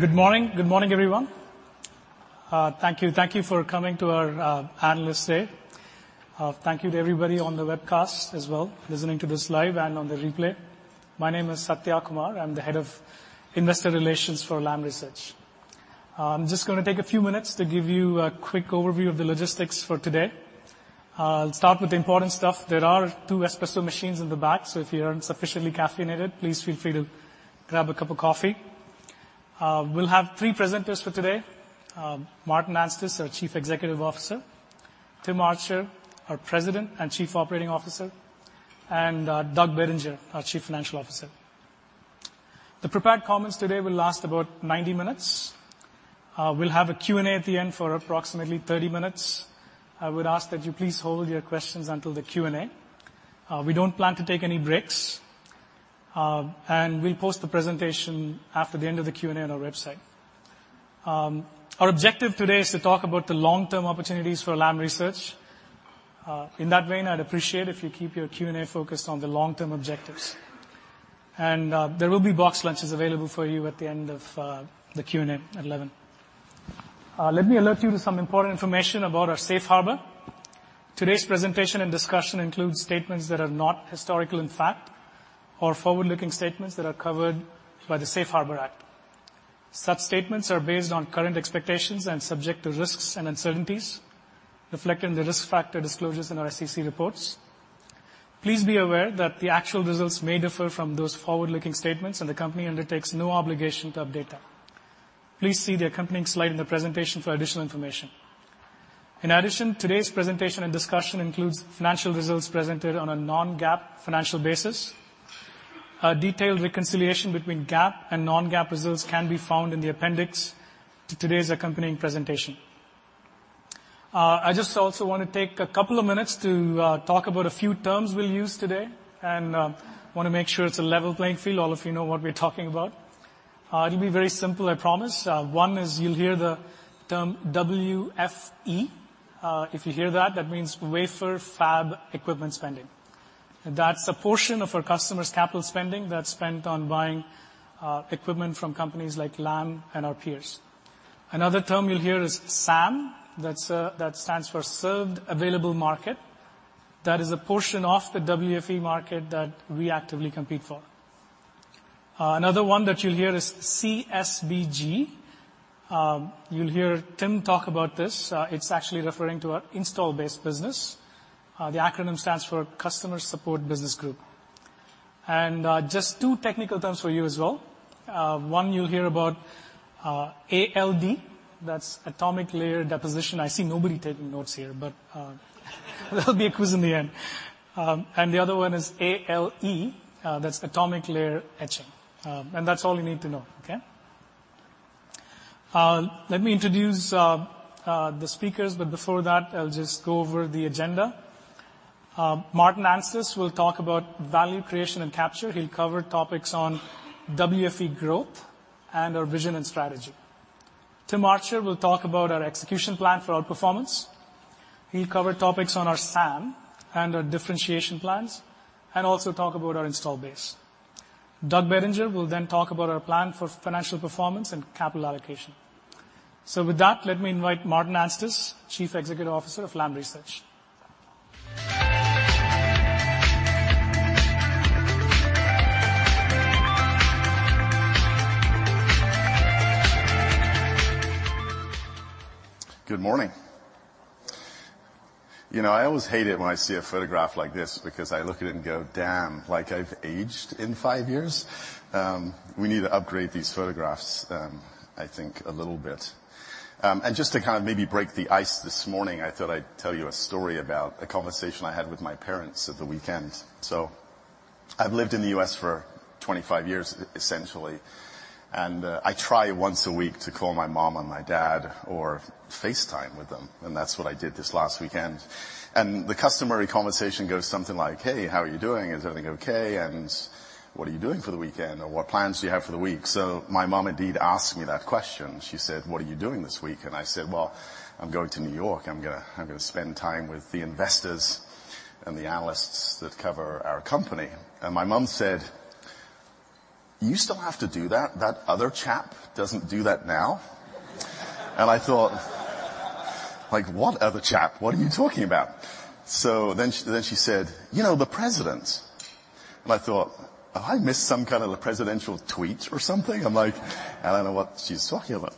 Good morning. Good morning, everyone. Thank you for coming to our Analyst Day. Thank you to everybody on the webcast as well, listening to this live and on the replay. My name is Satya Kumar. I'm the head of investor relations for Lam Research. I'm just going to take a few minutes to give you a quick overview of the logistics for today. I'll start with the important stuff. There are two espresso machines in the back, so if you aren't sufficiently caffeinated, please feel free to grab a cup of coffee. We'll have three presenters for today. Martin Anstice, our Chief Executive Officer, Tim Archer, our President and Chief Operating Officer, and Doug Bettinger, our Chief Financial Officer. The prepared comments today will last about 90 minutes. We'll have a Q&A at the end for approximately 30 minutes. I would ask that you please hold your questions until the Q&A. We don't plan to take any breaks, and we'll post the presentation after the end of the Q&A on our website. Our objective today is to talk about the long-term opportunities for Lam Research. In that vein, I'd appreciate if you keep your Q&A focused on the long-term objectives. There will be box lunches available for you at the end of the Q&A at 11:00 A.M. Let me alert you to some important information about our safe harbor. Today's presentation and discussion includes statements that are not historical in fact, or forward-looking statements that are covered by the Safe Harbor Act. Such statements are based on current expectations and subject to risks and uncertainties reflected in the risk factor disclosures in our SEC reports. Please be aware that the actual results may differ from those forward-looking statements. The company undertakes no obligation to update them. Please see the accompanying slide in the presentation for additional information. In addition, today's presentation and discussion includes financial results presented on a non-GAAP financial basis. A detailed reconciliation between GAAP and non-GAAP results can be found in the appendix to today's accompanying presentation. I just also want to take a couple of minutes to talk about a few terms we'll use today, and want to make sure it's a level playing field, all of you know what we're talking about. It'll be very simple, I promise. One is you'll hear the term WFE. If you hear that means wafer fab equipment spending. That's a portion of our customers' capital spending that's spent on buying equipment from companies like Lam and our peers. Another term you'll hear is SAM. That stands for served available market. That is a portion of the WFE market that we actively compete for. Another one that you'll hear is CSBG. You'll hear Tim talk about this. It's actually referring to our install-based business. The acronym stands for Customer Support Business Group. Just two technical terms for you as well. One you'll hear about, ALD, that's atomic layer deposition. I see nobody taking notes here, but there'll be a quiz in the end. The other one is ALE, that's atomic layer etching. That's all you need to know, okay? Let me introduce the speakers, but before that, I'll just go over the agenda. Martin Anstice will talk about value creation and capture. He'll cover topics on WFE growth and our vision and strategy. Tim Archer will talk about our execution plan for our performance. He'll cover topics on our SAM and our differentiation plans, also talk about our install base. Doug Bettinger will then talk about our plan for financial performance and capital allocation. With that, let me invite Martin Anstice, Chief Executive Officer of Lam Research. Good morning. I always hate it when I see a photograph like this because I look at it and go, damn, like I've aged in 5 years? We need to upgrade these photographs, I think, a little bit. Just to kind of maybe break the ice this morning, I thought I'd tell you a story about a conversation I had with my parents at the weekend. I've lived in the U.S. for 25 years, essentially, and I try once a week to call my mom and my dad or FaceTime with them, and that's what I did this last weekend. The customary conversation goes something like, "Hey, how are you doing? Is everything okay?" "What are you doing for the weekend?" Or, "What plans do you have for the week?" My mom indeed asked me that question. She said, "What are you doing this week?" I said, "Well, I'm going to New York. I'm going to spend time with the investors and the analysts that cover our company." My mom said, "You still have to do that? That other chap doesn't do that now?" I thought, like, "What other chap? What are you talking about?" She said, "You know, the President." I thought, "Have I missed some kind of a presidential tweet or something?" I'm like, I don't know what she's talking about.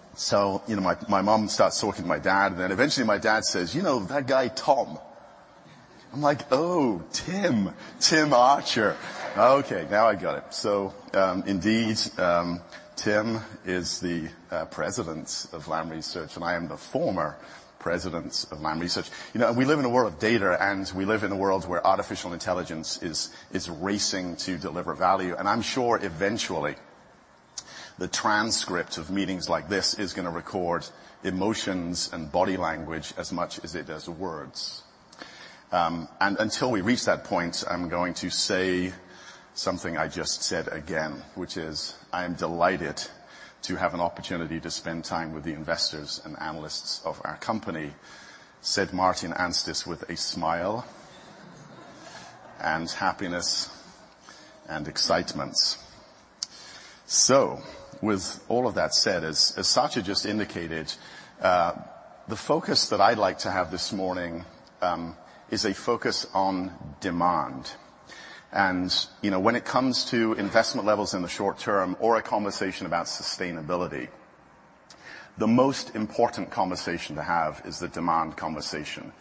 My mom starts talking to my dad, eventually my dad says, "You know that guy, Tim." I'm like, "Oh, Tim. Tim Archer. Okay, now I got it." Indeed, Tim is the President of Lam Research, and I am the former President of Lam Research. We live in a world of data, we live in a world where artificial intelligence is racing to deliver value. I'm sure eventually the transcript of meetings like this is going to record emotions and body language as much as it does words. Until we reach that point, I'm going to say something I just said again, which is, I am delighted to have an opportunity to spend time with the investors and analysts of our company, said Martin Anstice with a smile. Happiness and excitements. With all of that said, as Satya just indicated, the focus that I'd like to have this morning is a focus on demand. When it comes to investment levels in the short term or a conversation about sustainability, the most important conversation to have is the demand conversation.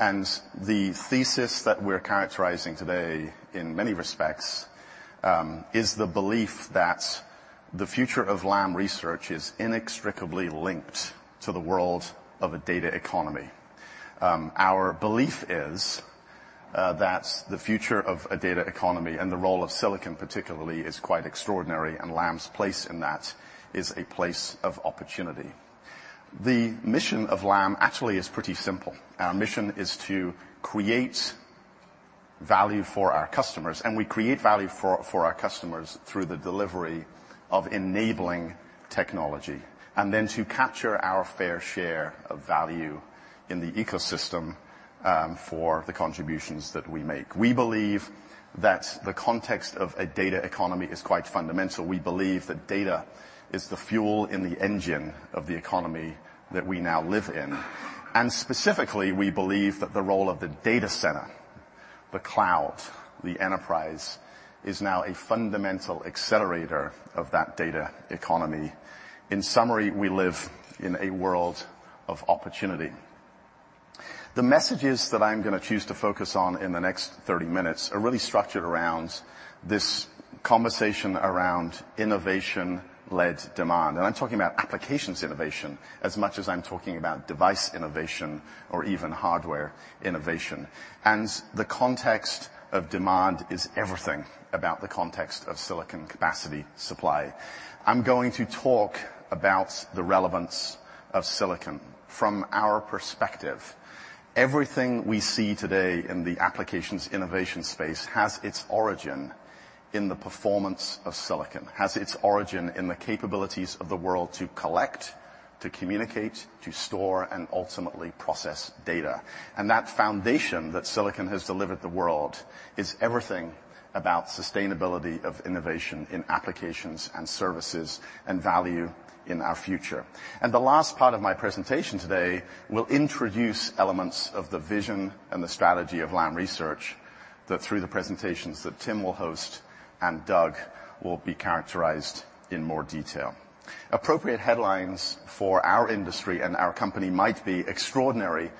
The thesis that we're characterizing today, in many respects, is the belief that the future of Lam Research is inextricably linked to the world of a data economy. Our belief is that the future of a data economy and the role of silicon particularly is quite extraordinary, and Lam's place in that is a place of opportunity. The mission of Lam actually is pretty simple. Our mission is to create value for our customers, and we create value for our customers through the delivery of enabling technology, and then to capture our fair share of value in the ecosystem for the contributions that we make. We believe that the context of a data economy is quite fundamental. We believe that data is the fuel in the engine of the economy that we now live in. Specifically, we believe that the role of the data center, the cloud, the enterprise, is now a fundamental accelerator of that data economy. In summary, we live in a world of opportunity. The messages that I'm going to choose to focus on in the next 30 minutes are really structured around this conversation around innovation-led demand. I'm talking about applications innovation as much as I'm talking about device innovation or even hardware innovation. The context of demand is everything about the context of silicon capacity supply. I'm going to talk about the relevance of silicon from our perspective. Everything we see today in the applications innovation space has its origin in the performance of silicon. Has its origin in the capabilities of the world to collect, to communicate, to store, and ultimately process data. That foundation that silicon has delivered the world is everything about sustainability of innovation in applications and services and value in our future. The last part of my presentation today will introduce elements of the vision and the strategy of Lam Research that through the presentations that Tim will host and Doug will be characterized in more detail. Appropriate headlines for our industry and our company might be extraordinary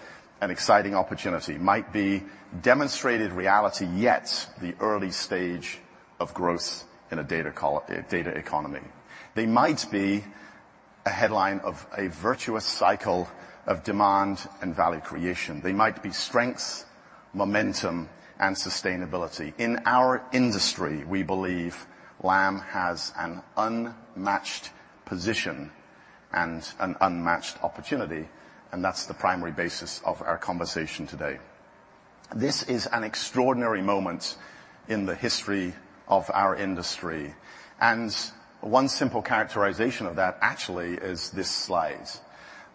and exciting opportunity. Might be demonstrated reality, yet the early stage of growth in a data economy. They might be a headline of a virtuous cycle of demand and value creation. They might be strengths, momentum, and sustainability. In our industry, we believe Lam has an unmatched position and an unmatched opportunity, and that's the primary basis of our conversation today. This is an extraordinary moment in the history of our industry. One simple characterization of that actually is this slide.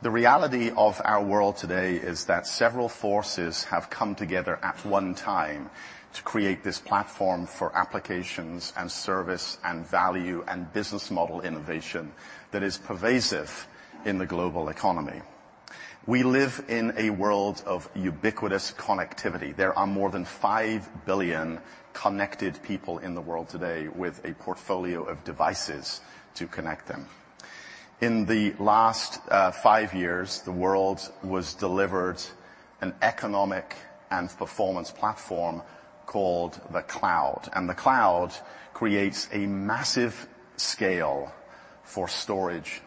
The reality of our world today is that several forces have come together at one time to create this platform for applications and service and value and business model innovation that is pervasive in the global economy. We live in a world of ubiquitous connectivity. There are more than five billion connected people in the world today with a portfolio of devices to connect them. In the last five years, the world was delivered an economic and performance platform called the cloud, and the cloud creates a massive scale for storage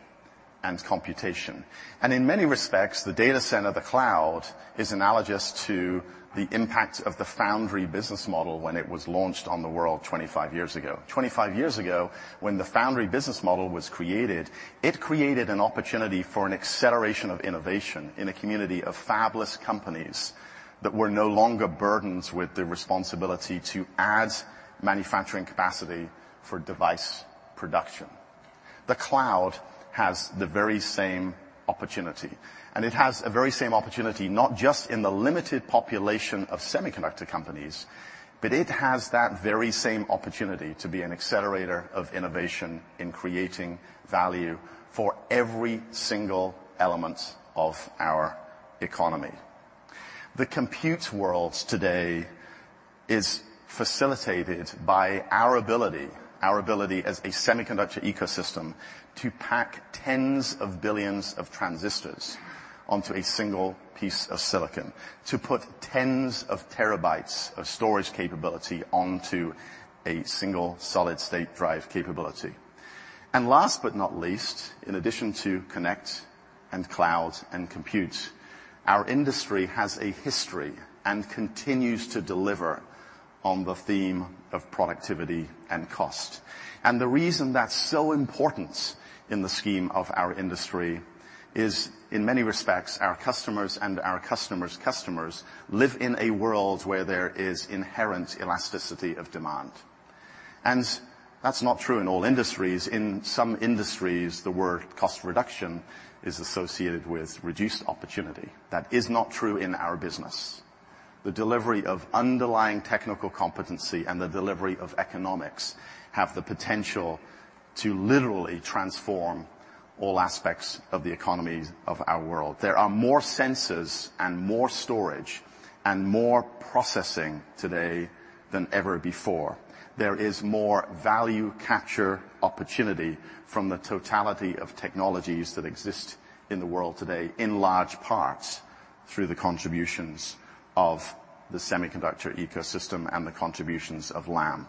and computation. In many respects, the data center, the cloud, is analogous to the impact of the foundry business model when it was launched on the world 25 years ago. 25 years ago, when the foundry business model was created, it created an opportunity for an acceleration of innovation in a community of fabless companies that were no longer burdened with the responsibility to add manufacturing capacity for device production. The cloud has the very same opportunity, and it has a very same opportunity not just in the limited population of semiconductor companies, but it has that very same opportunity to be an accelerator of innovation in creating value for every single element of our economy. The compute world today is facilitated by our ability as a semiconductor ecosystem to pack tens of billions of transistors onto a single piece of silicon. To put tens of terabytes of storage capability onto a single solid-state drive capability. Last but not least, in addition to connect and cloud and compute, our industry has a history and continues to deliver on the theme of productivity and cost. The reason that's so important in the scheme of our industry is in many respects, our customers and our customer's customers live in a world where there is inherent elasticity of demand. That's not true in all industries. In some industries, the word cost reduction is associated with reduced opportunity. That is not true in our business. The delivery of underlying technical competency and the delivery of economics have the potential to literally transform all aspects of the economies of our world. There are more sensors and more storage and more processing today than ever before. There is more value capture opportunity from the totality of technologies that exist in the world today, in large parts, through the contributions of the semiconductor ecosystem and the contributions of Lam.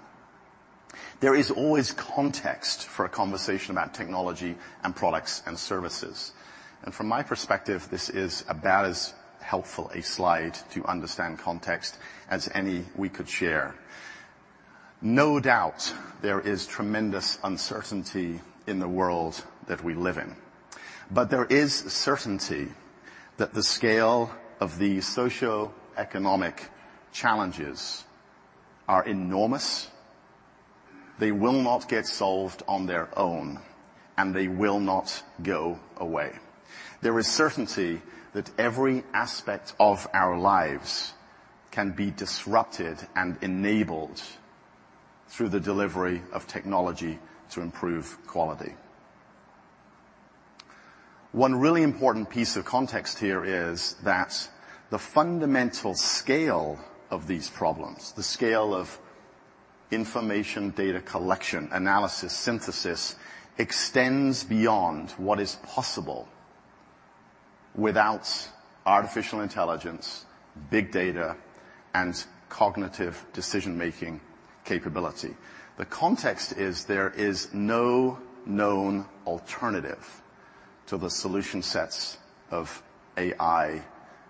There is always context for a conversation about technology and products and services. From my perspective, this is about as helpful a slide to understand context as any we could share. No doubt, there is tremendous uncertainty in the world that we live in, but there is certainty that the scale of the socioeconomic challenges are enormous. They will not get solved on their own, and they will not go away. There is certainty that every aspect of our lives can be disrupted and enabled through the delivery of technology to improve quality. One really important piece of context here is that the fundamental scale of these problems, the scale of information data collection, analysis, synthesis, extends beyond what is possible without artificial intelligence, big data, and cognitive decision-making capability. The context is there is no known alternative to the solution sets of AI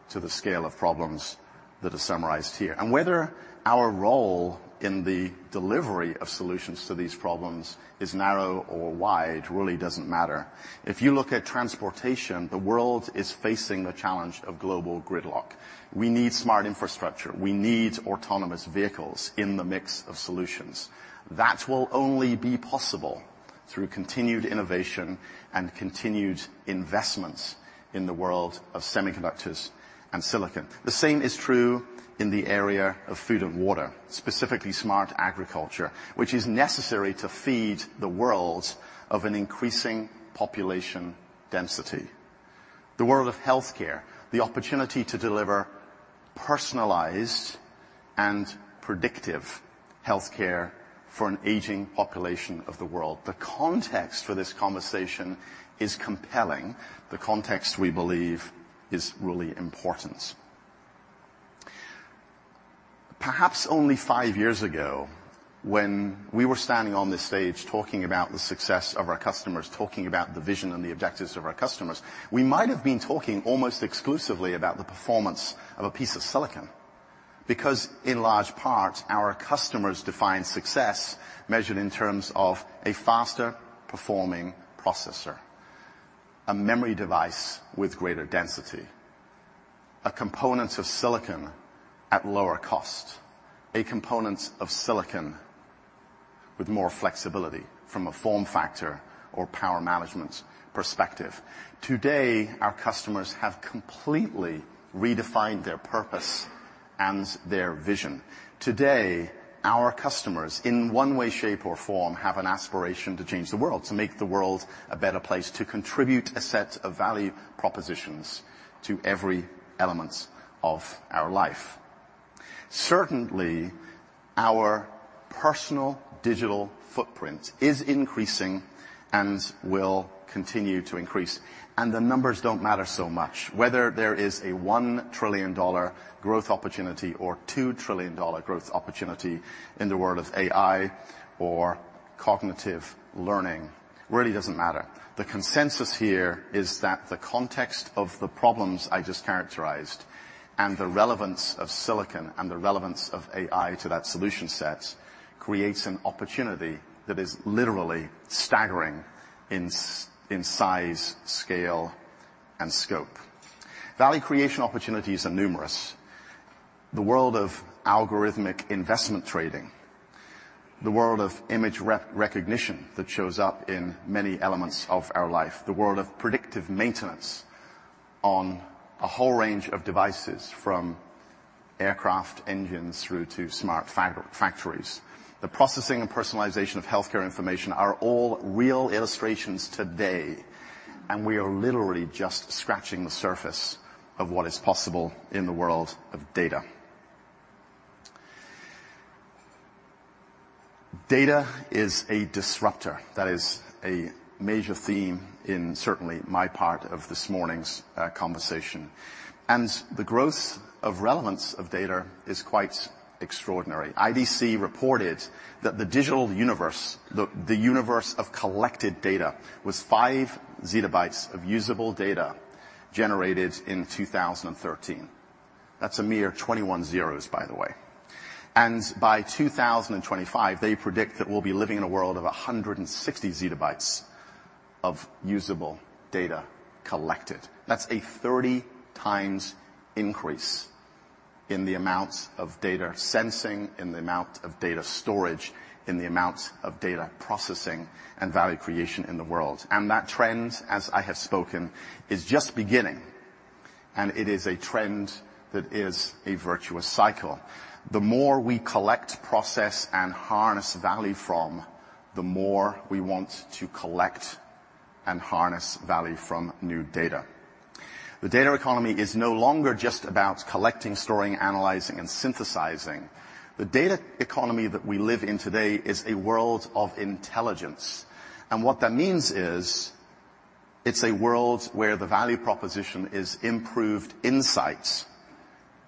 to the scale of problems that are summarized here. Whether our role in the delivery of solutions to these problems is narrow or wide really doesn't matter. If you look at transportation, the world is facing the challenge of global gridlock. We need smart infrastructure. We need autonomous vehicles in the mix of solutions. That will only be possible through continued innovation and continued investments in the world of semiconductors and silicon. The same is true in the area of food and water, specifically smart agriculture, which is necessary to feed the world of an increasing population density. The world of healthcare, the opportunity to deliver personalized and predictive healthcare for an aging population of the world. The context for this conversation is compelling. The context, we believe, is really important. Perhaps only five years ago, when we were standing on this stage talking about the success of our customers, talking about the vision and the objectives of our customers, we might have been talking almost exclusively about the performance of a piece of silicon. Because in large part, our customers define success measured in terms of a faster-performing processor, a memory device with greater density, a component of silicon at lower cost, a component of silicon with more flexibility from a form factor or power management perspective. Today, our customers have completely redefined their purpose and their vision. Today, our customers, in one way, shape, or form, have an aspiration to change the world, to make the world a better place, to contribute a set of value propositions to every element of our life. Certainly, our personal digital footprint is increasing and will continue to increase, and the numbers don't matter so much. Whether there is a $1 trillion growth opportunity or $2 trillion growth opportunity in the world of AI or cognitive learning really doesn't matter. The consensus here is that the context of the problems I just characterized and the relevance of silicon and the relevance of AI to that solution set creates an opportunity that is literally staggering in size, scale, and scope. Value creation opportunities are numerous. The world of algorithmic investment trading, the world of image recognition that shows up in many elements of our life, the world of predictive maintenance on a whole range of devices from aircraft engines through to smart factories. The processing and personalization of healthcare information are all real illustrations today, and we are literally just scratching the surface of what is possible in the world of data. Data is a disruptor. That is a major theme in certainly my part of this morning's conversation. The growth of relevance of data is quite extraordinary. IDC reported that the digital universe, the universe of collected data, was five zettabytes of usable data generated in 2013. That's a mere 21 zeros, by the way. By 2025, they predict that we'll be living in a world of 160 zettabytes of usable data collected. That's a 30 times increase In the amounts of data sensing, in the amount of data storage, in the amounts of data processing and value creation in the world. That trend, as I have spoken, is just beginning, and it is a trend that is a virtuous cycle. The more we collect, process, and harness value from, the more we want to collect and harness value from new data. The data economy is no longer just about collecting, storing, analyzing, and synthesizing. The data economy that we live in today is a world of intelligence. What that means is it's a world where the value proposition is improved insights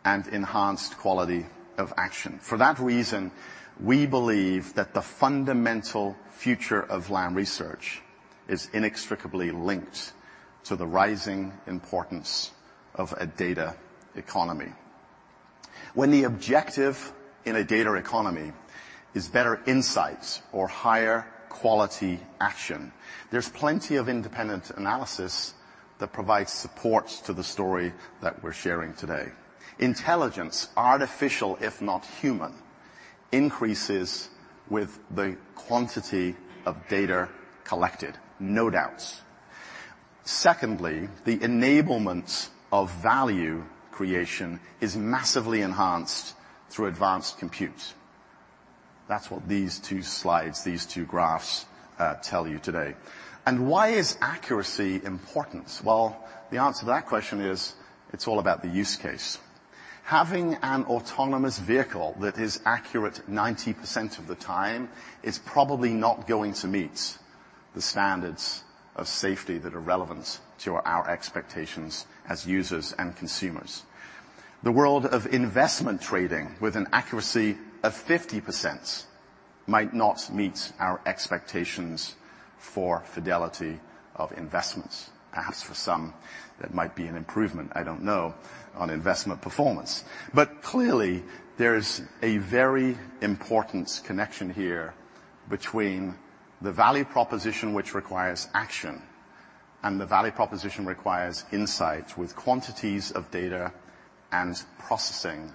and enhanced quality of action. For that reason, we believe that the fundamental future of Lam Research is inextricably linked to the rising importance of a data economy. When the objective in a data economy is better insights or higher quality action, there's plenty of independent analysis that provides support to the story that we're sharing today. Intelligence, artificial if not human, increases with the quantity of data collected, no doubts. Secondly, the enablement of value creation is massively enhanced through advanced compute. That's what these two slides, these two graphs tell you today. Why is accuracy important? Well, the answer to that question is, it's all about the use case. Having an autonomous vehicle that is accurate 90% of the time is probably not going to meet the standards of safety that are relevant to our expectations as users and consumers. The world of investment trading with an accuracy of 50% might not meet our expectations for fidelity of investments. Perhaps for some that might be an improvement, I don't know, on investment performance. Clearly, there is a very important connection here between the value proposition which requires action, and the value proposition requires insight with quantities of data and processing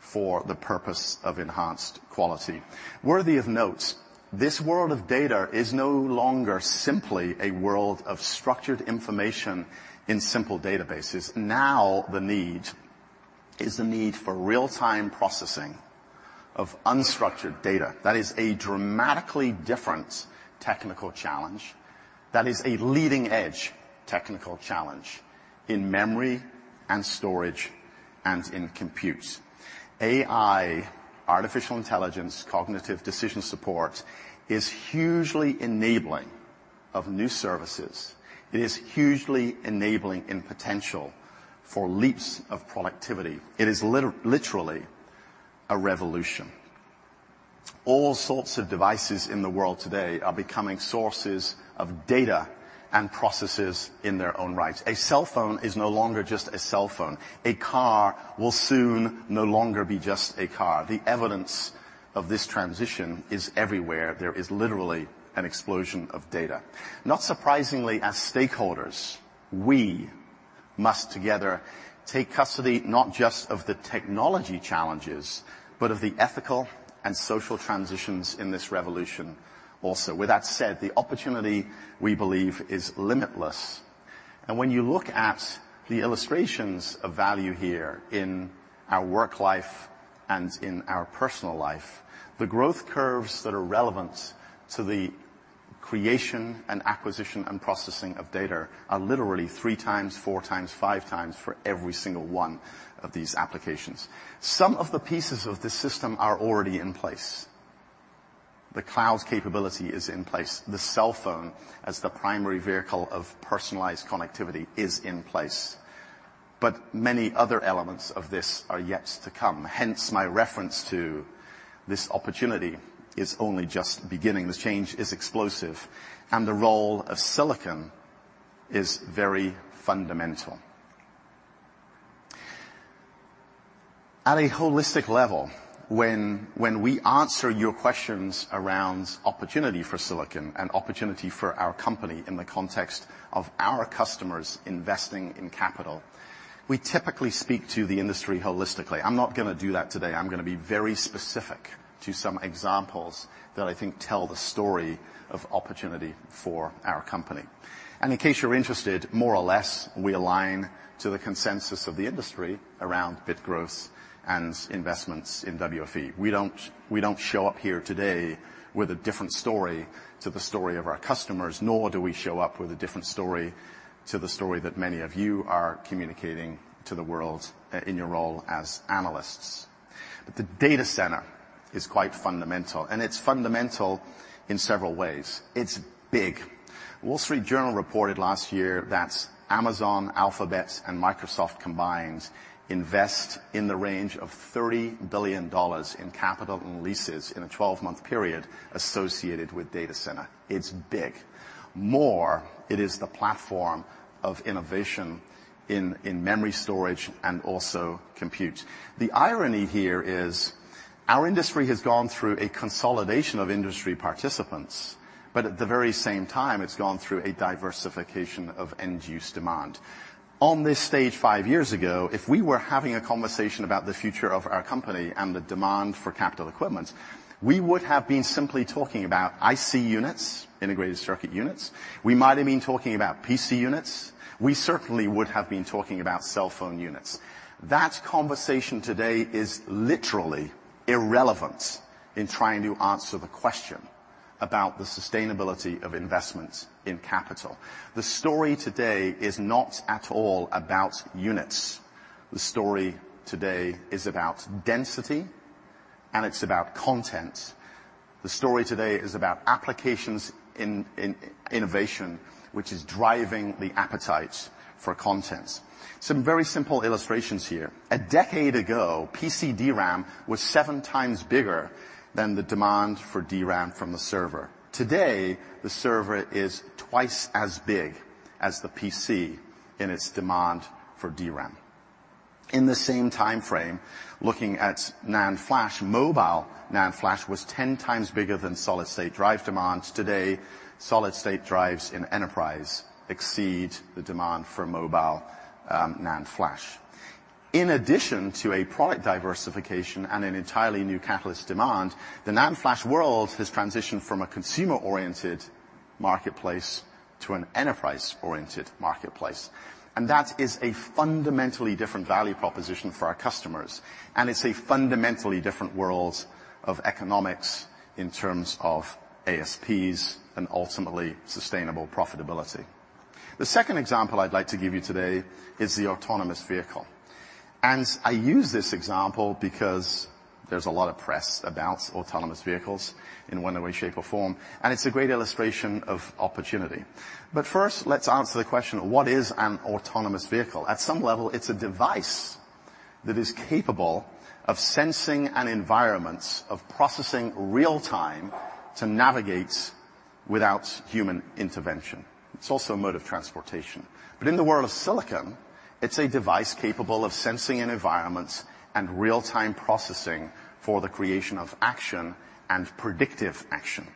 for the purpose of enhanced quality. Worthy of note, this world of data is no longer simply a world of structured information in simple databases. Now, the need is the need for real-time processing of unstructured data. That is a dramatically different technical challenge. That is a leading-edge technical challenge in memory and storage and in compute. AI, artificial intelligence, cognitive decision support, is hugely enabling of new services. It is hugely enabling in potential for leaps of productivity. It is literally a revolution. All sorts of devices in the world today are becoming sources of data and processes in their own right. A cell phone is no longer just a cell phone. A car will soon no longer be just a car. The evidence of this transition is everywhere. There is literally an explosion of data. Not surprisingly, as stakeholders, we must together take custody, not just of the technology challenges, but of the ethical and social transitions in this revolution also. With that said, the opportunity we believe is limitless. When you look at the illustrations of value here in our work life and in our personal life, the growth curves that are relevant to the creation and acquisition and processing of data are literally three times, four times, five times for every single one of these applications. Some of the pieces of this system are already in place. The cloud's capability is in place. The cell phone as the primary vehicle of personalized connectivity is in place. Many other elements of this are yet to come, hence my reference to this opportunity is only just beginning. This change is explosive, and the role of silicon is very fundamental. At a holistic level, when we answer your questions around opportunity for silicon and opportunity for our company in the context of our customers investing in capital, we typically speak to the industry holistically. I'm not going to do that today. I'm going to be very specific to some examples that I think tell the story of opportunity for our company. In case you're interested, more or less, we align to the consensus of the industry around bit growth and investments in WFE. We don't show up here today with a different story to the story of our customers, nor do we show up with a different story to the story that many of you are communicating to the world in your role as analysts. The data center is quite fundamental, and it's fundamental in several ways. It's big. Wall Street Journal reported last year that Amazon, Alphabet, and Microsoft combined invest in the range of $30 billion in capital leases in a 12-month period associated with data center. It's big. More, it is the platform of innovation in memory storage and also compute. The irony here is our industry has gone through a consolidation of industry participants, but at the very same time, it's gone through a diversification of end-use demand. On this stage five years ago, if we were having a conversation about the future of our company and the demand for capital equipment, we would have been simply talking about IC units, integrated circuit units. We might have been talking about PC units. We certainly would have been talking about cell phone units. That conversation today is literally irrelevant in trying to answer the question about the sustainability of investments in capital. The story today is not at all about units. The story today is about density and it's about content. The story today is about applications in innovation, which is driving the appetite for content. Some very simple illustrations here. A decade ago, PC DRAM was seven times bigger than the demand for DRAM from the server. Today, the server is twice as big as the PC in its demand for DRAM. In the same timeframe, looking at NAND flash mobile, NAND flash was 10 times bigger than solid-state drive demands. Today, solid-state drives in enterprise exceed the demand for mobile NAND flash. In addition to a product diversification and an entirely new catalyst demand, the NAND flash world has transitioned from a consumer-oriented marketplace to an enterprise-oriented marketplace. That is a fundamentally different value proposition for our customers, and it's a fundamentally different world of economics in terms of ASPs and ultimately sustainable profitability. The second example I'd like to give you today is the autonomous vehicle. I use this example because there's a lot of press about autonomous vehicles in one way, shape, or form, and it's a great illustration of opportunity. First, let's answer the question, what is an autonomous vehicle? At some level, it's a device that is capable of sensing an environment, of processing real-time to navigate without human intervention. It's also a mode of transportation. In the world of silicon, it's a device capable of sensing an environment and real-time processing for the creation of action and predictive action.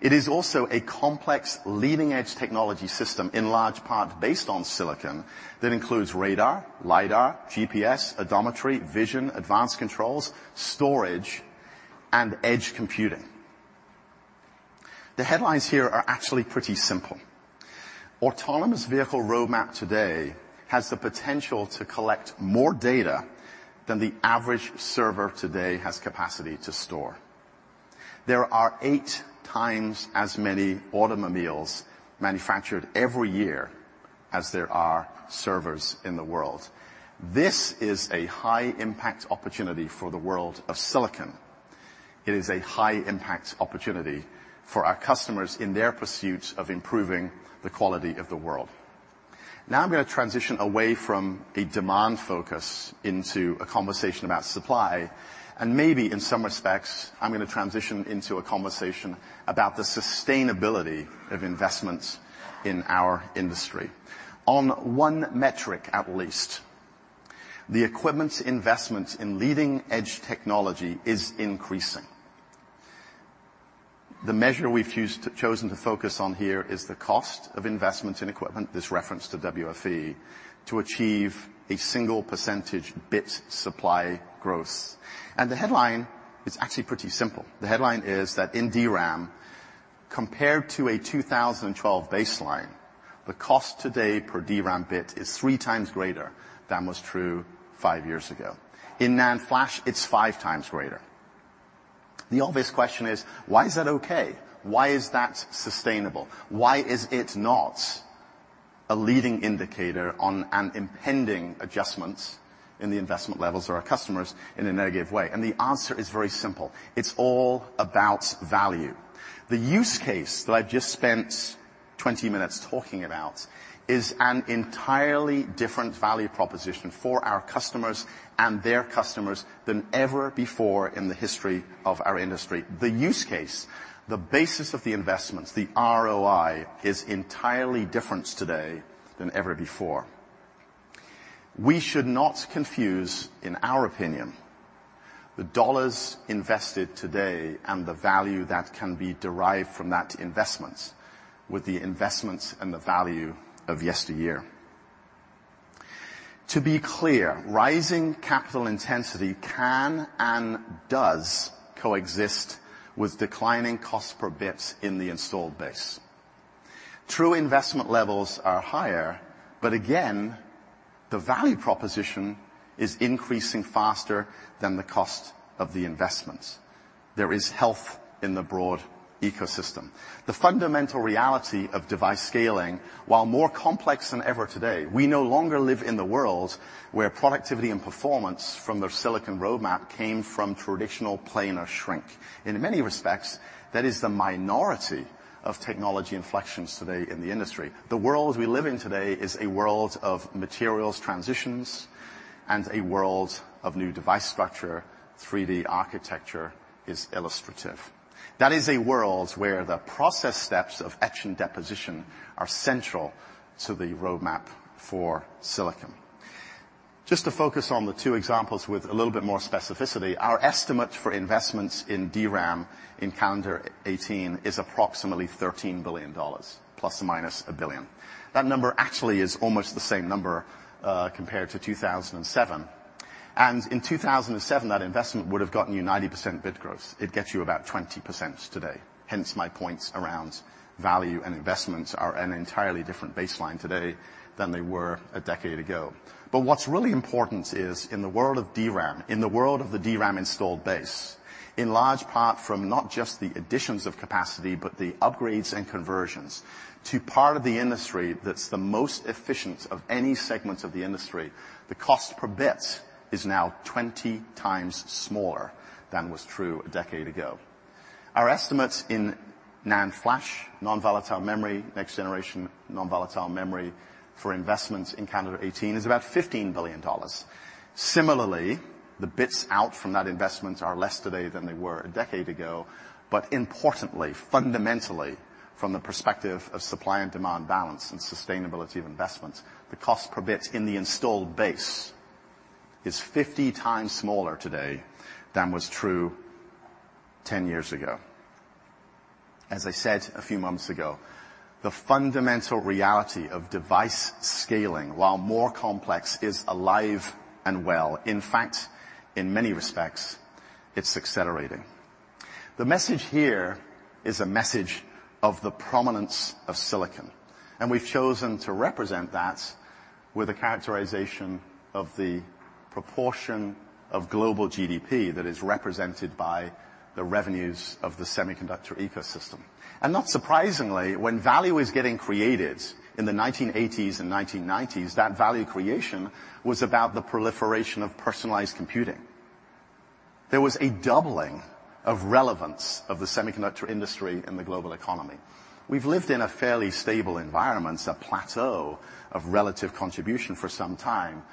It is also a complex leading-edge technology system, in large part based on silicon, that includes radar, lidar, GPS, odometry, vision, advanced controls, storage, and edge computing. The headlines here are actually pretty simple. Autonomous vehicle roadmap today has the potential to collect more data than the average server today has capacity to store. There are eight times as many automobiles manufactured every year as there are servers in the world. This is a high-impact opportunity for the world of silicon. It is a high-impact opportunity for our customers in their pursuit of improving the quality of the world. I'm going to transition away from a demand focus into a conversation about supply, and maybe in some respects, I'm going to transition into a conversation about the sustainability of investments in our industry. On one metric at least, the equipment investment in leading-edge technology is increasing. The measure we've chosen to focus on here is the cost of investment in equipment, this reference to WFE, to achieve a single percentage bit supply growth. The headline is actually pretty simple. The headline is that in DRAM, compared to a 2012 baseline, the cost today per DRAM bit is three times greater than was true five years ago. In NAND flash, it's five times greater. The obvious question is, why is that okay? Why is that sustainable? Why is it not a leading indicator on an impending adjustment in the investment levels or our customers in a negative way? The answer is very simple. It's all about value. The use case that I've just spent 20 minutes talking about is an entirely different value proposition for our customers and their customers than ever before in the history of our industry. The use case, the basis of the investments, the ROI, is entirely different today than ever before. We should not confuse, in our opinion, the dollars invested today and the value that can be derived from that investment with the investments and the value of yesteryear. To be clear, rising capital intensity can and does coexist with declining cost per bits in the installed base. True investment levels are higher, but again, the value proposition is increasing faster than the cost of the investment. There is health in the broad ecosystem. The fundamental reality of device scaling, while more complex than ever today, we no longer live in the world where productivity and performance from the silicon roadmap came from traditional planar shrink. In many respects, that is the minority of technology inflections today in the industry. The world we live in today is a world of materials transitions and a world of new device structure. 3D architecture is illustrative. That is a world where the process steps of etch and deposition are central to the roadmap for silicon. Just to focus on the two examples with a little bit more specificity, our estimate for investments in DRAM in calendar 2018 is approximately $13 billion ± a billion. That number actually is almost the same number compared to 2007. In 2007, that investment would've gotten you 90% bit growth. It gets you about 20% today. Hence my points around value and investments are an entirely different baseline today than they were a decade ago. What's really important is in the world of DRAM, in the world of the DRAM installed base, in large part from not just the additions of capacity, but the upgrades and conversions to part of the industry that's the most efficient of any segment of the industry, the cost per bit is now 20 times smaller than was true a decade ago. Our estimates in NAND flash, non-volatile memory, next generation non-volatile memory for investments in calendar 2018 is about $15 billion. Similarly, the bits out from that investment are less today than they were a decade ago. Importantly, fundamentally, from the perspective of supply and demand balance and sustainability of investments, the cost per bit in the installed base is 50 times smaller today than was true 10 years ago. As I said a few months ago, the fundamental reality of device scaling, while more complex, is alive and well. In fact, in many respects, it's accelerating. The message here is a message of the prominence of silicon, we've chosen to represent that with a characterization of the proportion of global GDP that is represented by the revenues of the semiconductor ecosystem. Not surprisingly, when value is getting created in the 1980s and 1990s, that value creation was about the proliferation of personalized computing. There was a doubling of relevance of the semiconductor industry in the global economy. We've lived in a fairly stable environment, a plateau of relative contribution for some time.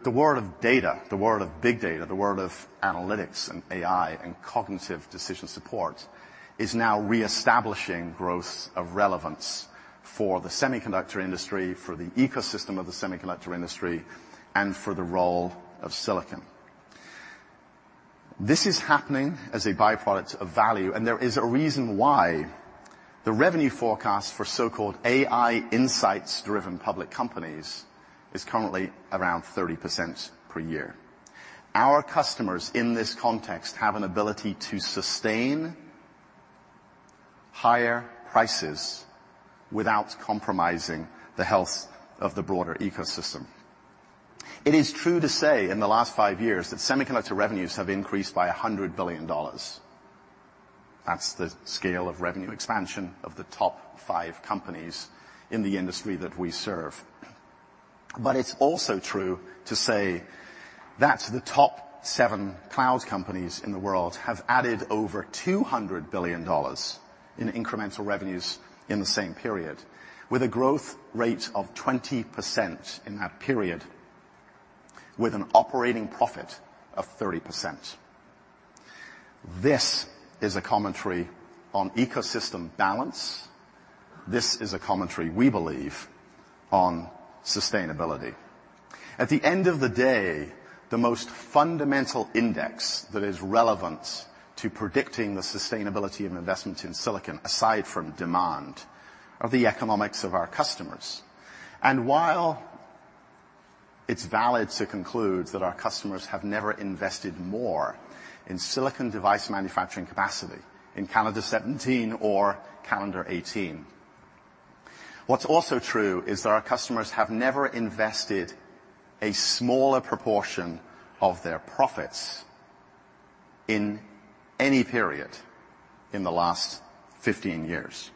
The world of data, the world of big data, the world of analytics and AI and cognitive decision support is now reestablishing growth of relevance for the semiconductor industry, for the ecosystem of the semiconductor industry, and for the role of silicon. This is happening as a byproduct of value, there is a reason why the revenue forecast for so-called AI insights-driven public companies is currently around 30% per year. Our customers in this context have an ability to sustain higher prices without compromising the health of the broader ecosystem. It is true to say, in the last five years, that semiconductor revenues have increased by $100 billion. That's the scale of revenue expansion of the top five companies in the industry that we serve. It's also true to say that the top seven cloud companies in the world have added over $200 billion in incremental revenues in the same period with a growth rate of 20% in that period, with an operating profit of 30%. This is a commentary on ecosystem balance. This is a commentary, we believe, on sustainability. At the end of the day, the most fundamental index that is relevant to predicting the sustainability of investment in silicon, aside from demand, are the economics of our customers. While it's valid to conclude that our customers have never invested more in silicon device manufacturing capacity in calendar 2017 or calendar 2018, what's also true is that our customers have never invested a smaller proportion of their profits in any period in the last 15 years.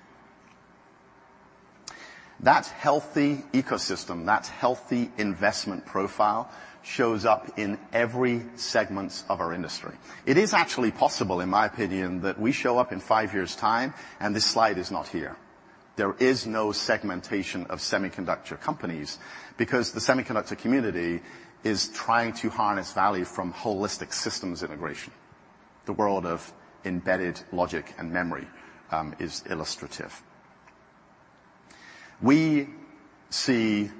That healthy ecosystem, that healthy investment profile shows up in every segment of our industry. It is actually possible, in my opinion, that we show up in five years' time, this slide is not here. There is no segmentation of semiconductor companies because the semiconductor community is trying to harness value from holistic systems integration. The world of embedded logic and memory is illustrative. We see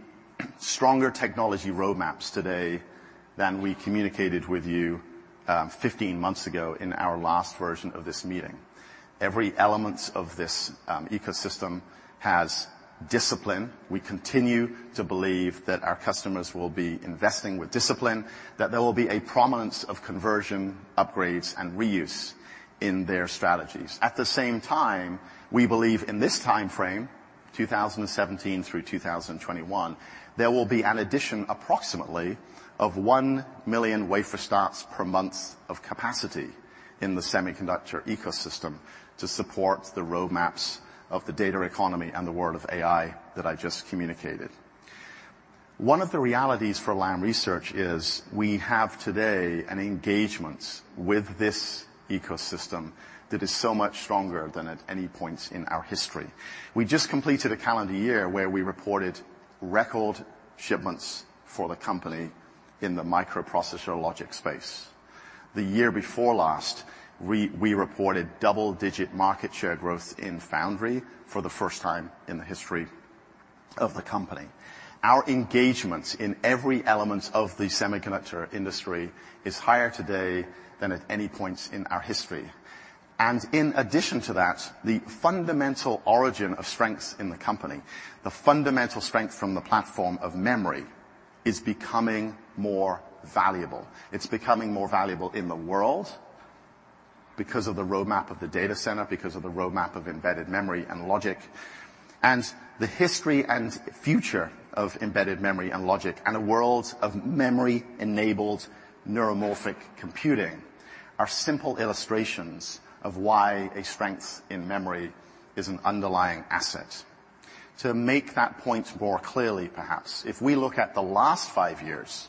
stronger technology roadmaps today than we communicated with you 15 months ago in our last version of this meeting. Every element of this ecosystem has discipline. We continue to believe that our customers will be investing with discipline, that there will be a prominence of conversion, upgrades, and reuse in their strategies. At the same time, we believe in this timeframe, 2017 through 2021, there will be an addition approximately of 1 million wafer starts per month of capacity in the semiconductor ecosystem to support the roadmaps of the data economy and the world of AI that I just communicated. One of the realities for Lam Research is we have today an engagement with this ecosystem that is so much stronger than at any point in our history. We just completed a calendar year where we reported record shipments for the company in the microprocessor logic space. The year before last, we reported double-digit market share growth in Foundry for the first time in the history of the company. Our engagement in every element of the semiconductor industry is higher today than at any point in our history. In addition to that, the fundamental origin of strengths in the company, the fundamental strength from the platform of memory, is becoming more valuable. It is becoming more valuable in the world because of the roadmap of the data center, because of the roadmap of embedded memory and logic. The history and future of embedded memory and logic, and a world of memory-enabled neuromorphic computing are simple illustrations of why a strength in memory is an underlying asset. To make that point more clearly, perhaps, if we look at the last five years,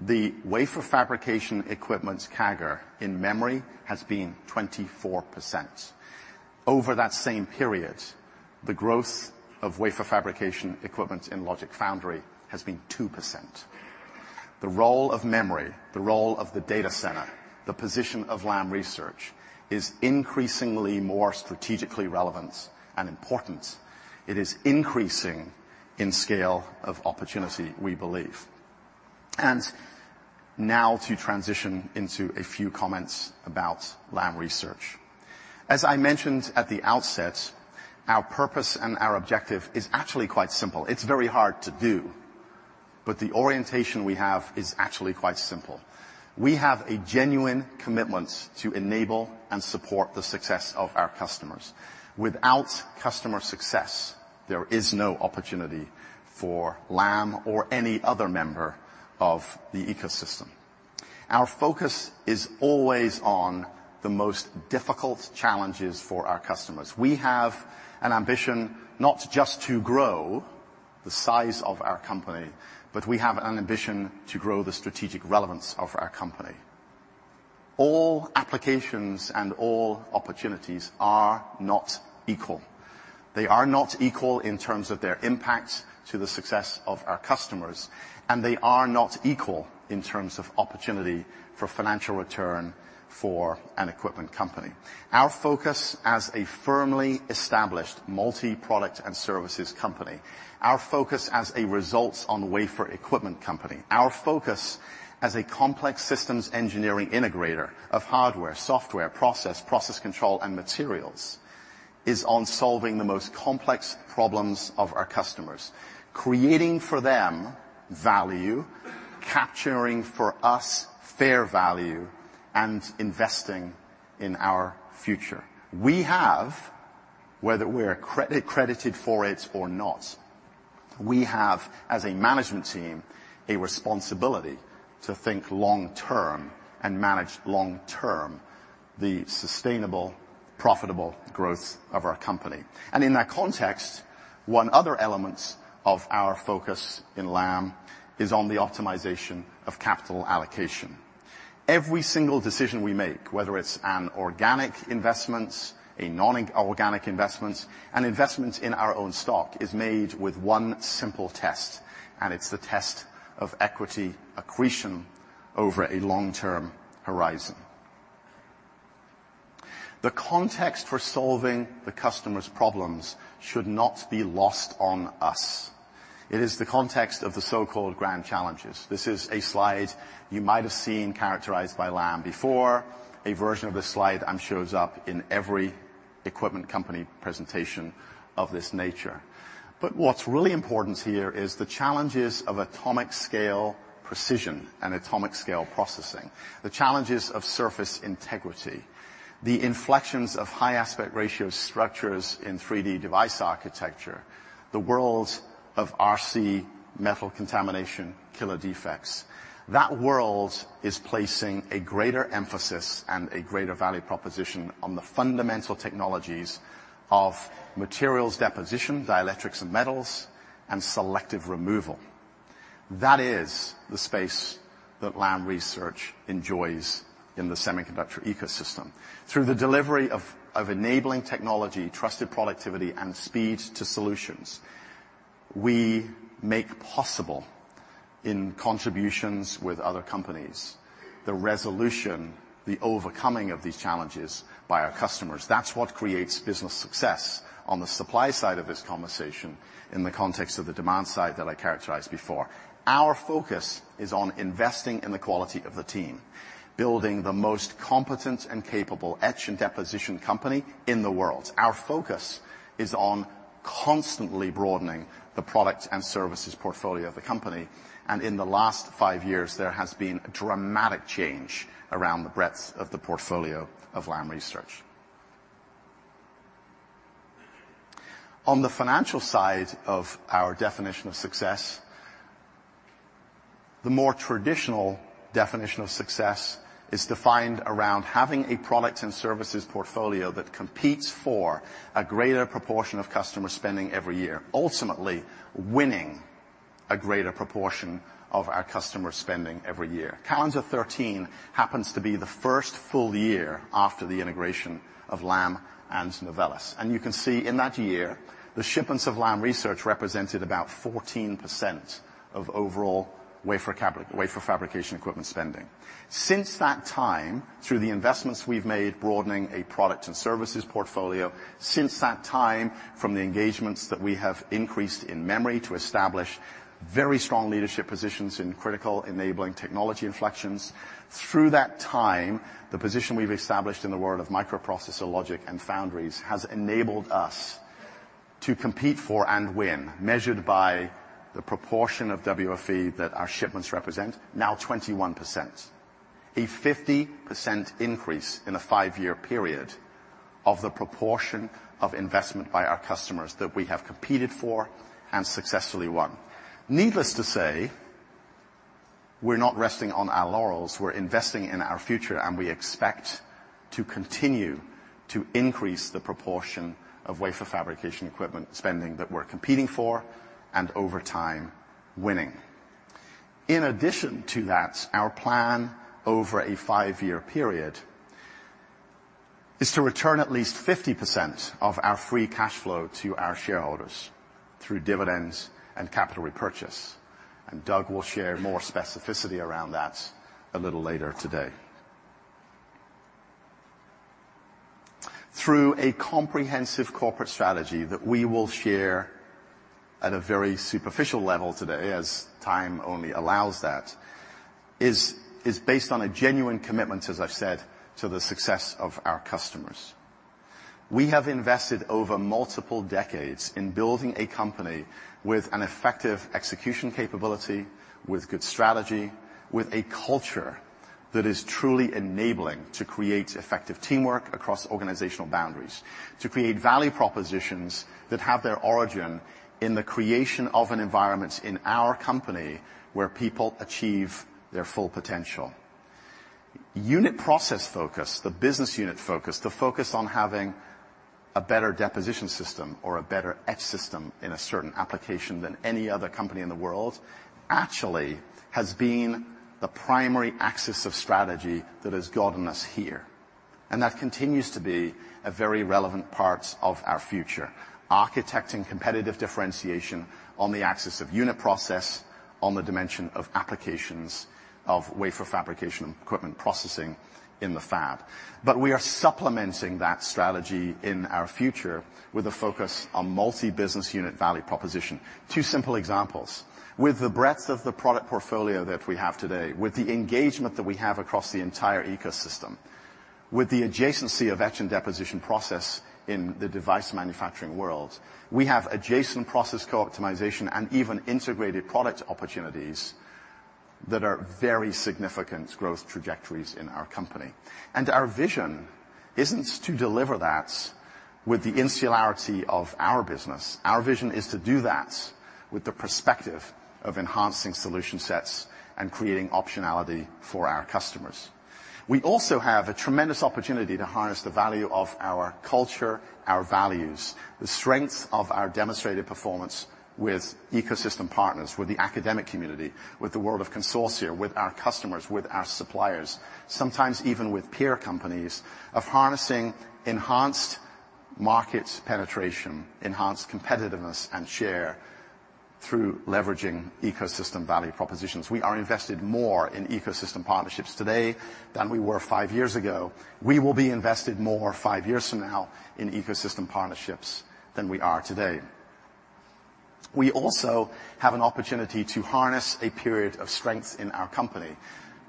the wafer fabrication equipment's CAGR in memory has been 24%. Over that same period, the growth of wafer fabrication equipment in logic foundry has been 2%. The role of memory, the role of the data center, the position of Lam Research, is increasingly more strategically relevant and important. It is increasing in scale of opportunity, we believe. Now to transition into a few comments about Lam Research. As I mentioned at the outset, our purpose and our objective is actually quite simple. It's very hard to do, but the orientation we have is actually quite simple. We have a genuine commitment to enable and support the success of our customers. Without customer success, there is no opportunity for Lam or any other member of the ecosystem. Our focus is always on the most difficult challenges for our customers. We have an ambition not just to grow the size of our company, but we have an ambition to grow the strategic relevance of our company. All applications and all opportunities are not equal. They are not equal in terms of their impact to the success of our customers, they are not equal in terms of opportunity for financial return for an equipment company. Our focus as a firmly established multi-product and services company, our focus as a results-on-wafer equipment company, our focus as a complex systems engineering integrator of hardware, software, process control, and materials is on solving the most complex problems of our customers. Creating for them value, capturing for us fair value, investing in our future. We have, whether we're credited for it or not, we have, as a management team, a responsibility to think long term and manage long term the sustainable, profitable growth of our company. In that context, one other element of our focus in Lam is on the optimization of capital allocation. Every single decision we make, whether it's an organic investment, a non-organic investment, an investment in our own stock, is made with one simple test. It's the test of equity accretion over a long-term horizon. The context for solving the customer's problems should not be lost on us. It is the context of the so-called grand challenges. This is a slide you might have seen characterized by Lam before. A version of this slide shows up in every equipment company presentation of this nature. What's really important here is the challenges of atomic-scale precision and atomic-scale processing. The challenges of surface integrity, the inflections of high aspect ratio structures in 3D device architecture, the world of RC metal contamination killer defects. That world is placing a greater emphasis and a greater value proposition on the fundamental technologies of materials deposition, dielectrics and metals, and selective removal. That is the space that Lam Research enjoys in the semiconductor ecosystem. Through the delivery of enabling technology, trusted productivity, and speed to solutions, we make possible in contributions with other companies the resolution, the overcoming of these challenges by our customers. That's what creates business success on the supply side of this conversation in the context of the demand side that I characterized before. Our focus is on investing in the quality of the team, building the most competent and capable etch and deposition company in the world. Our focus is on constantly broadening the product and services portfolio of the company. In the last five years, there has been a dramatic change around the breadth of the portfolio of Lam Research. On the financial side of our definition of success, the more traditional definition of success is defined around having a product and services portfolio that competes for a greater proportion of customer spending every year, ultimately winning a greater proportion of our customer spending every year. Calendar 2013 happens to be the first full year after the integration of Lam and Novellus. You can see in that year, the shipments of Lam Research represented about 14% of overall wafer fabrication equipment spending. Since that time, through the investments we've made broadening a product and services portfolio, since that time from the engagements that we have increased in memory to establish very strong leadership positions in critical enabling technology inflections, through that time, the position we've established in the world of microprocessor logic and foundries has enabled us to compete for and win, measured by the proportion of WFE that our shipments represent, now 21%. A 50% increase in a five-year period of the proportion of investment by our customers that we have competed for and successfully won. Needless to say, we're not resting on our laurels. We're investing in our future, and we expect to continue to increase the proportion of wafer fabrication equipment spending that we're competing for, and over time, winning. In addition to that, our plan over a five-year period is to return at least 50% of our free cash flow to our shareholders through dividends and capital repurchase. Doug Bettinger will share more specificity around that a little later today. Through a comprehensive corporate strategy that we will share at a very superficial level today, as time only allows that, is based on a genuine commitment, as I've said, to the success of our customers. We have invested over multiple decades in building a company with an effective execution capability, with good strategy, with a culture that is truly enabling to create effective teamwork across organizational boundaries, to create value propositions that have their origin in the creation of an environment in our company where people achieve their full potential. Unit process focus, the business unit focus, the focus on having a better deposition system or a better etch system in a certain application than any other company in the world, actually has been the primary axis of strategy that has gotten us here. That continues to be a very relevant part of our future. Architecting competitive differentiation on the axis of unit process, on the dimension of applications of wafer fabrication equipment processing in the fab. We are supplementing that strategy in our future with a focus on multi-business unit value proposition. Two simple examples. With the breadth of the product portfolio that we have today, with the engagement that we have across the entire ecosystem, with the adjacency of etch and deposition process in the device manufacturing world, we have adjacent process co-optimization and even integrated product opportunities that are very significant growth trajectories in our company. Our vision isn't to deliver that with the insularity of our business. Our vision is to do that with the perspective of enhancing solution sets and creating optionality for our customers. We also have a tremendous opportunity to harness the value of our culture, our values, the strength of our demonstrated performance with ecosystem partners, with the academic community, with the world of consortia, with our customers, with our suppliers, sometimes even with peer companies, of harnessing enhanced market penetration, enhanced competitiveness and share through leveraging ecosystem value propositions. We are invested more in ecosystem partnerships today than we were five years ago. We will be invested more five years from now in ecosystem partnerships than we are today. We also have an opportunity to harness a period of strength in our company,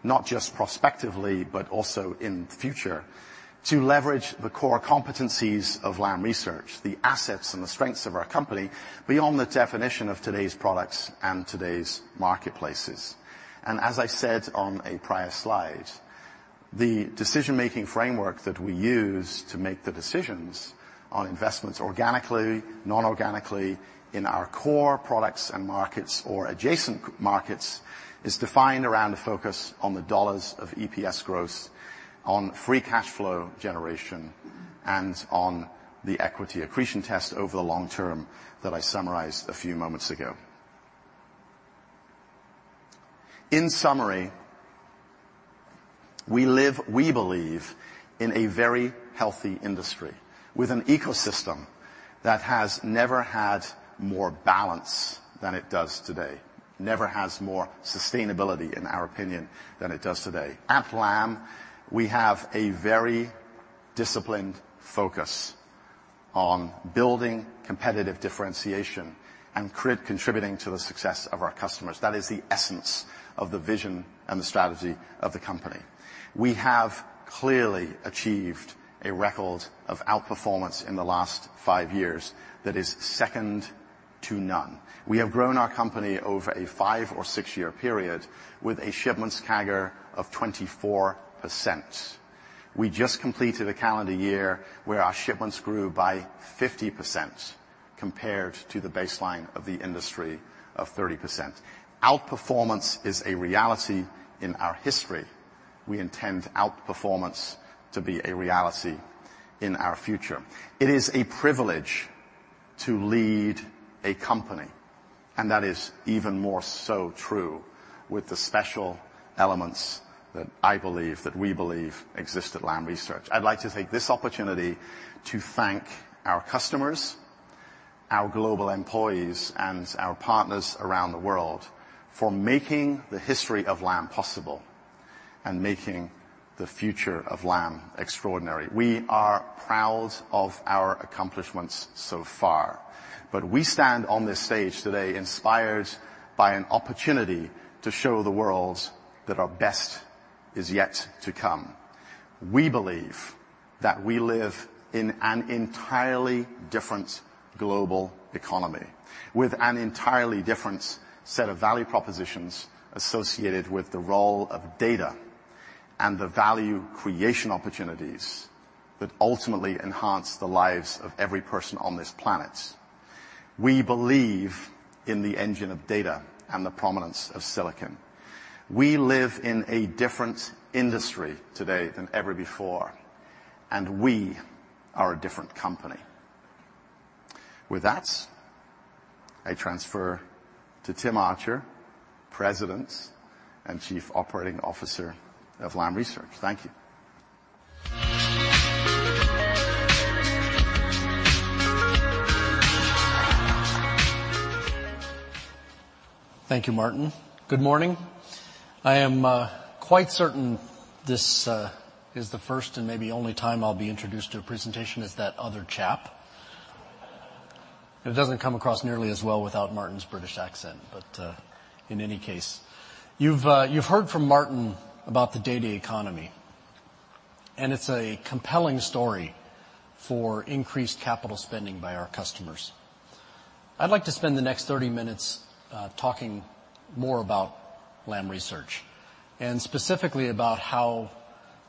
not just prospectively, but also in the future, to leverage the core competencies of Lam Research, the assets and the strengths of our company beyond the definition of today's products and today's marketplaces. As I said on a prior slide, the decision-making framework that we use to make the decisions on investments organically, non-organically in our core products and markets or adjacent markets, is defined around a focus on the dollars of EPS growth, on free cash flow generation, and on the equity accretion test over the long term that I summarized a few moments ago. In summary, we believe in a very healthy industry with an ecosystem that has never had more balance than it does today. Never has more sustainability, in our opinion, than it does today. At Lam, we have a very disciplined focus on building competitive differentiation and contributing to the success of our customers. That is the essence of the vision and the strategy of the company. We have clearly achieved a record of outperformance in the last five years that is second to none. We have grown our company over a five or six-year period with a shipments CAGR of 24%. We just completed a calendar year where our shipments grew by 50% compared to the baseline of the industry of 30%. Outperformance is a reality in our history. We intend outperformance to be a reality in our future. It is a privilege to lead a company, and that is even more so true with the special elements that I believe, that we believe exist at Lam Research. I'd like to take this opportunity to thank our customers, our global employees, and our partners around the world for making the history of Lam possible and making the future of Lam extraordinary. We are proud of our accomplishments so far, but we stand on this stage today inspired by an opportunity to show the world that our best is yet to come. We believe that we live in an entirely different global economy, with an entirely different set of value propositions associated with the role of data and the value creation opportunities that ultimately enhance the lives of every person on this planet. We believe in the engine of data and the prominence of silicon. We live in a different industry today than ever before. We are a different company. With that, I transfer to Tim Archer, President and Chief Operating Officer of Lam Research. Thank you. Thank you, Martin. Good morning. I am quite certain this is the first and maybe only time I'll be introduced to a presentation as that other chap. It doesn't come across nearly as well without Martin's British accent. In any case, you've heard from Martin about the data economy, and it's a compelling story for increased capital spending by our customers. I'd like to spend the next 30 minutes talking more about Lam Research and specifically about how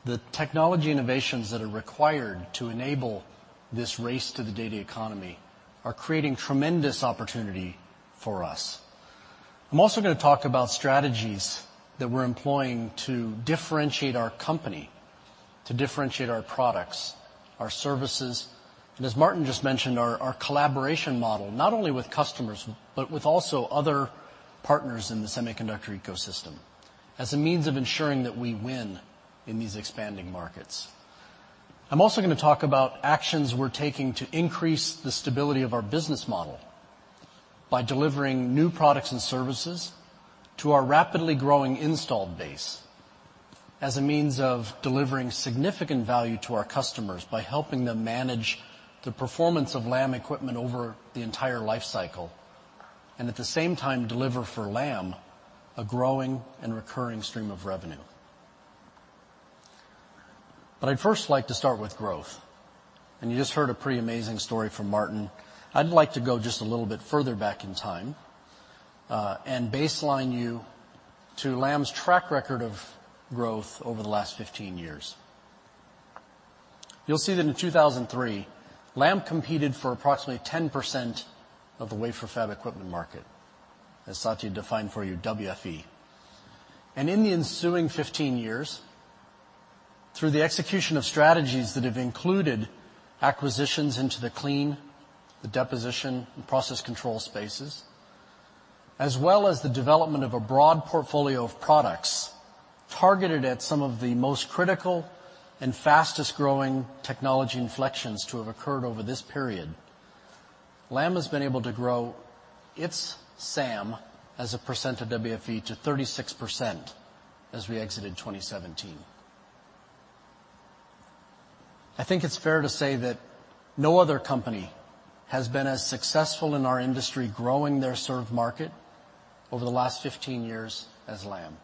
the technology innovations that are required to enable this race to the data economy are creating tremendous opportunity for us. I'm also going to talk about strategies that we're employing to differentiate our company, to differentiate our products, our services, and as Martin just mentioned, our collaboration model, not only with customers, but with also other partners in the semiconductor ecosystem as a means of ensuring that we win in these expanding markets. I'm also going to talk about actions we're taking to increase the stability of our business model by delivering new products and services to our rapidly growing installed base as a means of delivering significant value to our customers by helping them manage the performance of Lam equipment over the entire life cycle, and at the same time, deliver for Lam a growing and recurring stream of revenue. I'd first like to start with growth, and you just heard a pretty amazing story from Martin. I'd like to go just a little bit further back in time and baseline you to Lam's track record of growth over the last 15 years. You'll see that in 2003, Lam competed for approximately 10% of the wafer fab equipment market, as Satya defined for you, WFE. In the ensuing 15 years, through the execution of strategies that have included acquisitions into the clean, the deposition, and process control spaces, as well as the development of a broad portfolio of products targeted at some of the most critical and fastest-growing technology inflections to have occurred over this period, Lam has been able to grow its SAM as a percent of WFE to 36% as we exited 2017. I think it's fair to say that no other company has been as successful in our industry growing their served market over the last 15 years as Lam.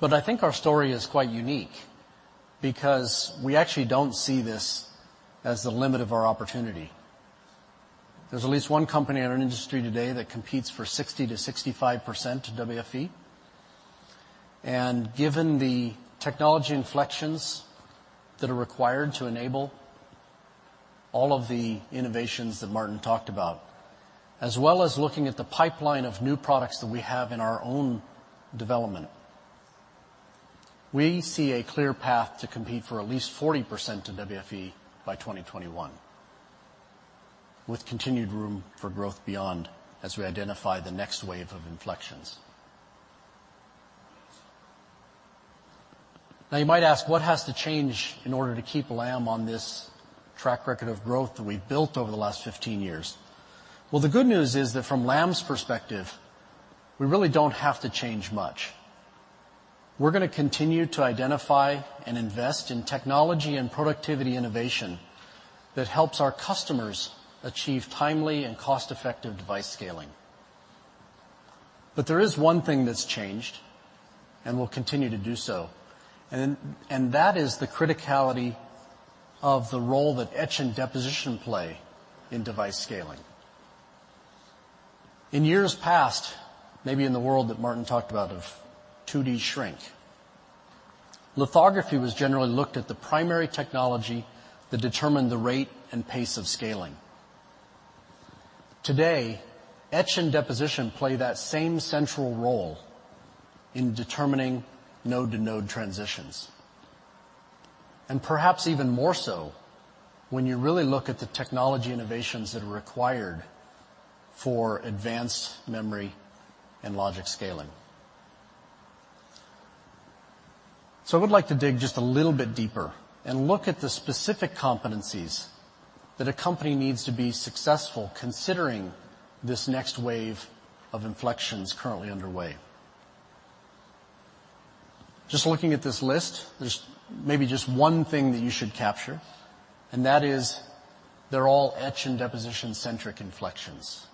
I think our story is quite unique because we actually don't see this as the limit of our opportunity. There's at least one company in our industry today that competes for 60%-65% of WFE. Given the technology inflections that are required to enable all of the innovations that Martin talked about, as well as looking at the pipeline of new products that we have in our own development, we see a clear path to compete for at least 40% of WFE by 2021, with continued room for growth beyond as we identify the next wave of inflections. You might ask, what has to change in order to keep Lam on this track record of growth that we've built over the last 15 years? The good news is that from Lam's perspective, we really don't have to change much. We're going to continue to identify and invest in technology and productivity innovation that helps our customers achieve timely and cost-effective device scaling. There is one thing that's changed and will continue to do so, and that is the criticality of the role that etch and deposition play in device scaling. In years past, maybe in the world that Martin talked about of 2D shrink, lithography was generally looked at the primary technology that determined the rate and pace of scaling. Today, etch and deposition play that same central role in determining node-to-node transitions. Perhaps even more so when you really look at the technology innovations that are required for advanced memory and logic scaling. I would like to dig just a little bit deeper and look at the specific competencies that a company needs to be successful considering this next wave of inflections currently underway. Just looking at this list, there's maybe just one thing that you should capture, that is they're all etch and deposition-centric inflections.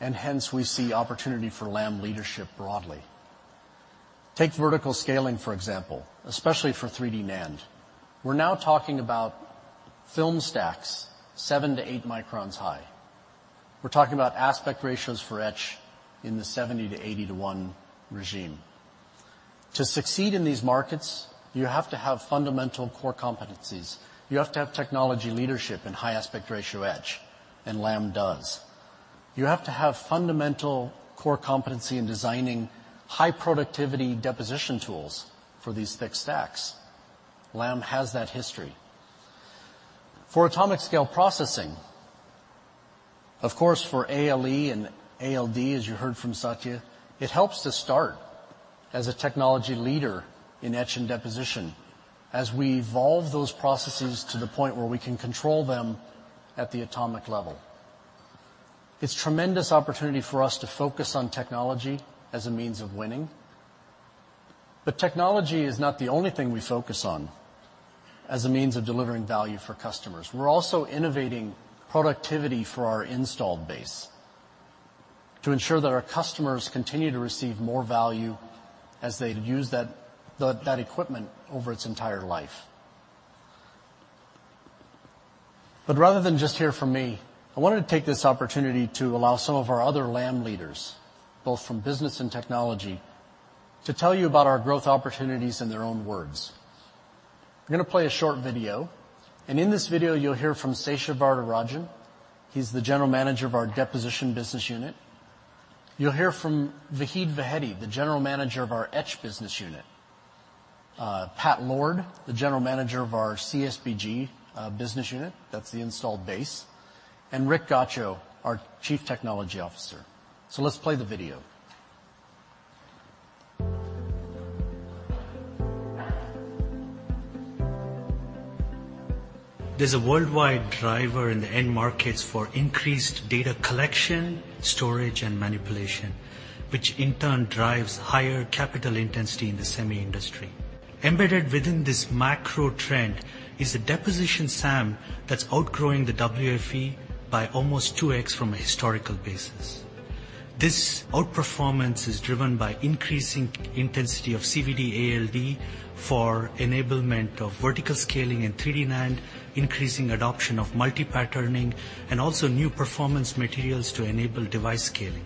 Hence, we see opportunity for Lam leadership broadly. Take vertical scaling, for example, especially for 3D NAND. We're now talking about film stacks 7 to 8 microns high. We're talking about aspect ratios for etch in the 70 to 80 to one regime. To succeed in these markets, you have to have fundamental core competencies. You have to have technology leadership and high aspect ratio etch. Lam does. You have to have fundamental core competency in designing high-productivity deposition tools for these thick stacks. Lam has that history. For atomic scale processing, of course, for ALE and ALD, as you heard from Satya, it helps to start as a technology leader in etch and deposition as we evolve those processes to the point where we can control them at the atomic level. It's tremendous opportunity for us to focus on technology as a means of winning. Technology is not the only thing we focus on as a means of delivering value for customers. We're also innovating productivity for our installed base to ensure that our customers continue to receive more value as they use that equipment over its entire life. Rather than just hear from me, I wanted to take this opportunity to allow some of our other Lam leaders, both from business and technology, to tell you about our growth opportunities in their own words. I'm going to play a short video. In this video, you'll hear from Sesha Varadarajan. He's the General Manager of our deposition business unit. You'll hear from Vahid Vahedi, the General Manager of our etch business unit, Pat Lord, the General Manager of our CSBG business unit, that's the installed base, and Rick Gottscho, our Chief Technology Officer. Let's play the video. There's a worldwide driver in the end markets for increased data collection, storage, and manipulation, which in turn drives higher capital intensity in the semi industry. Embedded within this macro trend is a deposition SAM that's outgrowing the WFE by almost 2x from a historical basis. This outperformance is driven by increasing intensity of CVD ALD for enablement of vertical scaling and 3D NAND, increasing adoption of multi-patterning, and also new performance materials to enable device scaling.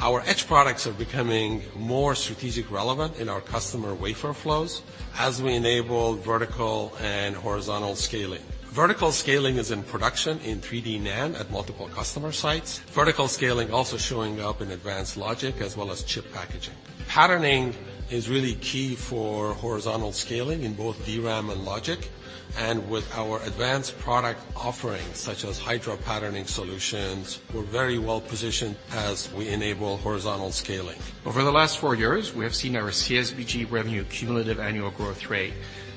Our etch products are becoming more strategic relevant in our customer wafer flows as we enable vertical and horizontal scaling. Vertical scaling is in production in 3D NAND at multiple customer sites. Vertical scaling also showing up in advanced logic as well as chip packaging. Patterning is really key for horizontal scaling in both DRAM and logic. With our advanced product offerings, such as Hydra patterning solutions, we're very well positioned as we enable horizontal scaling. Over the last four years, we have seen our CSBG revenue cumulative annual growth rate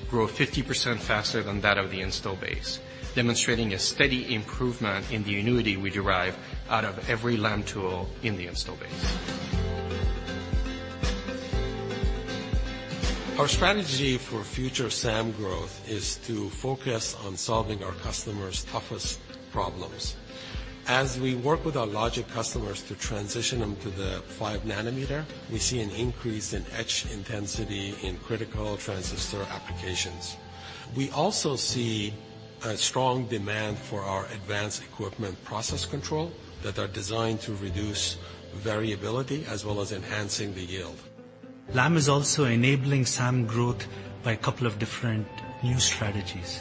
grow 50% faster than that of the install base, demonstrating a steady improvement in the annuity we derive out of every Lam tool in the install base. Our strategy for future SAM growth is to focus on solving our customers' toughest problems. As we work with our logic customers to transition them to the five-nanometer, we see an increase in etch intensity in critical transistor applications. We also see a strong demand for our advanced equipment process control that are designed to reduce variability as well as enhancing the yield. Lam is also enabling SAM growth by a couple of different new strategies.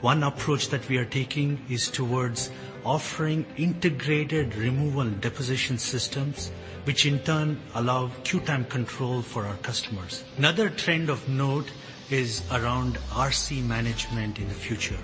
One approach that we are taking is towards offering integrated removal deposition systems, which in turn allow queue time control for our customers. Another trend of note is around RC management in the future.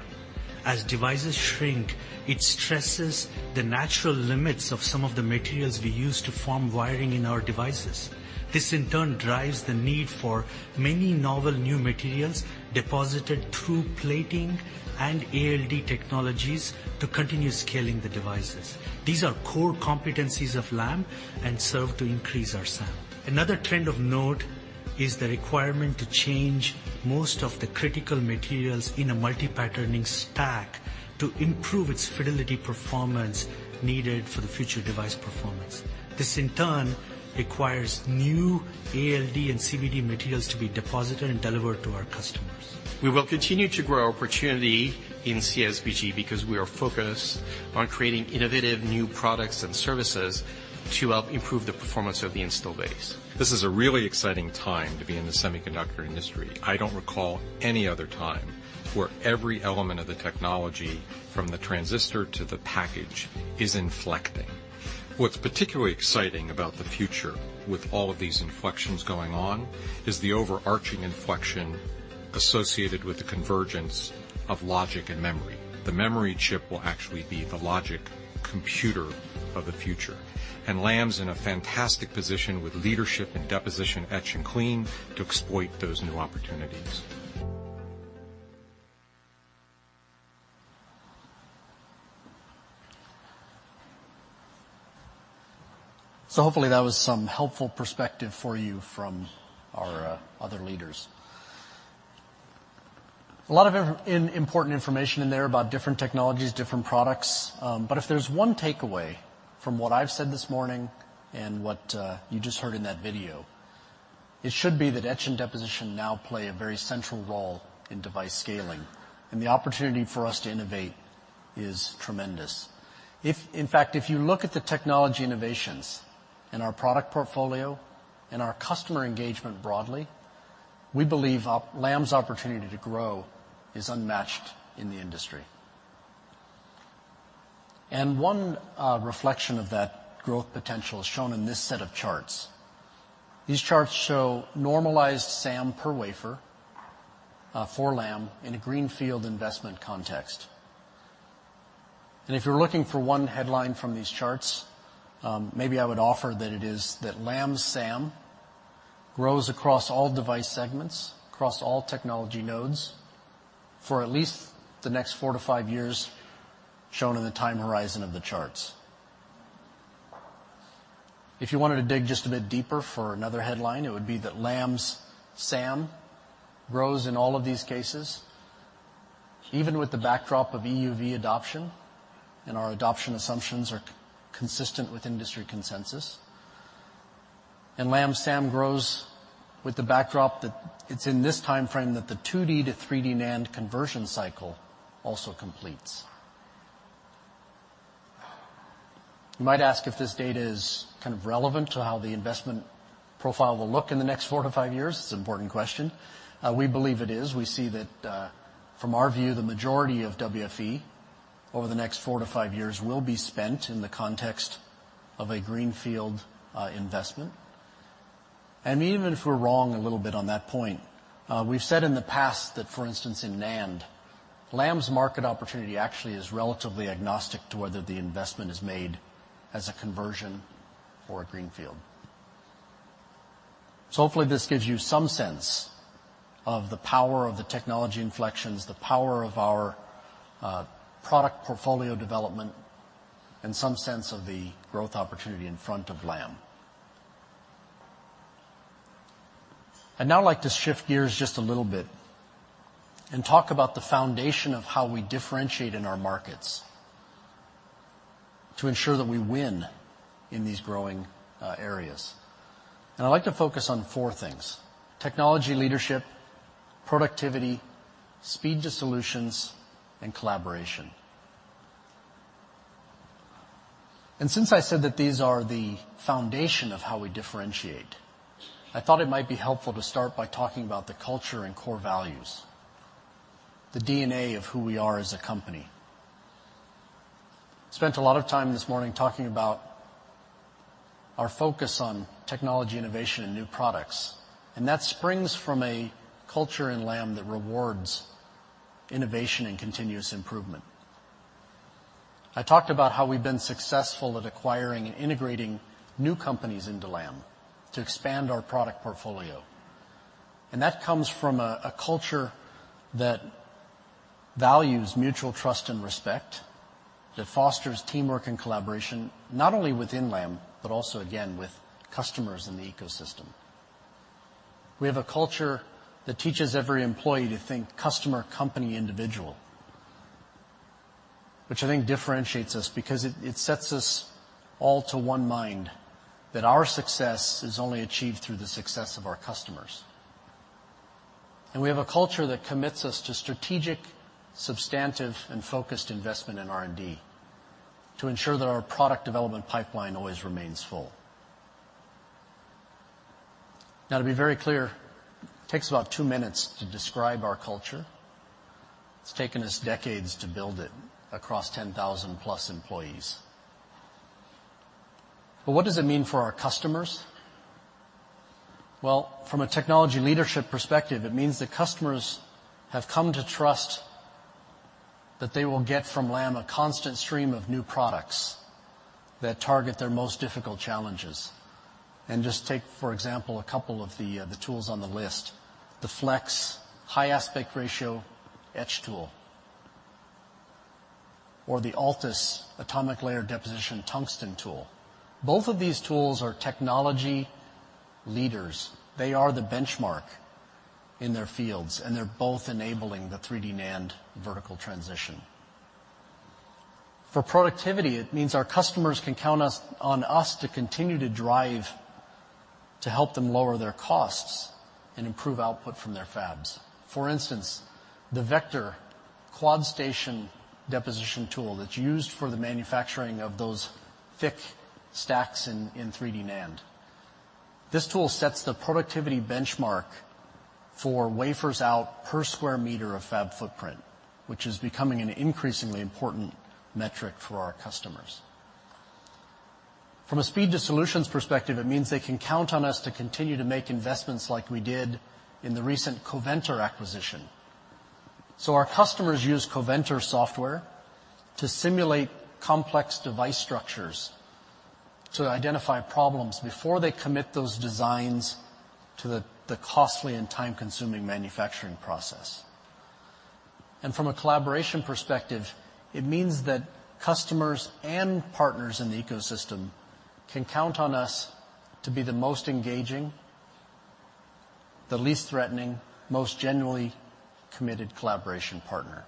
As devices shrink, it stresses the natural limits of some of the materials we use to form wiring in our devices. This in turn drives the need for many novel new materials deposited through plating and ALD technologies to continue scaling the devices. These are core competencies of Lam and serve to increase our SAM. Another trend of note is the requirement to change most of the critical materials in a multi-patterning stack to improve its fidelity performance needed for the future device performance. This in turn requires new ALD and CVD materials to be deposited and delivered to our customers. We will continue to grow opportunity in CSBG because we are focused on creating innovative new products and services to help improve the performance of the install base. This is a really exciting time to be in the semiconductor industry. I don't recall any other time where every element of the technology, from the transistor to the package, is inflecting. What's particularly exciting about the future with all of these inflections going on is the overarching inflection associated with the convergence of logic and memory. The memory chip will actually be the logic computer of the future, and Lam's in a fantastic position with leadership in deposition, etch, and clean to exploit those new opportunities. Hopefully that was some helpful perspective for you from our other leaders. A lot of important information in there about different technologies, different products. If there's one takeaway from what I've said this morning and what you just heard in that video, it should be that etch and deposition now play a very central role in device scaling, and the opportunity for us to innovate is tremendous. In fact, if you look at the technology innovations in our product portfolio and our customer engagement broadly, we believe Lam's opportunity to grow is unmatched in the industry. One reflection of that growth potential is shown in this set of charts. These charts show normalized SAM per wafer for Lam in a greenfield investment context. If you're looking for one headline from these charts, maybe I would offer that it is that Lam SAM grows across all device segments, across all technology nodes for at least the next four to five years shown in the time horizon of the charts. If you wanted to dig just a bit deeper for another headline, it would be that Lam's SAM grows in all of these cases, even with the backdrop of EUV adoption, and our adoption assumptions are consistent with industry consensus. Lam SAM grows with the backdrop that it's in this timeframe that the 2D to 3D NAND conversion cycle also completes. You might ask if this data is kind of relevant to how the investment profile will look in the next four to five years. It's an important question. We believe it is. We see that, from our view, the majority of WFE over the next four to five years will be spent in the context of a greenfield investment. Even if we're wrong a little bit on that point, we've said in the past that, for instance, in NAND, Lam's market opportunity actually is relatively agnostic to whether the investment is made as a conversion or a greenfield. Hopefully, this gives you some sense of the power of the technology inflections, the power of our product portfolio development, and some sense of the growth opportunity in front of Lam. I'd now like to shift gears just a little bit and talk about the foundation of how we differentiate in our markets to ensure that we win in these growing areas. I'd like to focus on four things: technology leadership, productivity, speed to solutions, and collaboration. Since I said that these are the foundation of how we differentiate, I thought it might be helpful to start by talking about the culture and core values, the DNA of who we are as a company. Spent a lot of time this morning talking about our focus on technology innovation and new products, and that springs from a culture in Lam that rewards innovation and continuous improvement. I talked about how we've been successful at acquiring and integrating new companies into Lam to expand our product portfolio, and that comes from a culture that values mutual trust and respect, that fosters teamwork and collaboration, not only within Lam, but also, again, with customers in the ecosystem. We have a culture that teaches every employee to think customer, company, individual, which I think differentiates us because it sets us all to one mind that our success is only achieved through the success of our customers. We have a culture that commits us to strategic, substantive, and focused investment in R&D to ensure that our product development pipeline always remains full. Now, to be very clear, it takes about two minutes to describe our culture. It's taken us decades to build it across 10,000-plus employees. What does it mean for our customers? Well, from a technology leadership perspective, it means that customers have come to trust that they will get from Lam a constant stream of new products that target their most difficult challenges. Just take, for example, a couple of the tools on the list, the Flex high-aspect-ratio etch tool or the ALTUS atomic layer deposition tungsten tool. Both of these tools are technology leaders. They are the benchmark in their fields, and they're both enabling the 3D NAND vertical transition. For productivity, it means our customers can count on us to continue to drive to help them lower their costs and improve output from their fabs. For instance, the VECTOR Quad Station deposition tool that's used for the manufacturing of those thick stacks in 3D NAND. This tool sets the productivity benchmark for wafers out per square meter of fab footprint, which is becoming an increasingly important metric for our customers. From a speed to solutions perspective, it means they can count on us to continue to make investments like we did in the recent Coventor acquisition. Our customers use Coventor software to simulate complex device structures to identify problems before they commit those designs to the costly and time-consuming manufacturing process. From a collaboration perspective, it means that customers and partners in the ecosystem can count on us to be the most engaging, the least threatening, most genuinely committed collaboration partner.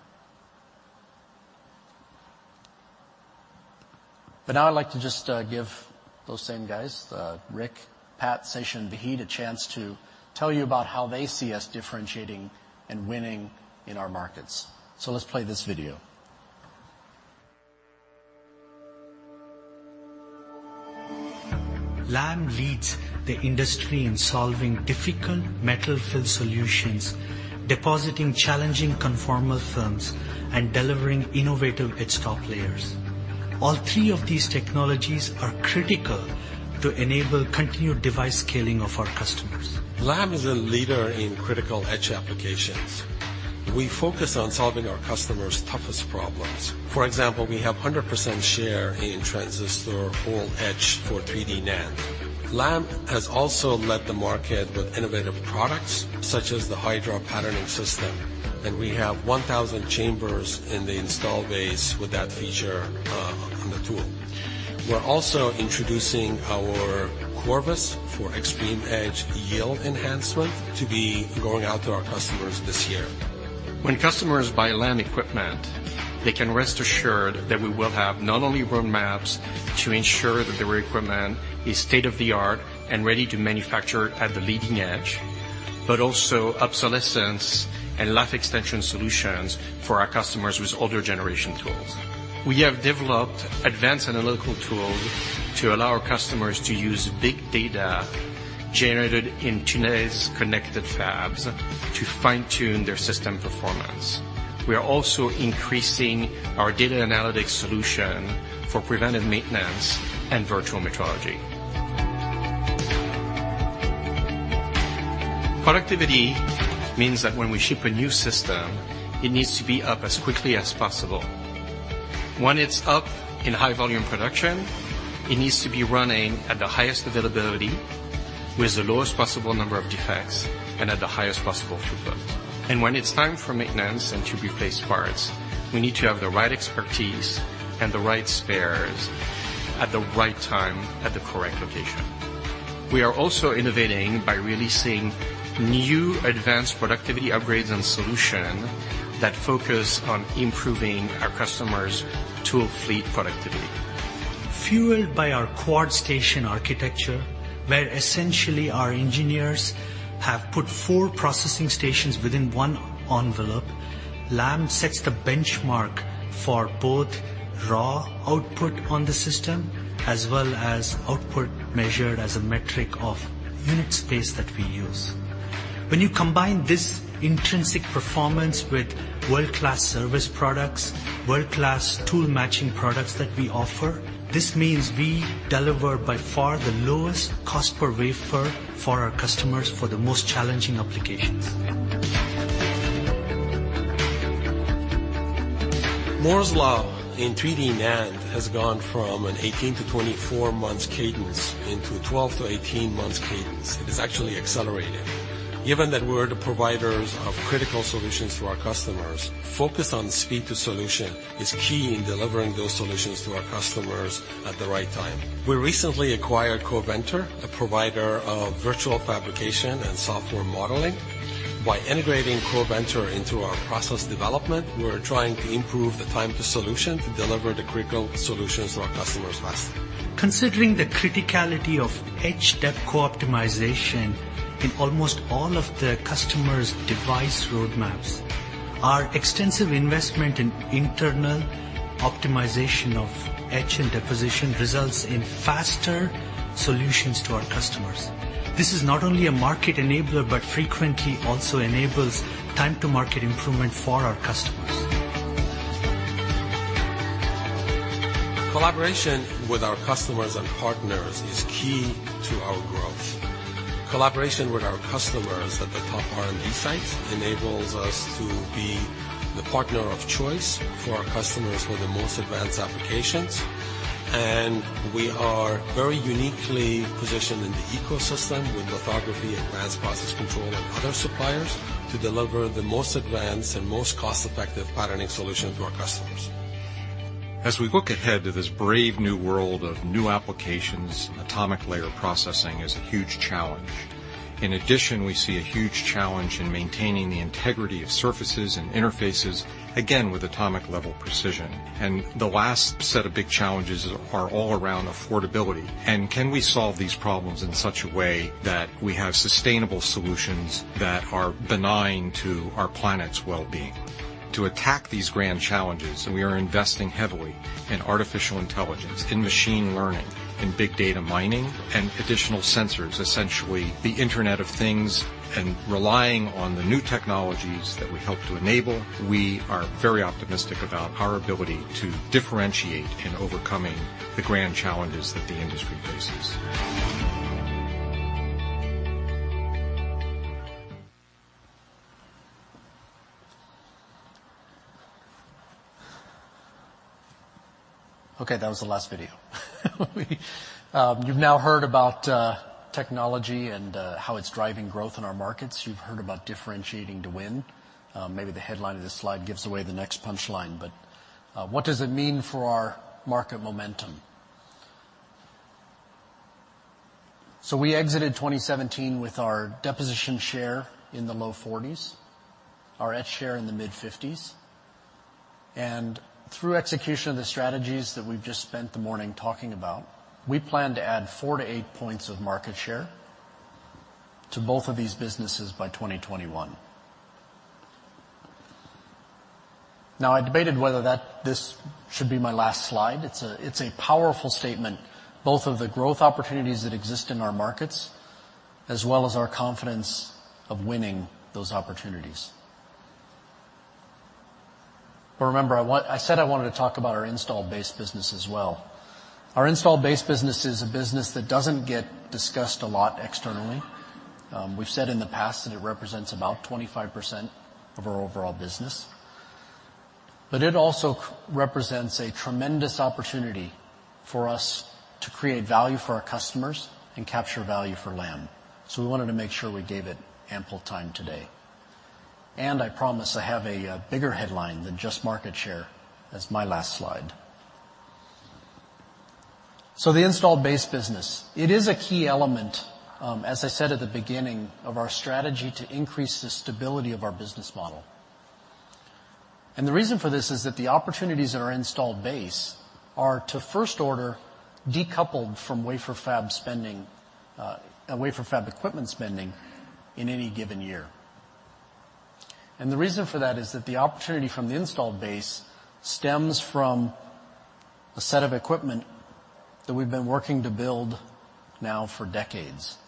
Now I'd like to just give those same guys, Rick, Pat, Sesha, Vahid, a chance to tell you about how they see us differentiating and winning in our markets. Let's play this video. Lam leads the industry in solving difficult metal-filled solutions, depositing challenging conformal films, and delivering innovative etch top layers. All three of these technologies are critical to enable continued device scaling of our customers. Lam is a leader in critical etch applications. We focus on solving our customers' toughest problems. For example, we have 100% share in transistor hole etch for 3D NAND. Lam has also led the market with innovative products, such as the Hydra patterning system. We have 1,000 chambers in the install base with that feature on the tool. We're also introducing our Corvus for extreme etch yield enhancement to be going out to our customers this year. When customers buy Lam equipment, they can rest assured that we will have not only roadmaps to ensure that their equipment is state-of-the-art and ready to manufacture at the leading edge, but also obsolescence and life extension solutions for our customers with older generation tools. We have developed advanced analytical tools to allow our customers to use big data generated in today's connected fabs to fine-tune their system performance. We are also increasing our data analytics solution for preventive maintenance and virtual metrology. Productivity means that when we ship a new system, it needs to be up as quickly as possible. When it's up in high volume production, it needs to be running at the highest availability, with the lowest possible number of defects, and at the highest possible throughput. When it's time for maintenance and to replace parts, we need to have the right expertise and the right spares at the right time, at the correct location. We are also innovating by releasing new advanced productivity upgrades and solution that focus on improving our customers' tool fleet productivity. Fueled by our Quad Station architecture, where essentially our engineers have put four processing stations within one envelope, Lam sets the benchmark for both raw output on the system as well as output measured as a metric of unit space that we use. When you combine this intrinsic performance with world-class service products, world-class tool matching products that we offer, this means we deliver by far the lowest cost per wafer for our customers for the most challenging applications. Moore's Law in 3D NAND has gone from an 18-24 months cadence into 12-18 months cadence. It is actually accelerating. Given that we're the providers of critical solutions to our customers, focus on speed to solution is key in delivering those solutions to our customers at the right time. We recently acquired Coventor, a provider of virtual fabrication and software modeling. By integrating Coventor into our process development, we're trying to improve the time to solution to deliver the critical solutions to our customers faster. Considering the criticality of etch dep co-optimization in almost all of the customers' device roadmaps, our extensive investment in internal optimization of etch and deposition results in faster solutions to our customers. This is not only a market enabler, but frequently also enables time to market improvement for our customers. Collaboration with our customers and partners is key to our growth. Collaboration with our customers at the top R&D sites enables us to be the partner of choice for our customers for the most advanced applications. We are very uniquely positioned in the ecosystem with lithography and advanced process control and other suppliers to deliver the most advanced and most cost-effective patterning solution to our customers. As we look ahead to this brave new world of new applications, atomic layer processing is a huge challenge. In addition, we see a huge challenge in maintaining the integrity of surfaces and interfaces, again, with atomic level precision. The last set of big challenges are all around affordability, and can we solve these problems in such a way that we have sustainable solutions that are benign to our planet's well-being? To attack these grand challenges, we are investing heavily in artificial intelligence, in machine learning, in big data mining, and additional sensors, essentially the Internet of Things. Relying on the new technologies that we help to enable, we are very optimistic about our ability to differentiate in overcoming the grand challenges that the industry faces. Okay, that was the last video. You've now heard about technology and how it's driving growth in our markets. You've heard about differentiating to win. Maybe the headline of this slide gives away the next punchline, but what does it mean for our market momentum? We exited 2017 with our deposition share in the low 40s, our etch share in the mid-50s. Through execution of the strategies that we've just spent the morning talking about, we plan to add 4-8 points of market share to both of these businesses by 2021. I debated whether this should be my last slide. It's a powerful statement, both of the growth opportunities that exist in our markets, as well as our confidence of winning those opportunities. Remember, I said I wanted to talk about our installed base business as well. Our installed base business is a business that doesn't get discussed a lot externally. We've said in the past that it represents about 25% of our overall business, but it also represents a tremendous opportunity for us to create value for our customers and capture value for Lam. We wanted to make sure we gave it ample time today. I promise I have a bigger headline than just market share as my last slide. The installed base business, it is a key element, as I said at the beginning, of our strategy to increase the stability of our business model. The reason for this is that the opportunities in our installed base are to first order decoupled from wafer fab equipment spending in any given year. The reason for that is that the opportunity from the installed base stems from a set of equipment that we've been working to build now for decades.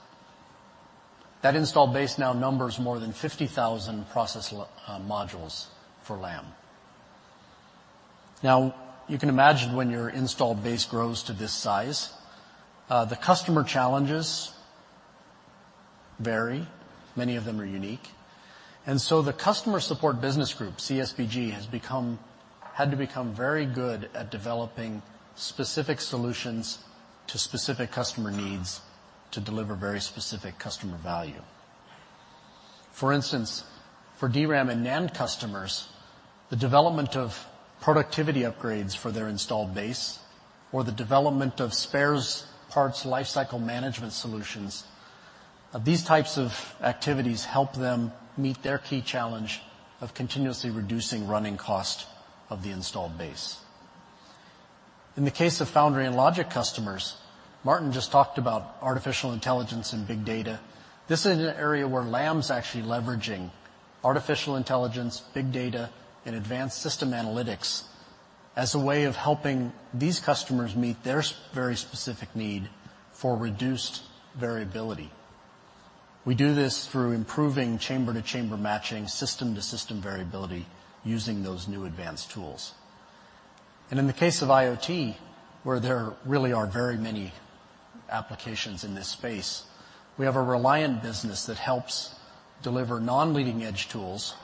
That installed base now numbers more than 50,000 process modules for Lam. You can imagine when your installed base grows to this size, the customer challenges vary. Many of them are unique. The Customer Support Business Group, CSBG, had to become very good at developing specific solutions to specific customer needs to deliver very specific customer value. For instance, for DRAM and NAND customers, the development of productivity upgrades for their installed base or the development of spare parts lifecycle management solutions, these types of activities help them meet their key challenge of continuously reducing running cost of the installed base. In the case of foundry and logic customers, Martin just talked about artificial intelligence and big data. This is an area where Lam's actually leveraging artificial intelligence, big data, and advanced system analytics as a way of helping these customers meet their very specific need for reduced variability. We do this through improving chamber-to-chamber matching, system-to-system variability, using those new advanced tools. In the case of IoT, where there really are very many applications in this space, we have a Reliant business that helps deliver non-leading edge tools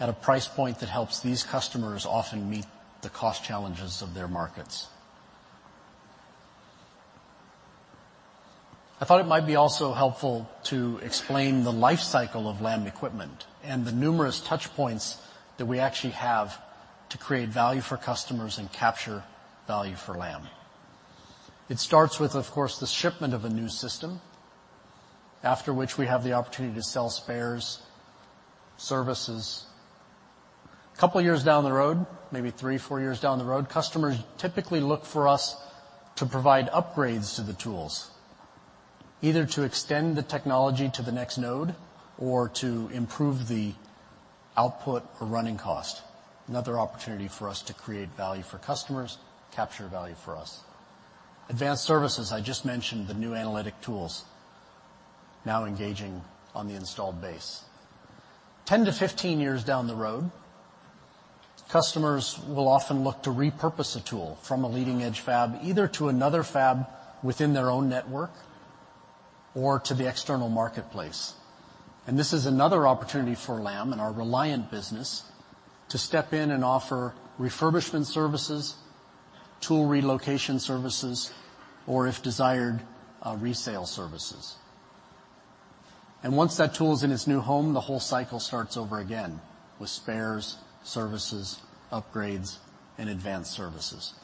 at a price point that helps these customers often meet the cost challenges of their markets. I thought it might be also helpful to explain the lifecycle of Lam equipment and the numerous touchpoints that we actually have to create value for customers and capture value for Lam. It starts with, of course, the shipment of a new system, after which we have the opportunity to sell spares, services. A couple of years down the road, maybe three, four years down the road, customers typically look for us to provide upgrades to the tools, either to extend the technology to the next node or to improve the output or running cost. Another opportunity for us to create value for customers, capture value for us. Advanced services, I just mentioned the new analytic tools now engaging on the installed base. 10 to 15 years down the road, customers will often look to repurpose a tool from a leading-edge fab, either to another fab within their own network or to the external marketplace. This is another opportunity for Lam and our Reliant business to step in and offer refurbishment services, tool relocation services, or if desired, resale services. Once that tool is in its new home, the whole cycle starts over again with spares, services, upgrades, and advanced services.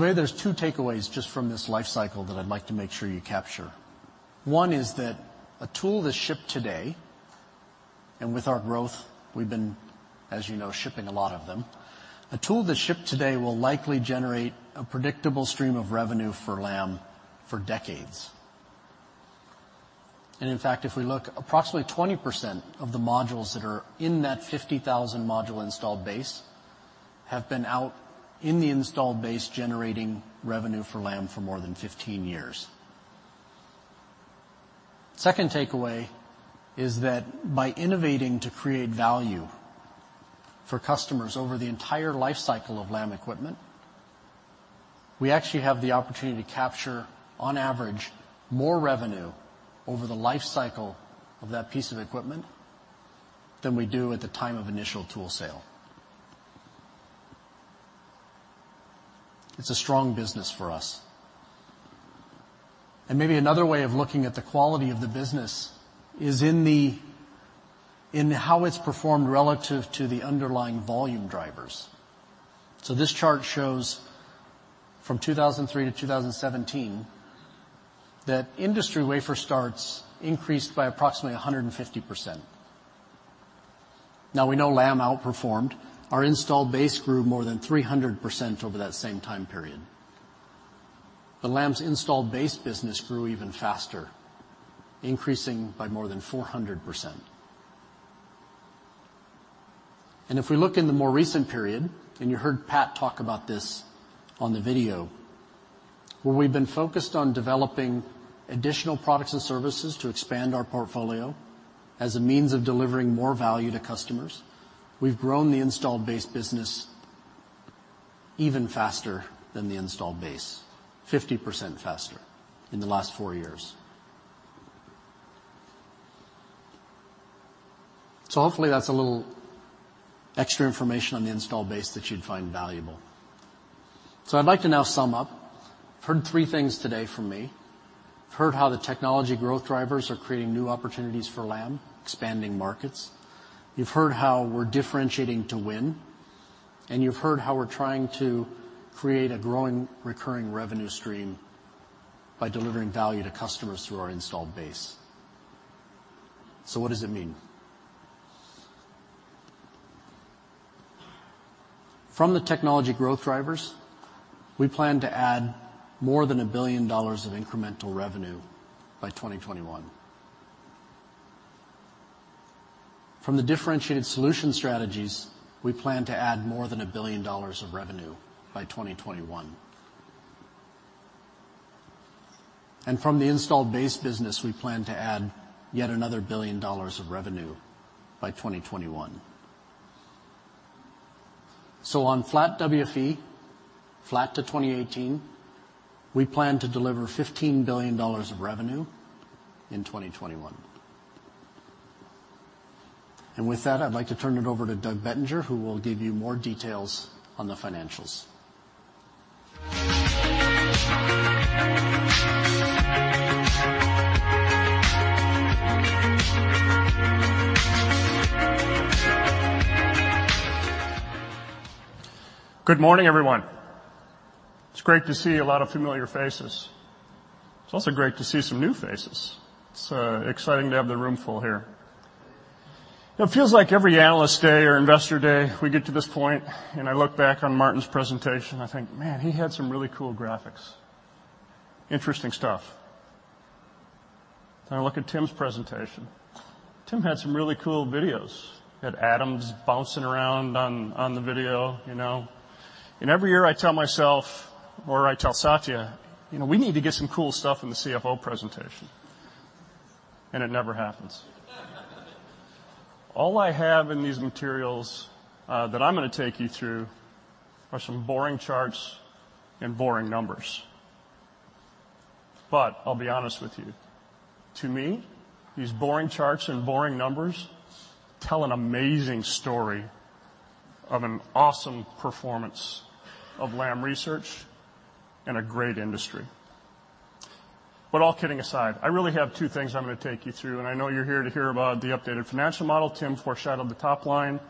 Maybe there's two takeaways just from this lifecycle that I'd like to make sure you capture. One is that a tool that's shipped today, with our growth, we've been, as you know, shipping a lot of them, a tool that's shipped today will likely generate a predictable stream of revenue for Lam for decades. In fact, if we look, approximately 20% of the modules that are in that 50,000 module installed base have been out in the installed base generating revenue for Lam for more than 15 years. Second takeaway is that by innovating to create value for customers over the entire lifecycle of Lam equipment, we actually have the opportunity to capture, on average, more revenue over the lifecycle of that piece of equipment than we do at the time of initial tool sale. It's a strong business for us. Maybe another way of looking at the quality of the business is in how it's performed relative to the underlying volume drivers. This chart shows from 2003 to 2017 that industry wafer starts increased by approximately 150%. We know Lam outperformed. Our installed base grew more than 300% over that same time period. Lam's installed base business grew even faster, increasing by more than 400%. If we look in the more recent period, and you heard Pat talk about this on the video, where we've been focused on developing additional products and services to expand our portfolio as a means of delivering more value to customers, we've grown the installed base business even faster than the installed base, 50% faster in the last four years. Hopefully that's a little extra information on the installed base that you'd find valuable. I'd like to now sum up. You've heard three things today from me. You've heard how the technology growth drivers are creating new opportunities for Lam, expanding markets. You've heard how we're differentiating to win, and you've heard how we're trying to create a growing, recurring revenue stream by delivering value to customers through our installed base. What does it mean? From the technology growth drivers, we plan to add more than $1 billion of incremental revenue by 2021. From the differentiated solution strategies, we plan to add more than $1 billion of revenue by 2021. From the installed base business, we plan to add yet another $1 billion of revenue by 2021. On flat WFE, flat to 2018, we plan to deliver $15 billion of revenue in 2021. With that, I'd like to turn it over to Doug Bettinger, who will give you more details on the financials. Good morning, everyone. It's great to see a lot of familiar faces. It's also great to see some new faces. It's exciting to have the room full here. It feels like every Analyst Day or Investor Day, we get to this point and I look back on Martin's presentation, I think, man, he had some really cool graphics. Interesting stuff. I look at Tim's presentation. Tim had some really cool videos. Had atoms bouncing around on the video. Every year I tell myself, or I tell Satya, "We need to get some cool stuff in the CFO presentation," and it never happens. All I have in these materials, that I'm going to take you through, are some boring charts and boring numbers. I'll be honest with you, to me, these boring charts and boring numbers tell an amazing story of an awesome performance of Lam Research and a great industry. All kidding aside, I really have two things I'm going to take you through, and I know you're here to hear about the updated financial model. Tim foreshadowed the top line,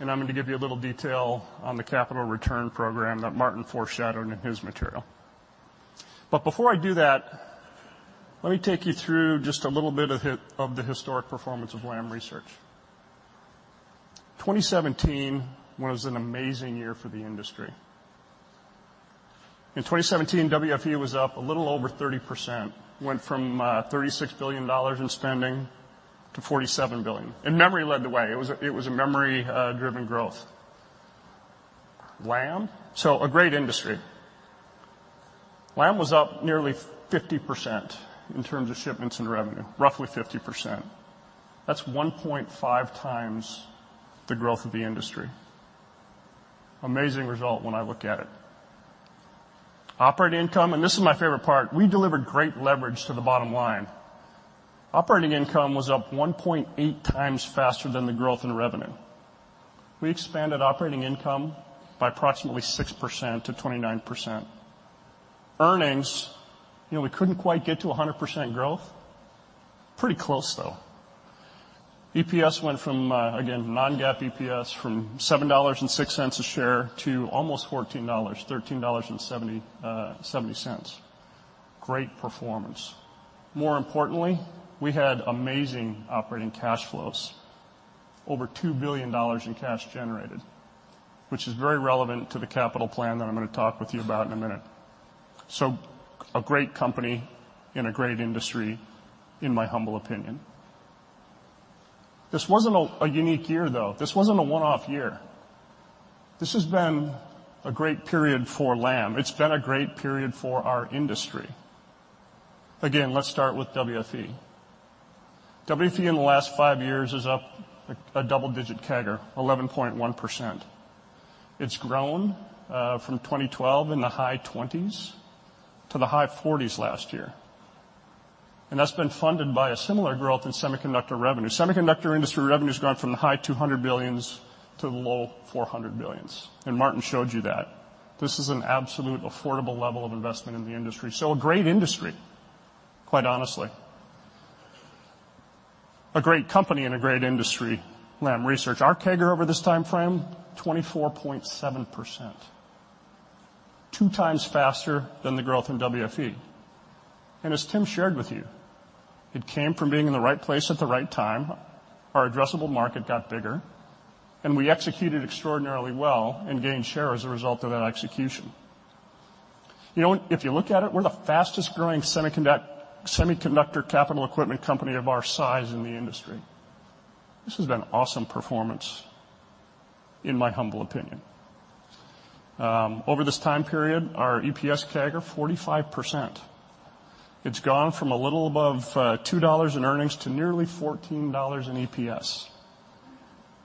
and I'm going to give you a little detail on the capital return program that Martin foreshadowed in his material. Before I do that, let me take you through just a little bit of the historic performance of Lam Research. 2017 was an amazing year for the industry. In 2017, WFE was up a little over 30%, went from $36 billion in spending to $47 billion. Memory led the way. It was a memory-driven growth. A great industry. Lam was up nearly 50% in terms of shipments and revenue, roughly 50%. That's 1.5 times the growth of the industry. Amazing result when I look at it. Operating income, and this is my favorite part, we delivered great leverage to the bottom line. Operating income was up 1.8 times faster than the growth in revenue. We expanded operating income by approximately 6% to 29%. Earnings, we couldn't quite get to 100% growth. Pretty close, though. EPS went from, again, non-GAAP EPS, from $7.06 a share to almost $14, $13.70. Great performance. More importantly, we had amazing operating cash flows. Over $2 billion in cash generated, which is very relevant to the capital plan that I'm going to talk with you about in a minute. A great company in a great industry, in my humble opinion. This wasn't a unique year, though. This wasn't a one-off year. This has been a great period for Lam. It's been a great period for our industry. Again, let's start with WFE. WFE in the last five years is up a double-digit CAGR, 11.1%. It's grown from 2012 in the high 20s of billions to the low 40s of billions, and Martin showed you that. This is an absolute affordable level of investment in the industry. A great industry, quite honestly. A great company and a great industry, Lam Research. Our CAGR over this timeframe, 24.7%, two times faster than the growth in WFE. As Tim shared with you, it came from being in the right place at the right time, our addressable market got bigger, and we executed extraordinarily well and gained share as a result of that execution. If you look at it, we're the fastest growing semiconductor capital equipment company of our size in the industry. This has been awesome performance, in my humble opinion. Over this time period, our EPS CAGR, 45%. It's gone from a little above $2 in earnings to nearly $14 in EPS.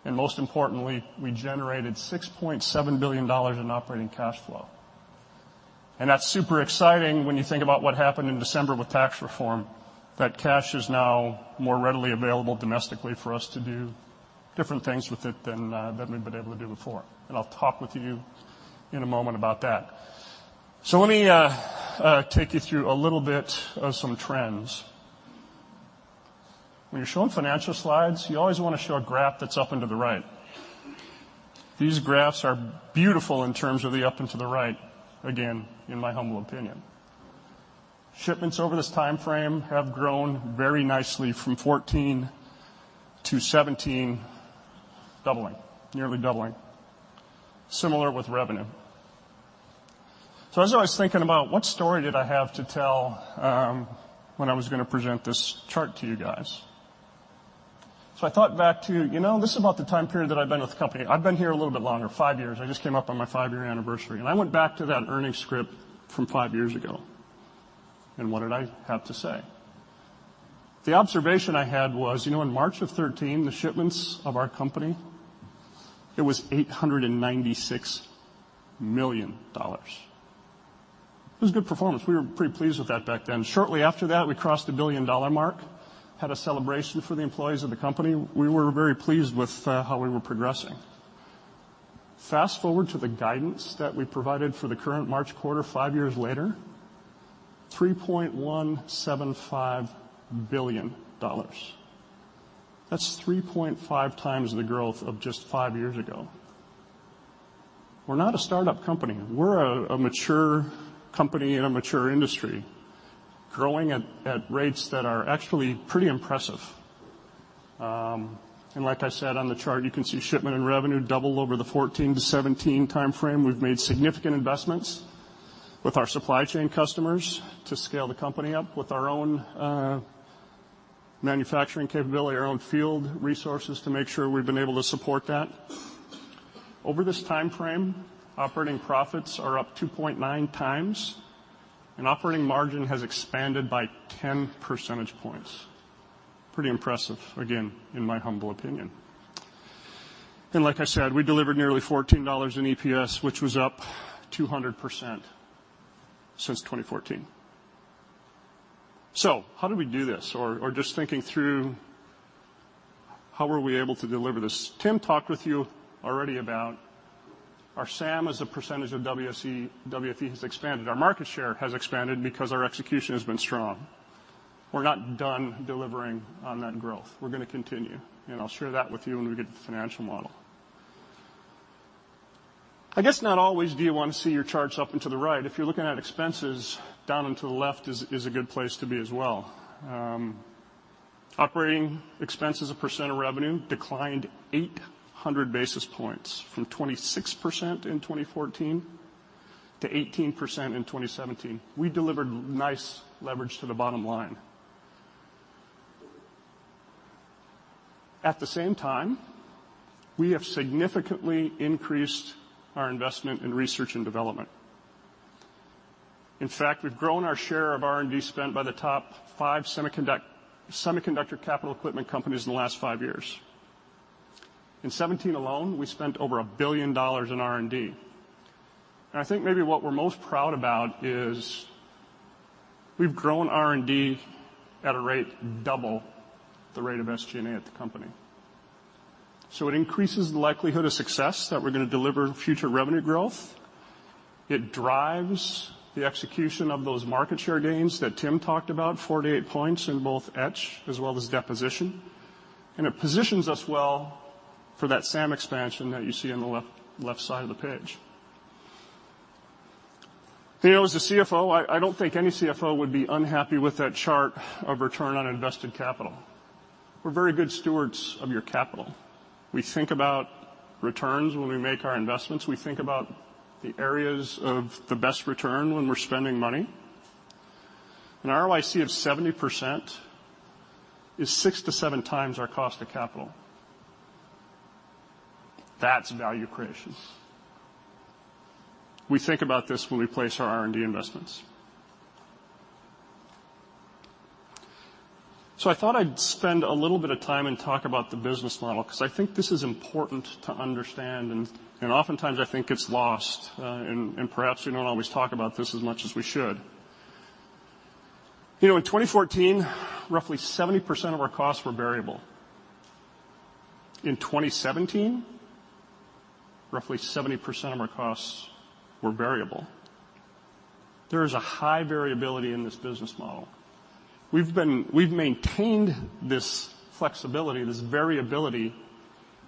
Most importantly, we generated $6.7 billion in operating cash flow. That's super exciting when you think about what happened in December with tax reform, that cash is now more readily available domestically for us to do different things with it than we've been able to do before. I'll talk with you in a moment about that. Let me take you through a little bit of some trends. When you're showing financial slides, you always want to show a graph that's up and to the right. These graphs are beautiful in terms of the up and to the right, again, in my humble opinion. Shipments over this timeframe have grown very nicely from 2014 to 2017, doubling, nearly doubling. Similar with revenue. As I was thinking about what story did I have to tell, when I was going to present this chart to you guys. I thought back to, this is about the time period that I've been with the company. I've been here a little bit longer, 5 years. I just came up on my 5-year anniversary. I went back to that earnings script from 5 years ago, and what did I have to say? The observation I had was, in March of 2013, the shipments of our company, it was $896 million. It was a good performance. We were pretty pleased with that back then. Shortly after that, we crossed the billion-dollar mark, had a celebration for the employees of the company. We were very pleased with how we were progressing. Fast-forward to the guidance that we provided for the current March quarter, 5 years later, $3.175 billion. That's 3.5 times the growth of just 5 years ago. We're not a startup company. We're a mature company in a mature industry, growing at rates that are actually pretty impressive. Like I said, on the chart, you can see shipment and revenue double over the 2014 to 2017 timeframe. We've made significant investments with our supply chain customers to scale the company up with our own manufacturing capability, our own field resources to make sure we've been able to support that. Over this timeframe, operating profits are up 2.9 times, and operating margin has expanded by 10 percentage points. Pretty impressive, again, in my humble opinion. Like I said, we delivered nearly $14 in EPS, which was up 200% since 2014. How did we do this? Just thinking through, how were we able to deliver this? Tim talked with you already about our SAM as a percentage of WFE has expanded. Our market share has expanded because our execution has been strong. We're not done delivering on that growth. We're going to continue, and I'll share that with you when we get to the financial model. I guess not always do you want to see your charts up and to the right. If you're looking at expenses, down and to the left is a good place to be as well. Operating expenses, a % of revenue declined 800 basis points from 26% in 2014 to 18% in 2017. We delivered nice leverage to the bottom line. At the same time, we have significantly increased our investment in research and development. In fact, we've grown our share of R&D spent by the top 5 semiconductor capital equipment companies in the last 5 years. In 2017 alone, we spent over $1 billion in R&D. I think maybe what we're most proud about is we've grown R&D at a rate double the rate of SG&A at the company. It increases the likelihood of success that we're going to deliver future revenue growth. It drives the execution of those market share gains that Tim talked about, four to eight points in both etch as well as deposition. It positions us well for that SAM expansion that you see on the left side of the page. You know, as a CFO, I don't think any CFO would be unhappy with that chart of return on invested capital. We're very good stewards of your capital. We think about returns when we make our investments. We think about the areas of the best return when we're spending money. An ROIC of 70% is six to seven times our cost of capital. That's value creation. We think about this when we place our R&D investments. I thought I'd spend a little bit of time and talk about the business model, because I think this is important to understand, and oftentimes I think it's lost, and perhaps we don't always talk about this as much as we should. In 2014, roughly 70% of our costs were variable. In 2017, roughly 70% of our costs were variable. There is a high variability in this business model. We've maintained this flexibility, this variability,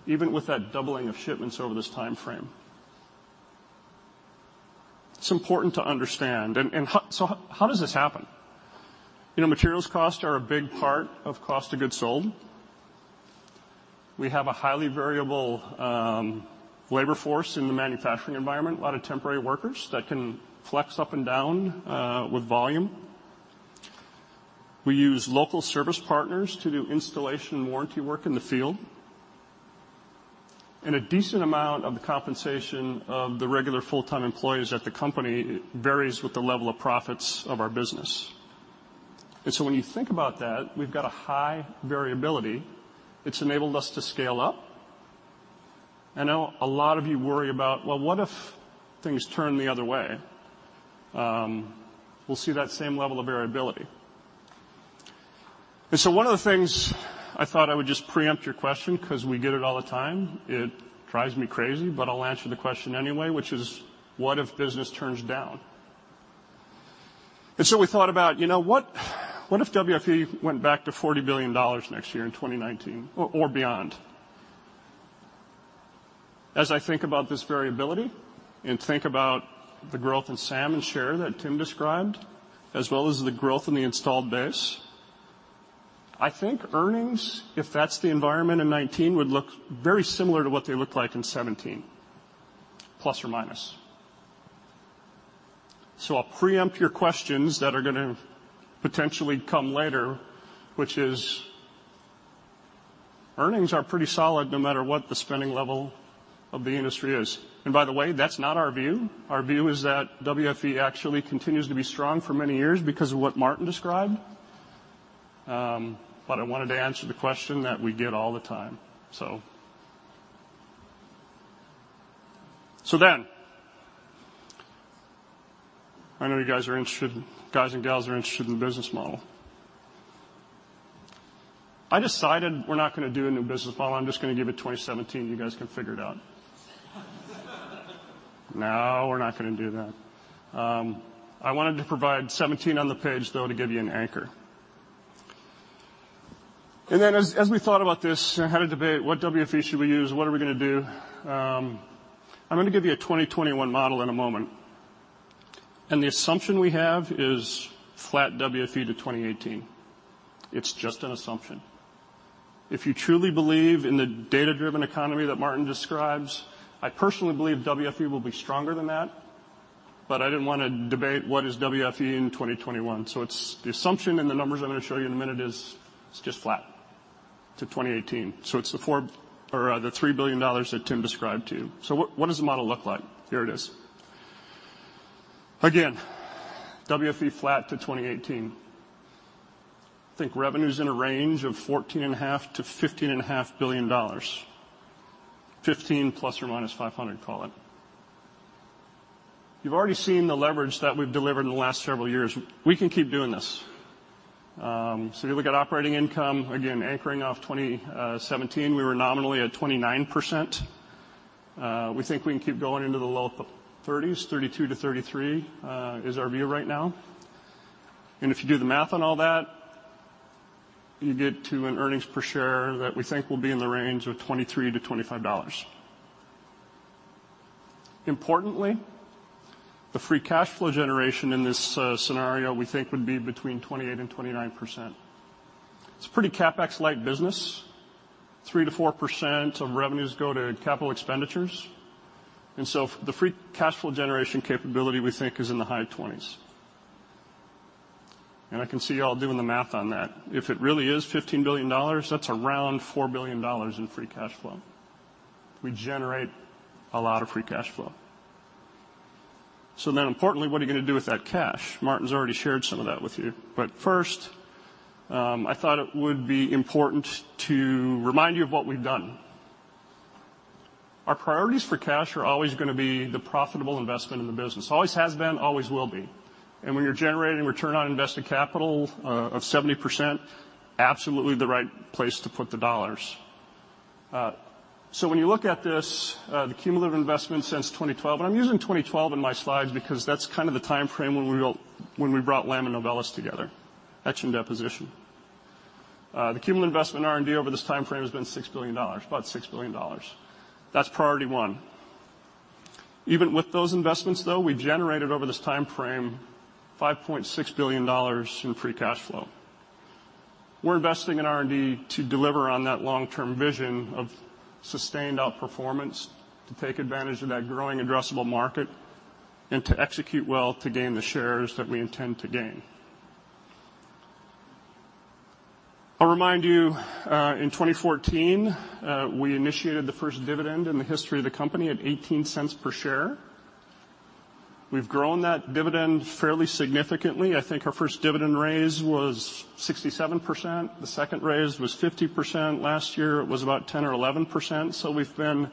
even with that doubling of shipments over this timeframe. It's important to understand. How does this happen? Materials costs are a big part of cost of goods sold. We have a highly variable labor force in the manufacturing environment, a lot of temporary workers that can flex up and down with volume. We use local service partners to do installation and warranty work in the field. A decent amount of the compensation of the regular full-time employees at the company varies with the level of profits of our business. When you think about that, we've got a high variability. It's enabled us to scale up. I know a lot of you worry about, well, what if things turn the other way? We'll see that same level of variability. One of the things I thought I would just preempt your question, because we get it all the time, it drives me crazy, but I'll answer the question anyway, which is: what if business turns down? We thought about, what if WFE went back to $40 billion next year in 2019 or beyond? As I think about this variability and think about the growth in SAM and share that Tim described, as well as the growth in the installed base, I think earnings, if that's the environment in 2019, would look very similar to what they looked like in 2017, plus or minus. I'll preempt your questions that are going to potentially come later, which is, earnings are pretty solid no matter what the spending level of the industry is. By the way, that's not our view. Our view is that WFE actually continues to be strong for many years because of what Martin described. I wanted to answer the question that we get all the time. I know you guys and gals are interested in the business model. I decided we're not going to do a new business model. I'm just going to give you 2017. You guys can figure it out. No, we're not going to do that. I wanted to provide 2017 on the page, though, to give you an anchor. As we thought about this and had a debate, what WFE should we use? What are we going to do? I'm going to give you a 2021 model in a moment, and the assumption we have is flat WFE to 2018. It's just an assumption. If you truly believe in the data-driven economy that Martin Anstice describes, I personally believe WFE will be stronger than that. I didn't want to debate what is WFE in 2021. The assumption in the numbers I'm going to show you in a minute is, it's just flat to 2018. It's the $3 billion that Tim Archer described to you. What does the model look like? Here it is. Again, WFE flat to 2018. Think revenue's in a range of $14.5 billion-$15.5 billion. 15 plus or minus 500, call it. You've already seen the leverage that we've delivered in the last several years. We can keep doing this. If you look at operating income, again, anchoring off 2017, we were nominally at 29%. We think we can keep going into the low thirties. 32%-33% is our view right now. If you do the math on all that, you get to an earnings per share that we think will be in the range of $23-$25. Importantly, the free cash flow generation in this scenario, we think, would be between 28% and 29%. It's a pretty CapEx-light business. 3%-4% of revenues go to capital expenditures. The free cash flow generation capability, we think, is in the high twenties. I can see you all doing the math on that. If it really is $15 billion, that's around $4 billion in free cash flow. We generate a lot of free cash flow. Importantly, what are you going to do with that cash? Martin Anstice's already shared some of that with you. First, I thought it would be important to remind you of what we've done. Our priorities for cash are always going to be the profitable investment in the business. Always has been, always will be. When you're generating return on invested capital of 70%, absolutely the right place to put the dollars. When you look at this, the cumulative investment since 2012, I'm using 2012 in my slides because that's kind of the timeframe when we brought Lam Research and Novellus together, etch and deposition. The cumulative investment in R&D over this timeframe has been $6 billion, about $6 billion. That's priority one. Even with those investments, though, we generated over this timeframe $5.6 billion in free cash flow. We're investing in R&D to deliver on that long-term vision of sustained outperformance, to take advantage of that growing addressable market, and to execute well to gain the shares that we intend to gain. I'll remind you, in 2014, we initiated the first dividend in the history of the company at $0.18 per share. We've grown that dividend fairly significantly. I think our first dividend raise was 67%, the second raise was 50%, last year it was about 10% or 11%. We've been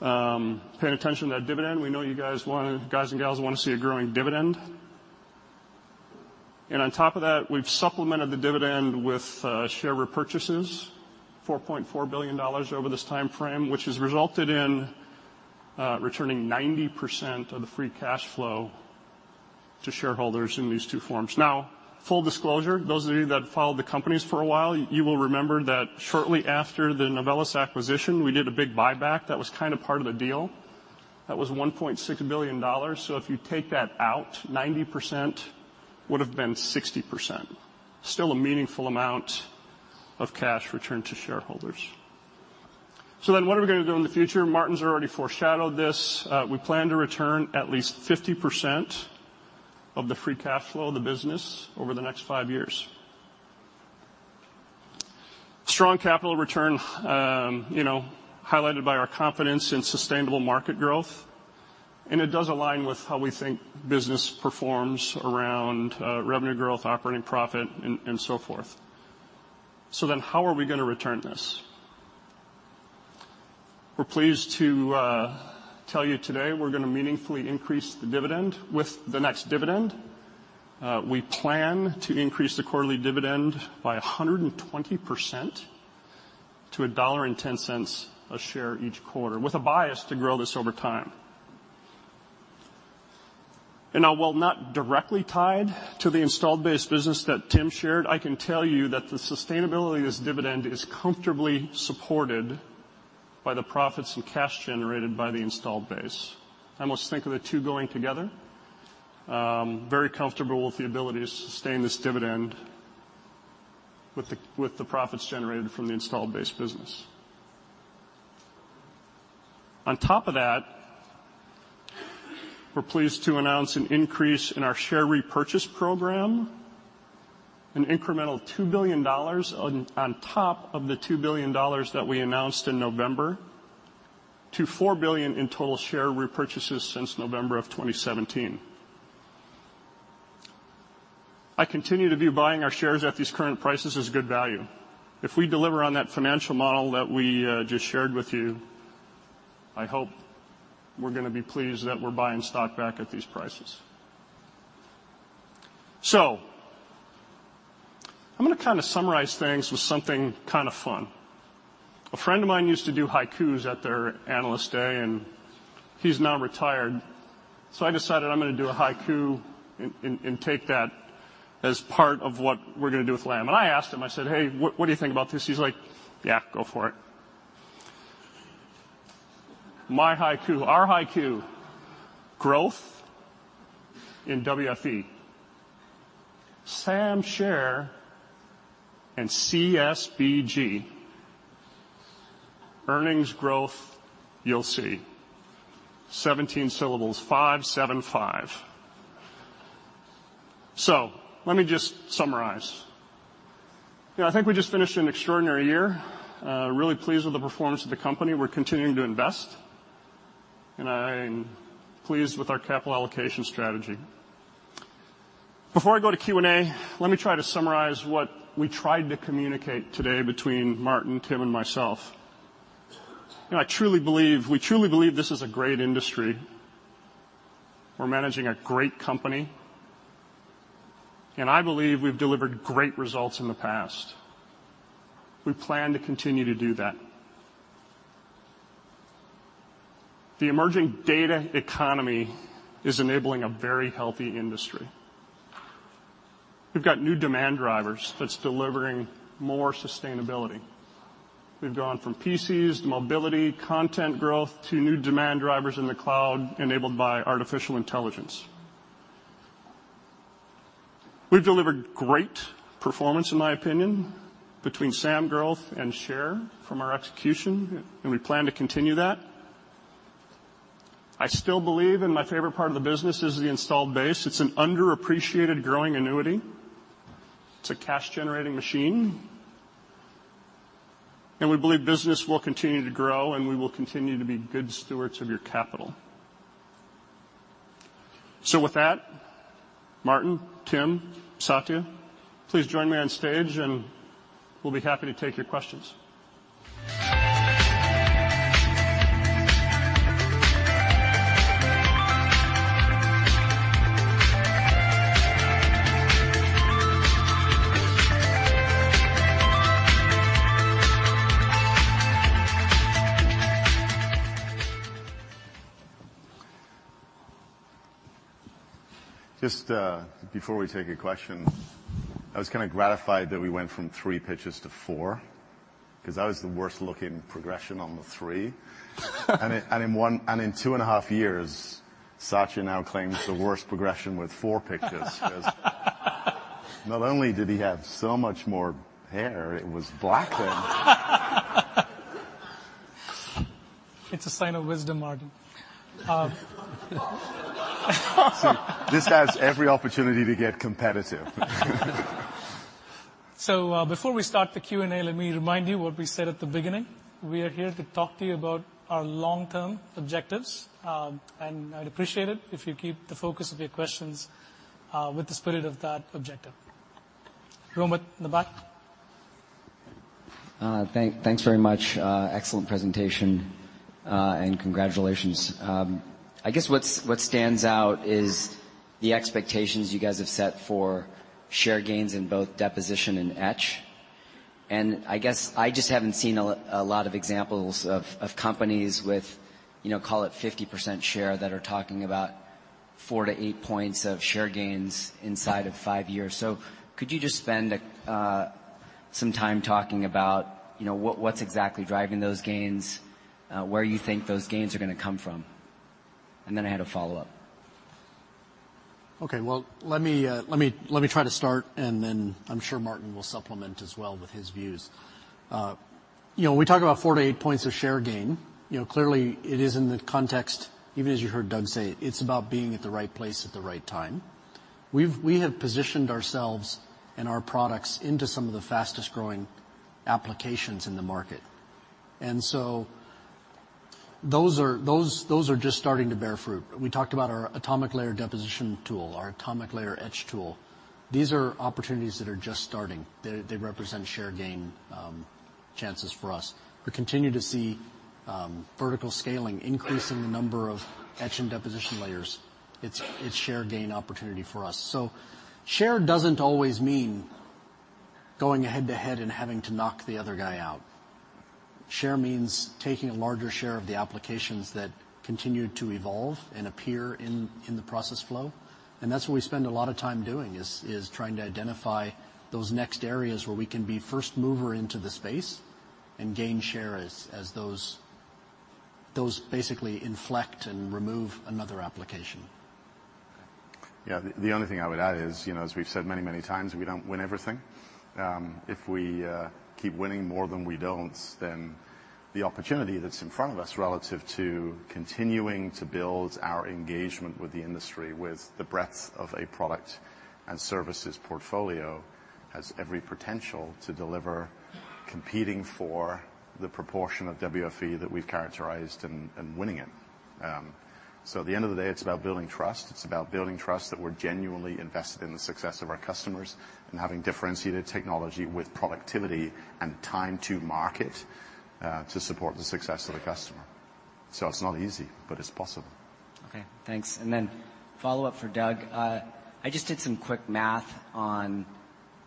paying attention to that dividend. We know you guys and gals want to see a growing dividend. On top of that, we've supplemented the dividend with share repurchases, $4.4 billion over this timeframe, which has resulted in returning 90% of the free cash flow to shareholders in these two forms. Now, full disclosure, those of you that followed the companies for a while, you will remember that shortly after the Novellus acquisition, we did a big buyback that was kind of part of the deal. That was $1.6 billion. If you take that out, 90% would've been 60%. Still a meaningful amount of cash returned to shareholders. What are we going to do in the future? Martin's already foreshadowed this. We plan to return at least 50% of the free cash flow of the business over the next five years. Strong capital return, highlighted by our confidence in sustainable market growth, it does align with how we think business performs around revenue growth, operating profit, and so forth. How are we going to return this? We're pleased to tell you today we're going to meaningfully increase the dividend with the next dividend. We plan to increase the quarterly dividend by 120% to $1.10 a share each quarter, with a bias to grow this over time. Now, while not directly tied to the installed base business that Tim shared, I can tell you that the sustainability of this dividend is comfortably supported by the profits and cash generated by the installed base. I almost think of the two going together. Very comfortable with the ability to sustain this dividend with the profits generated from the installed base business. On top of that, we're pleased to announce an increase in our share repurchase program, an incremental $2 billion on top of the $2 billion that we announced in November, to $4 billion in total share repurchases since November of 2017. I continue to view buying our shares at these current prices as good value. If we deliver on that financial model that we just shared with you, I hope we're going to be pleased that we're buying stock back at these prices. I'm going to kind of summarize things with something kind of fun. A friend of mine used to do haikus at their Analyst Day, and he's now retired. I decided I'm going to do a haiku and take that as part of what we're going to do with Lam. I asked him, I said, "Hey, what do you think about this?" He's like, "Yeah, go for it." My haiku, our haiku. Growth in WFE. SAM share and CSBG. Earnings growth you'll see. 17 syllables, five, seven, five. Let me just summarize. I think we just finished an extraordinary year. Really pleased with the performance of the company. We're continuing to invest, and I'm pleased with our capital allocation strategy. Before I go to Q&A, let me try to summarize what we tried to communicate today between Martin, Tim, and myself. We truly believe this is a great industry. We're managing a great company. I believe we've delivered great results in the past. We plan to continue to do that. The emerging data economy is enabling a very healthy industry. We've got new demand drivers that's delivering more sustainability. We've gone from PCs to mobility, content growth, to new demand drivers in the cloud enabled by artificial intelligence. We've delivered great performance, in my opinion, between SAM growth and share from our execution, and we plan to continue that. I still believe, and my favorite part of the business is the installed base. It's an underappreciated growing annuity. It's a cash-generating machine. We believe business will continue to grow, and we will continue to be good stewards of your capital. With that, Martin, Tim, Satya, please join me on stage, and we'll be happy to take your questions. Just before we take a question, I was kind of gratified that we went from three pitches to four, because I was the worst-looking progression on the three. In two and a half years, Satya now claims the worst progression with four pictures. Not only did he have so much more hair, it was black then. It's a sign of wisdom, Martin. See, this has every opportunity to get competitive. Before we start the Q&A, let me remind you what we said at the beginning. We are here to talk to you about our long-term objectives, and I'd appreciate it if you keep the focus of your questions with the spirit of that objective. Roman in the back. Thanks very much. Excellent presentation, and congratulations. I guess what stands out is the expectations you guys have set for share gains in both deposition and etch. I guess I just haven't seen a lot of examples of companies with call it 50% share that are talking about 4-8 points of share gains inside of 5 years. Could you just spend some time talking about what's exactly driving those gains, where you think those gains are going to come from? Then I had a follow-up. Okay. Well, let me try to start, then I'm sure Martin will supplement as well with his views. We talk about 4-8 points of share gain. Clearly, it is in the context, even as you heard Doug say, it's about being at the right place at the right time. We have positioned ourselves and our products into some of the fastest-growing applications in the market, those are just starting to bear fruit. We talked about our atomic layer deposition tool, our atomic layer etch tool. These are opportunities that are just starting. They represent share gain chances for us. We continue to see vertical scaling increase in the number of etch and deposition layers. It's share gain opportunity for us. Share doesn't always mean going head-to-head and having to knock the other guy out. Share means taking a larger share of the applications that continue to evolve and appear in the process flow. That's what we spend a lot of time doing, is trying to identify those next areas where we can be first mover into the space and gain share as those basically inflect and remove another application. Yeah. The only thing I would add is, as we've said many times, we don't win everything. If we keep winning more than we don't, then the opportunity that's in front of us relative to continuing to build our engagement with the industry, with the breadth of a product and services portfolio, has every potential to deliver competing for the proportion of WFE that we've characterized and winning it. At the end of the day, it's about building trust. It's about building trust that we're genuinely invested in the success of our customers and having differentiated technology with productivity and time to market, to support the success of the customer. It's not easy, but it's possible. Okay, thanks. Then follow-up for Doug. I just did some quick math on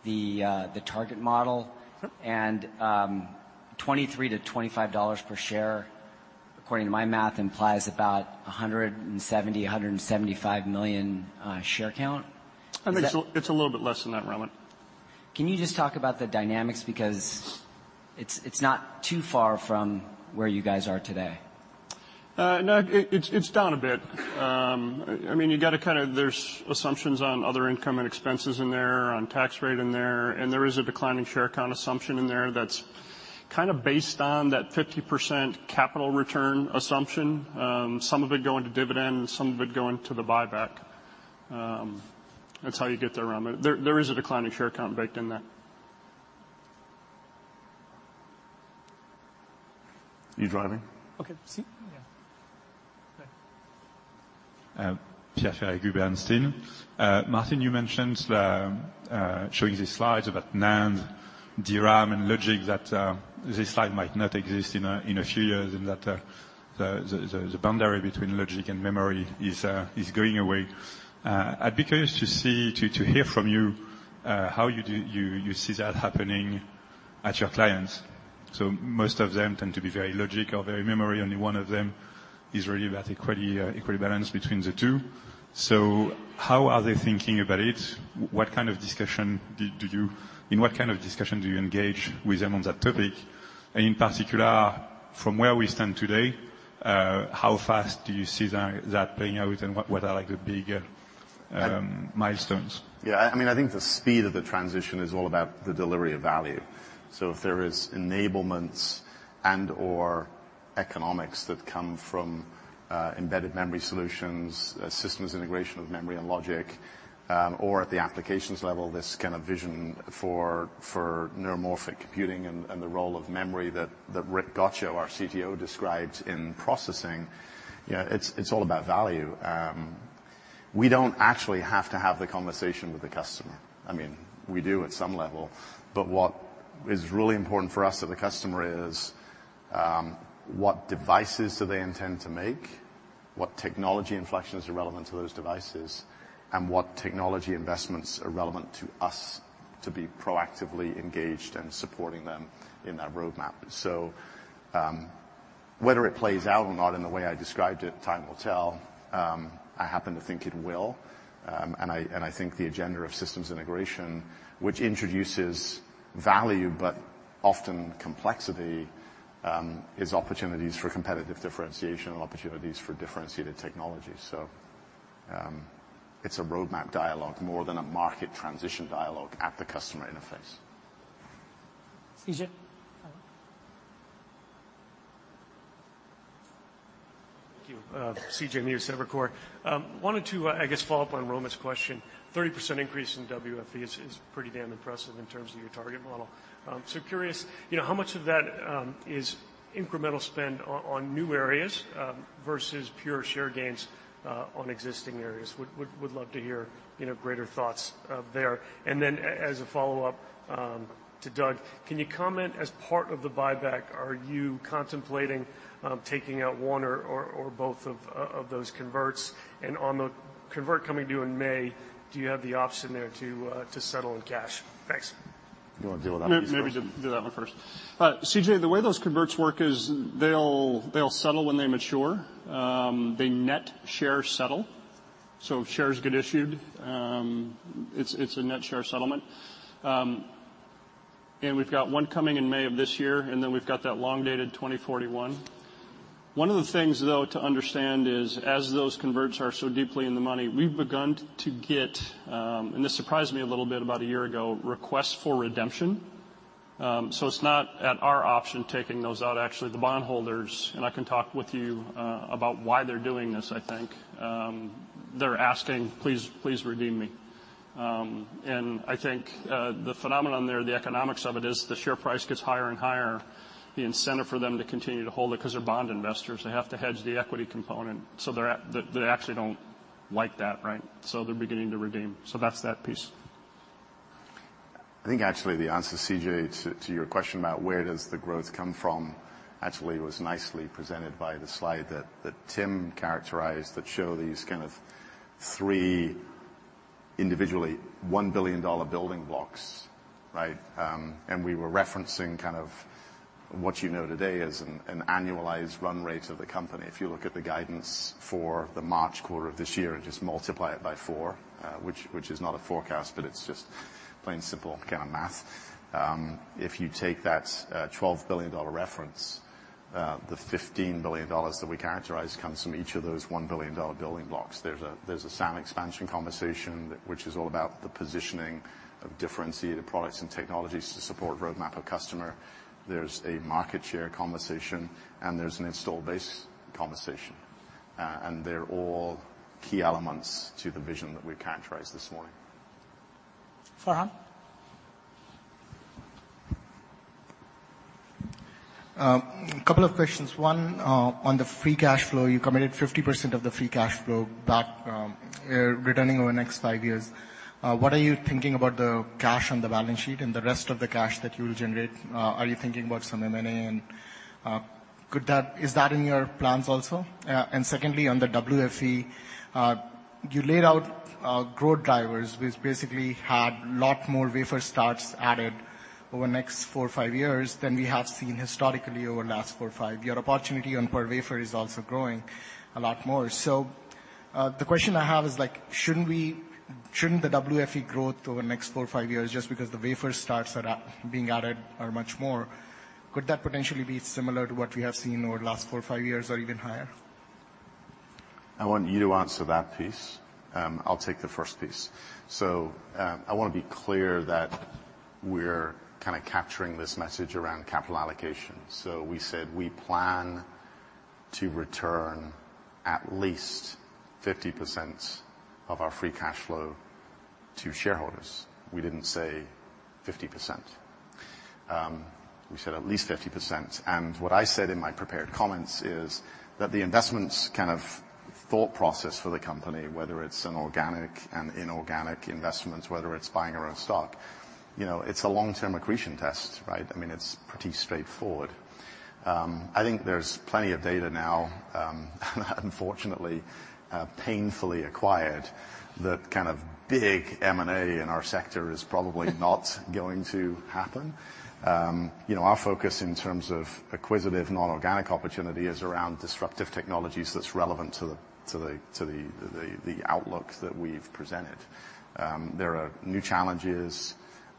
the target model. Sure. $23-$25 per share, according to my math, implies about 170 million-175 million share count. Is that? I think it's a little bit less than that, Roman. Can you just talk about the dynamics? It's not too far from where you guys are today. No, it's down a bit. There's assumptions on other income and expenses in there, on tax rate in there, and there is a declining share count assumption in there that's based on that 50% capital return assumption, some of it going to dividends, some of it going to the buyback. That's how you get there, Roman. There is a declining share count baked in that. You driving? Okay. Pierre Ferragu? Yeah. Okay. Pierre Ferragu, Bernstein. Martin, you mentioned showing the slides about NAND, DRAM, and logic, that this slide might not exist in a few years, and that the boundary between logic and memory is going away. I'd be curious to hear from you how you see that happening at your clients. Most of them tend to be very logic or very memory. Only one of them is really about equal balance between the two. How are they thinking about it? In what kind of discussion do you engage with them on that topic? And in particular, from where we stand today, how fast do you see that playing out, and what are the big milestones? Yeah. I think the speed of the transition is all about the delivery of value. If there is enablements and/or economics that come from embedded memory solutions, systems integration of memory and logic, or at the applications level, this kind of vision for neuromorphic computing and the role of memory that Rick Gottscho, our CTO, describes in processing, it's all about value. We don't actually have to have the conversation with the customer. We do at some level, but what is really important for us to the customer is, what devices do they intend to make, what technology inflections are relevant to those devices, and what technology investments are relevant to us to be proactively engaged and supporting them in that roadmap. Whether it plays out or not in the way I described it, time will tell. I happen to think it will, and I think the agenda of systems integration, which introduces value but often complexity, is opportunities for competitive differentiation and opportunities for differentiated technology. It's a roadmap dialogue more than a market transition dialogue at the customer interface. CJ? Thank you. C.J. Muse, Evercore. Wanted to, I guess, follow up on Roman's question. 30% increase in WFE is pretty damn impressive in terms of your target model. Curious, how much of that is incremental spend on new areas, versus pure share gains on existing areas? Would love to hear greater thoughts there. Then as a follow-up to Doug, can you comment, as part of the buyback, are you contemplating taking out one or both of those converts? And on the convert coming to you in May, do you have the option there to settle in cash? Thanks. You want to deal with that piece first? Maybe do that one first. C.J., the way those converts work is they'll settle when they mature. They net share settle, so shares get issued. It's a net share settlement. We've got one coming in May of this year, and then we've got that long dated 2041. One of the things, though, to understand is as those converts are so deeply in the money, we've begun to get, and this surprised me a little bit about a year ago, requests for redemption. It's not at our option, taking those out. Actually, the bondholders, and I can talk with you about why they're doing this, I think. They're asking, "Please redeem me." I think the phenomenon there, the economics of it is the share price gets higher and higher, the incentive for them to continue to hold it because they're bond investors, they have to hedge the equity component. They actually don't like that, right? They're beginning to redeem. That's that piece. I think actually the answer, C.J., to your question about where does the growth come from, actually was nicely presented by the slide that Tim characterized that show these kind of three individually $1 billion building blocks. Right? We were referencing what you know today as an annualized run rate of the company. If you look at the guidance for the March quarter of this year and just multiply it by four, which is not a forecast, but it's just plain simple kind of math. If you take that $12 billion reference, the $15 billion that we characterize comes from each of those $1 billion building blocks. There's a SAM expansion conversation, which is all about the positioning of differentiated products and technologies to support roadmap of customer. There's a market share conversation, and there's an install base conversation. They're all key elements to the vision that we've characterized this morning. Farhan? A couple of questions. One, on the free cash flow, you committed 50% of the free cash flow back, returning over the next five years. What are you thinking about the cash on the balance sheet and the rest of the cash that you will generate? Are you thinking about some M&A, and is that in your plans also? Secondly, on the WFE, you laid out growth drivers, which basically had a lot more wafer starts added over the next four or five years than we have seen historically over the last four or five years. Opportunity on per wafer is also growing a lot more. The question I have is shouldn't the WFE growth over the next four or five years, just because the wafer starts that are being added are much more, could that potentially be similar to what we have seen over the last four or five years or even higher? I want you to answer that piece. I'll take the first piece. I want to be clear that we're capturing this message around capital allocation. We said we plan to return at least 50% of our free cash flow to shareholders. We didn't say 50%. We said at least 50%. What I said in my prepared comments is that the investments thought process for the company, whether it's an organic and inorganic investments, whether it's buying our own stock, it's a long-term accretion test, right? It's pretty straightforward. I think there's plenty of data now, unfortunately, painfully acquired, that big M&A in our sector is probably not going to happen. Our focus in terms of acquisitive non-organic opportunity is around disruptive technologies that's relevant to the outlook that we've presented. There are new challenges,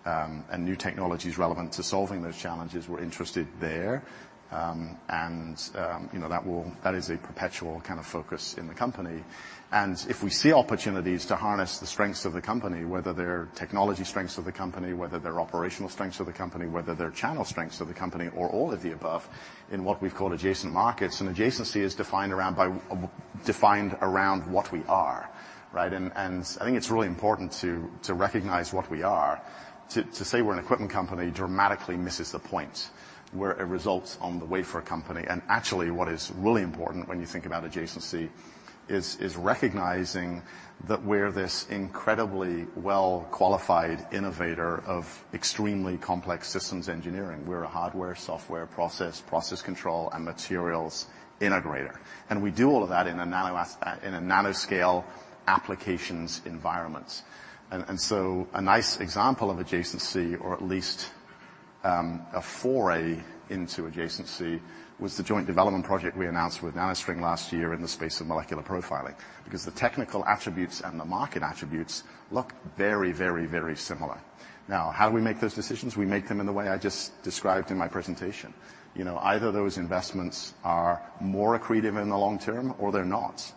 and new technologies relevant to solving those challenges. We're interested there. That is a perpetual focus in the company. If we see opportunities to harness the strengths of the company, whether they're technology strengths of the company, whether they're operational strengths of the company, whether they're channel strengths of the company or all of the above, in what we call adjacent markets, Adjacency is defined around what we are. Right? I think it's really important to recognize what we are. To say we're an equipment company dramatically misses the point. We're a results on the wafer company, Actually what is really important when you think about adjacency is recognizing that we're this incredibly well-qualified innovator of extremely complex systems engineering. We're a hardware, software, process control, and materials integrator. We do all of that in a nanoscale applications environment. A nice example of adjacency, or at least, a foray into adjacency, was the joint development project we announced with NanoString last year in the space of molecular profiling. The technical attributes and the market attributes look very, very, very similar. How do we make those decisions? We make them in the way I just described in my presentation. Either those investments are more accretive in the long term or they're not.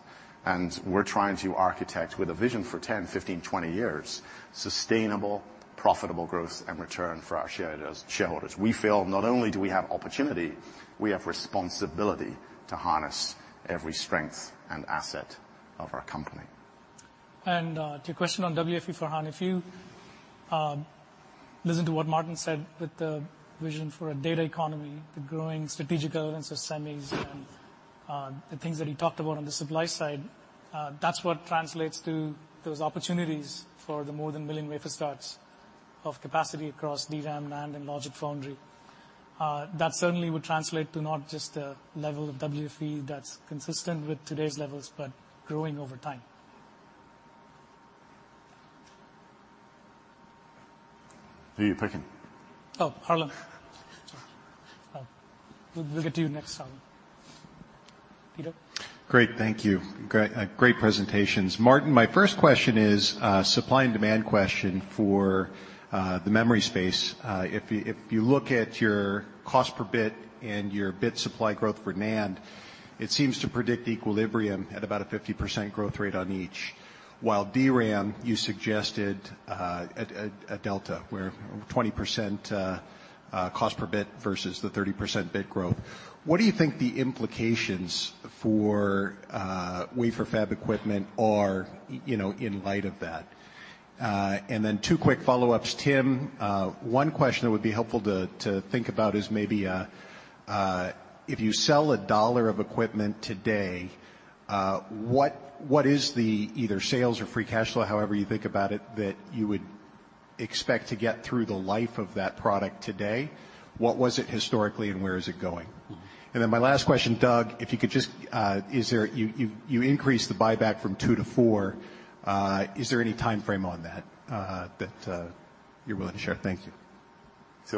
We're trying to architect with a vision for 10, 15, 20 years, sustainable, profitable growth and return for our shareholders. We feel not only do we have opportunity, we have responsibility to harness every strength and asset of our company. To your question on WFE, Farhan, if you listen to what Martin said, that the vision for a data economy, the growing strategic relevance of semis, and the things that he talked about on the supply side, that's what translates to those opportunities for the more than a million wafer starts of capacity across DRAM, NAND, and logic foundry. Certainly would translate to not just a level of WFE that's consistent with today's levels, but growing over time. Who are you picking? Oh, Harlan. We'll get to you next time. Peter? Great. Thank you. Great presentations. Martin, my first question is a supply and demand question for the memory space. If you look at your cost per bit and your bit supply growth for NAND, it seems to predict equilibrium at about a 50% growth rate on each, while DRAM, you suggested a delta, where 20% cost per bit versus the 30% bit growth. What do you think the implications for wafer fab equipment are in light of that? Two quick follow-ups. Tim, one question that would be helpful to think about is maybe if you sell $1 of equipment today, what is the either sales or free cash flow, however you think about it, that you would expect to get through the life of that product today? What was it historically, and where is it going? My last question, Doug, you increased the buyback from two to four. Is there any timeframe on that that you're willing to share? Thank you.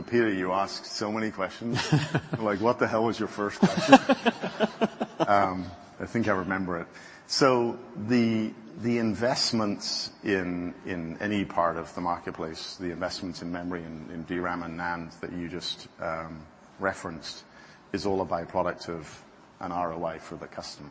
Peter, you asked so many questions. Like, what the hell was your first question? I think I remember it. The investments in any part of the marketplace, the investments in memory and in DRAM and NAND that you just referenced, is all a byproduct of an ROI for the customer.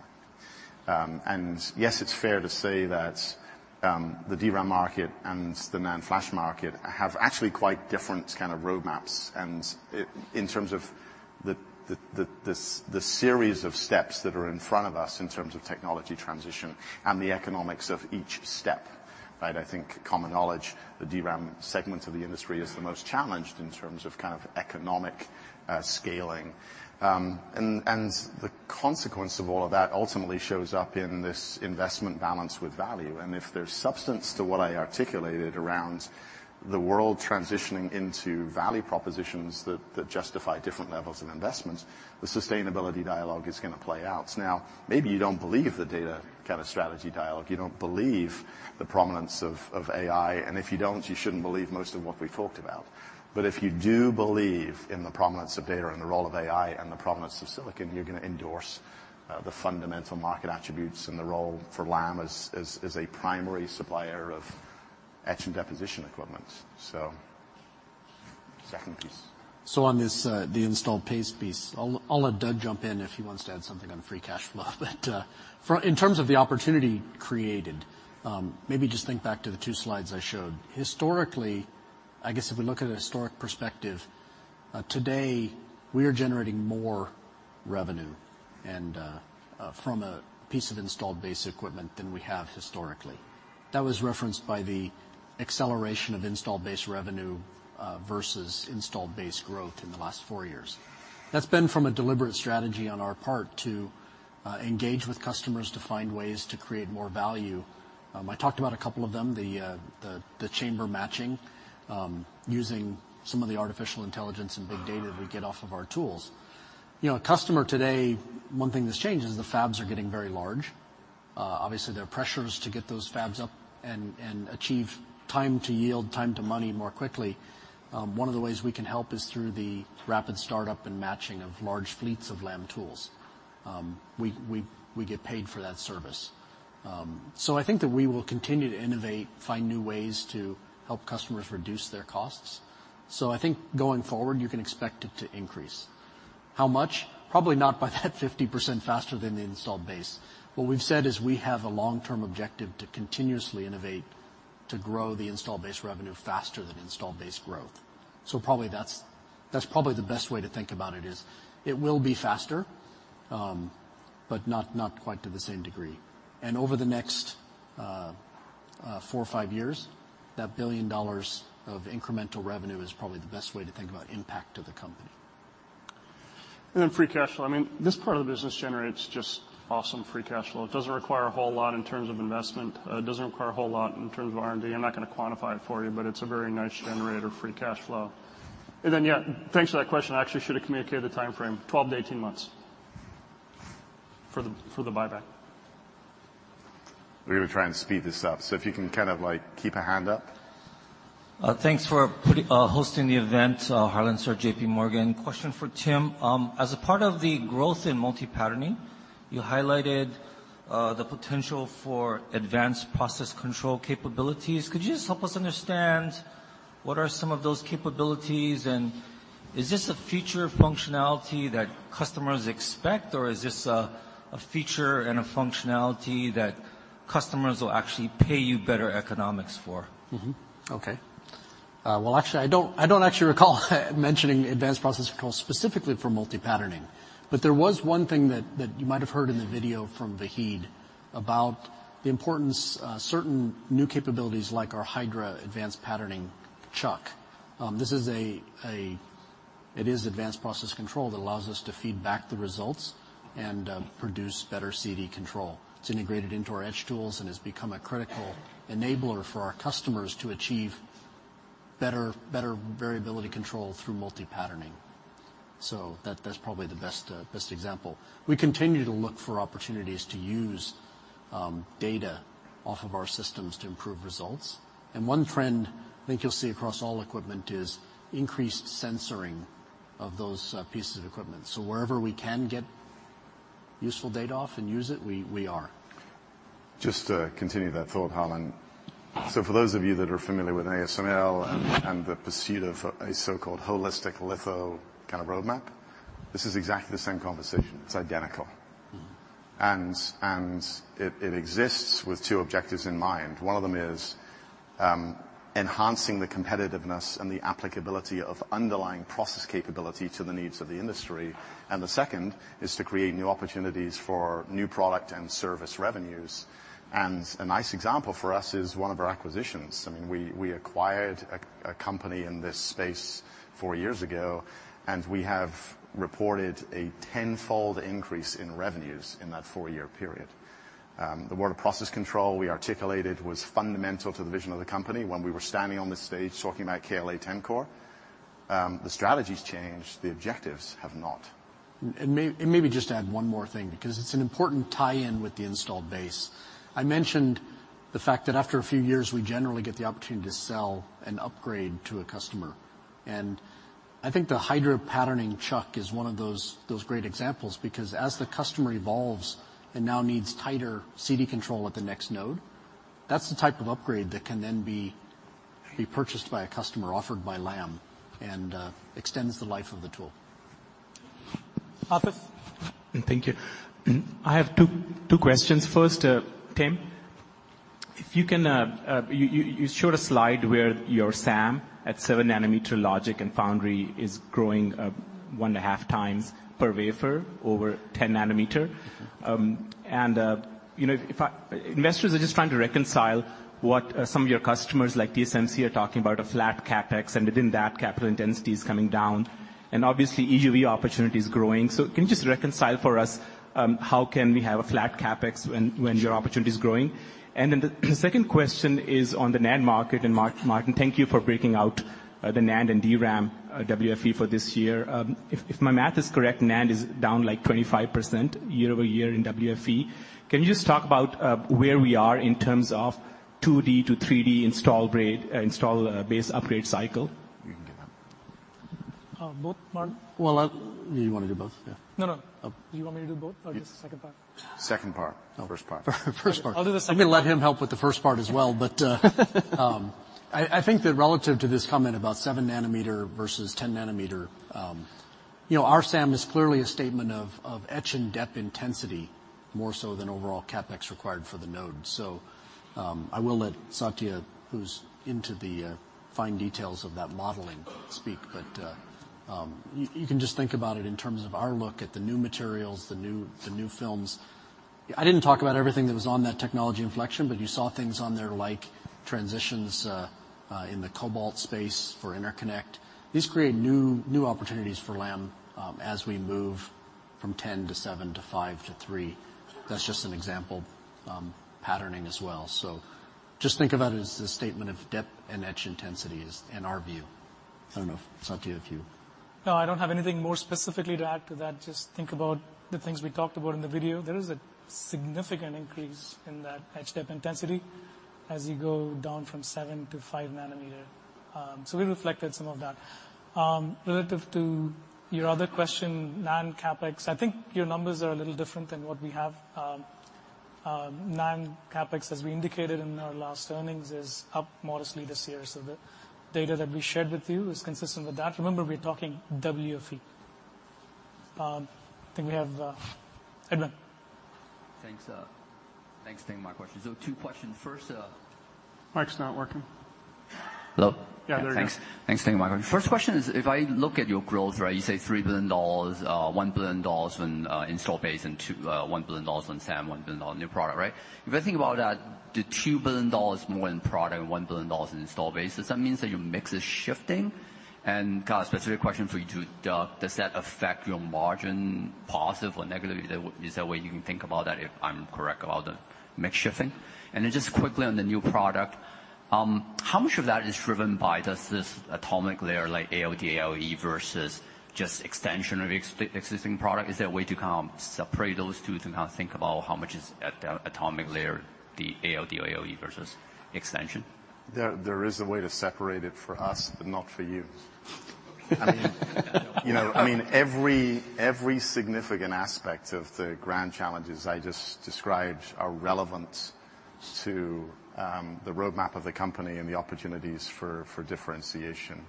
Yes, it's fair to say that the DRAM market and the NAND flash market have actually quite different kind of roadmaps, and in terms of the series of steps that are in front of us in terms of technology transition and the economics of each step. Right? I think common knowledge, the DRAM segment of the industry is the most challenged in terms of economic scaling. The consequence of all of that ultimately shows up in this investment balance with value. If there's substance to what I articulated around the world transitioning into value propositions that justify different levels of investment, the sustainability dialogue is going to play out. Maybe you don't believe the data kind of strategy dialogue, you don't believe the prominence of AI. If you don't, you shouldn't believe most of what we've talked about. If you do believe in the prominence of data and the role of AI and the prominence of silicon, you're going to endorse the fundamental market attributes and the role for Lam as a primary supplier of etch and deposition equipment. Second piece. On this the installed base piece, I'll let Doug jump in if he wants to add something on free cash flow. In terms of the opportunity created, maybe just think back to the two slides I showed. Historically, I guess if we look at a historic perspective, today we are generating more revenue and from a piece of installed base equipment than we have historically. That was referenced by the acceleration of installed base revenue versus installed base growth in the last four years. That's been from a deliberate strategy on our part to engage with customers to find ways to create more value. I talked about a couple of them, the chamber matching, using some of the artificial intelligence and big data that we get off of our tools. A customer today, one thing that's changed is the fabs are getting very large. Obviously, there are pressures to get those fabs up and achieve time to yield, time to money more quickly. One of the ways we can help is through the rapid startup and matching of large fleets of Lam tools. We get paid for that service. I think that we will continue to innovate, find new ways to help customers reduce their costs. I think going forward, you can expect it to increase. How much? Probably not by that 50% faster than the installed base. What we've said is we have a long-term objective to continuously innovate to grow the installed base revenue faster than installed base growth. That's probably the best way to think about it is it will be faster, but not quite to the same degree. Over the next four or five years, that $1 billion of incremental revenue is probably the best way to think about impact to the company. Free cash flow. This part of the business generates just awesome free cash flow. It doesn't require a whole lot in terms of investment. It doesn't require a whole lot in terms of R&D. I'm not going to quantify it for you, but it's a very nice generator free cash flow. Yeah, thanks for that question. I actually should have communicated the timeframe, 12 to 18 months for the buyback. We're going to try and speed this up, so if you can kind of keep a hand up. Thanks for hosting the event. Harlan Sur, JPMorgan. Question for Tim. As a part of the growth in multi-patterning, you highlighted the potential for advanced process control capabilities. Could you just help us understand what are some of those capabilities, and is this a future functionality that customers expect, or is this a feature and a functionality that customers will actually pay you better economics for? Okay. I don't actually recall mentioning advanced process control specifically for multi-patterning. There was one thing that you might have heard in the video from Vahid about the importance of certain new capabilities, like our Hydra Advanced Patterning chuck. It is advanced process control that allows us to feed back the results and produce better CD control. It's integrated into our etch tools and has become a critical enabler for our customers to achieve better variability control through multi-patterning. That's probably the best example. We continue to look for opportunities to use data off of our systems to improve results. One trend I think you'll see across all equipment is increased sensoring of those pieces of equipment. Wherever we can get useful data off and use it, we are. Just to continue that thought, Harlan. For those of you that are familiar with ASML and the pursuit of a so-called holistic litho kind of roadmap, this is exactly the same conversation. It is identical. It exists with two objectives in mind. One of them is enhancing the competitiveness and the applicability of underlying process capability to the needs of the industry, and the second is to create new opportunities for new product and service revenues. A nice example for us is one of our acquisitions. We acquired a company in this space four years ago, and we have reported a tenfold increase in revenues in that four-year period. The word process control we articulated was fundamental to the vision of the company when we were standing on this stage talking about KLA-Tencor. The strategy's changed, the objectives have not. Maybe just to add one more thing, because it's an important tie-in with the installed base. I mentioned the fact that after a few years, we generally get the opportunity to sell an upgrade to a customer. I think the Hydra Patterning chuck is one of those great examples, because as the customer evolves and now needs tighter CD control at the next node, that's the type of upgrade that can then be purchased by a customer, offered by Lam, and extends the life of the tool. Atif. Thank you. I have two questions. First, Tim, you showed a slide where your SAM at 7 nanometer logic and foundry is growing 1.5 times per wafer over 10 nanometer. Investors are just trying to reconcile what some of your customers, like TSMC, are talking about a flat CapEx, and within that, capital intensity is coming down, and obviously EUV opportunity is growing. Can you just reconcile for us how can we have a flat CapEx when your opportunity is growing? Then the second question is on the NAND market, and Martin, thank you for breaking out the NAND and DRAM WFE for this year. If my math is correct, NAND is down like 25% year-over-year in WFE. Can you just talk about where we are in terms of 2D to 3D install base upgrade cycle? You can get that. Both, Martin? Well, you want to do both? Yeah. No, no. Do you want me to do both or just the second part? Second part. First part. First part. I'll do the second one. I'm going to let him help with the first part as well. I think that relative to this comment about seven nanometer versus 10 nanometer, our SAM is clearly a statement of etch and dep intensity, more so than overall CapEx required for the node. I will let Satya, who's into the fine details of that modeling, speak. You can just think about it in terms of our look at the new materials, the new films. I didn't talk about everything that was on that technology inflection, but you saw things on there like transitions in the cobalt space for interconnect. These create new opportunities for Lam as we move from 10 to seven to five to three. That's just an example, patterning as well. Just think about it as a statement of dep and etch intensity in our view. I don't know, Satya, if you No, I don't have anything more specifically to add to that. Just think about the things we talked about in the video. There is a significant increase in that etch dep intensity as you go down from seven to five nanometer. We reflected some of that. Relative to your other question, NAND CapEx, I think your numbers are a little different than what we have. NAND CapEx, as we indicated in our last earnings, is up modestly this year. The data that we shared with you is consistent with that. Remember, we're talking WFE. I think we have Edmund. Thanks. Thanks. Taking my questions. Two questions. First- Mic's not working. Hello? Yeah, there you go. Thanks. Taking my question. First question is, if I look at your growth, you say $3 billion, $1 billion on install base, and $1 billion on SAM, $1 billion on new product, right? If I think about that, the $2 billion more in product, $1 billion in install base, does that mean that your mix is shifting? Got a specific question for you, too. Does that affect your margin positive or negative? Is that a way you can think about that if I'm correct about the mix shifting? Then just quickly on the new product, how much of that is driven by just this atomic layer, like ALD/ALE versus just extension of existing product? Is there a way to kind of separate those two to kind of think about how much is at the atomic layer, the ALD/ALE versus extension? There is a way to separate it for us, but not for you. Every significant aspect of the grand challenges I just described are relevant to the roadmap of the company and the opportunities for differentiation.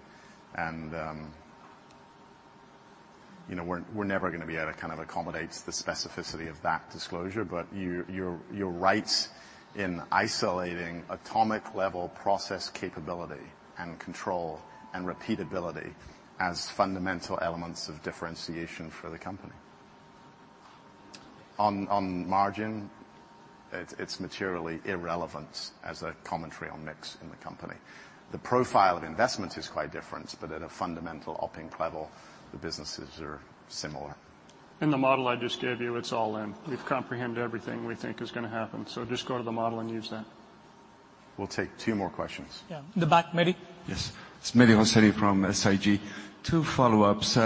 We're never going to be able to accommodate the specificity of that disclosure, but you're right in isolating atomic-level process capability and control and repeatability as fundamental elements of differentiation for the company. On margin, it's materially irrelevant as a commentary on mix in the company. The profile of investment is quite different, but at a fundamental OpEx level, the businesses are similar. In the model I just gave you, it's all in. We've comprehended everything we think is going to happen. Just go to the model and use that. We'll take two more questions. Yeah. In the back, Mehdi? Yes. It's Mehdi Hosseini from SIG. Two follow-ups.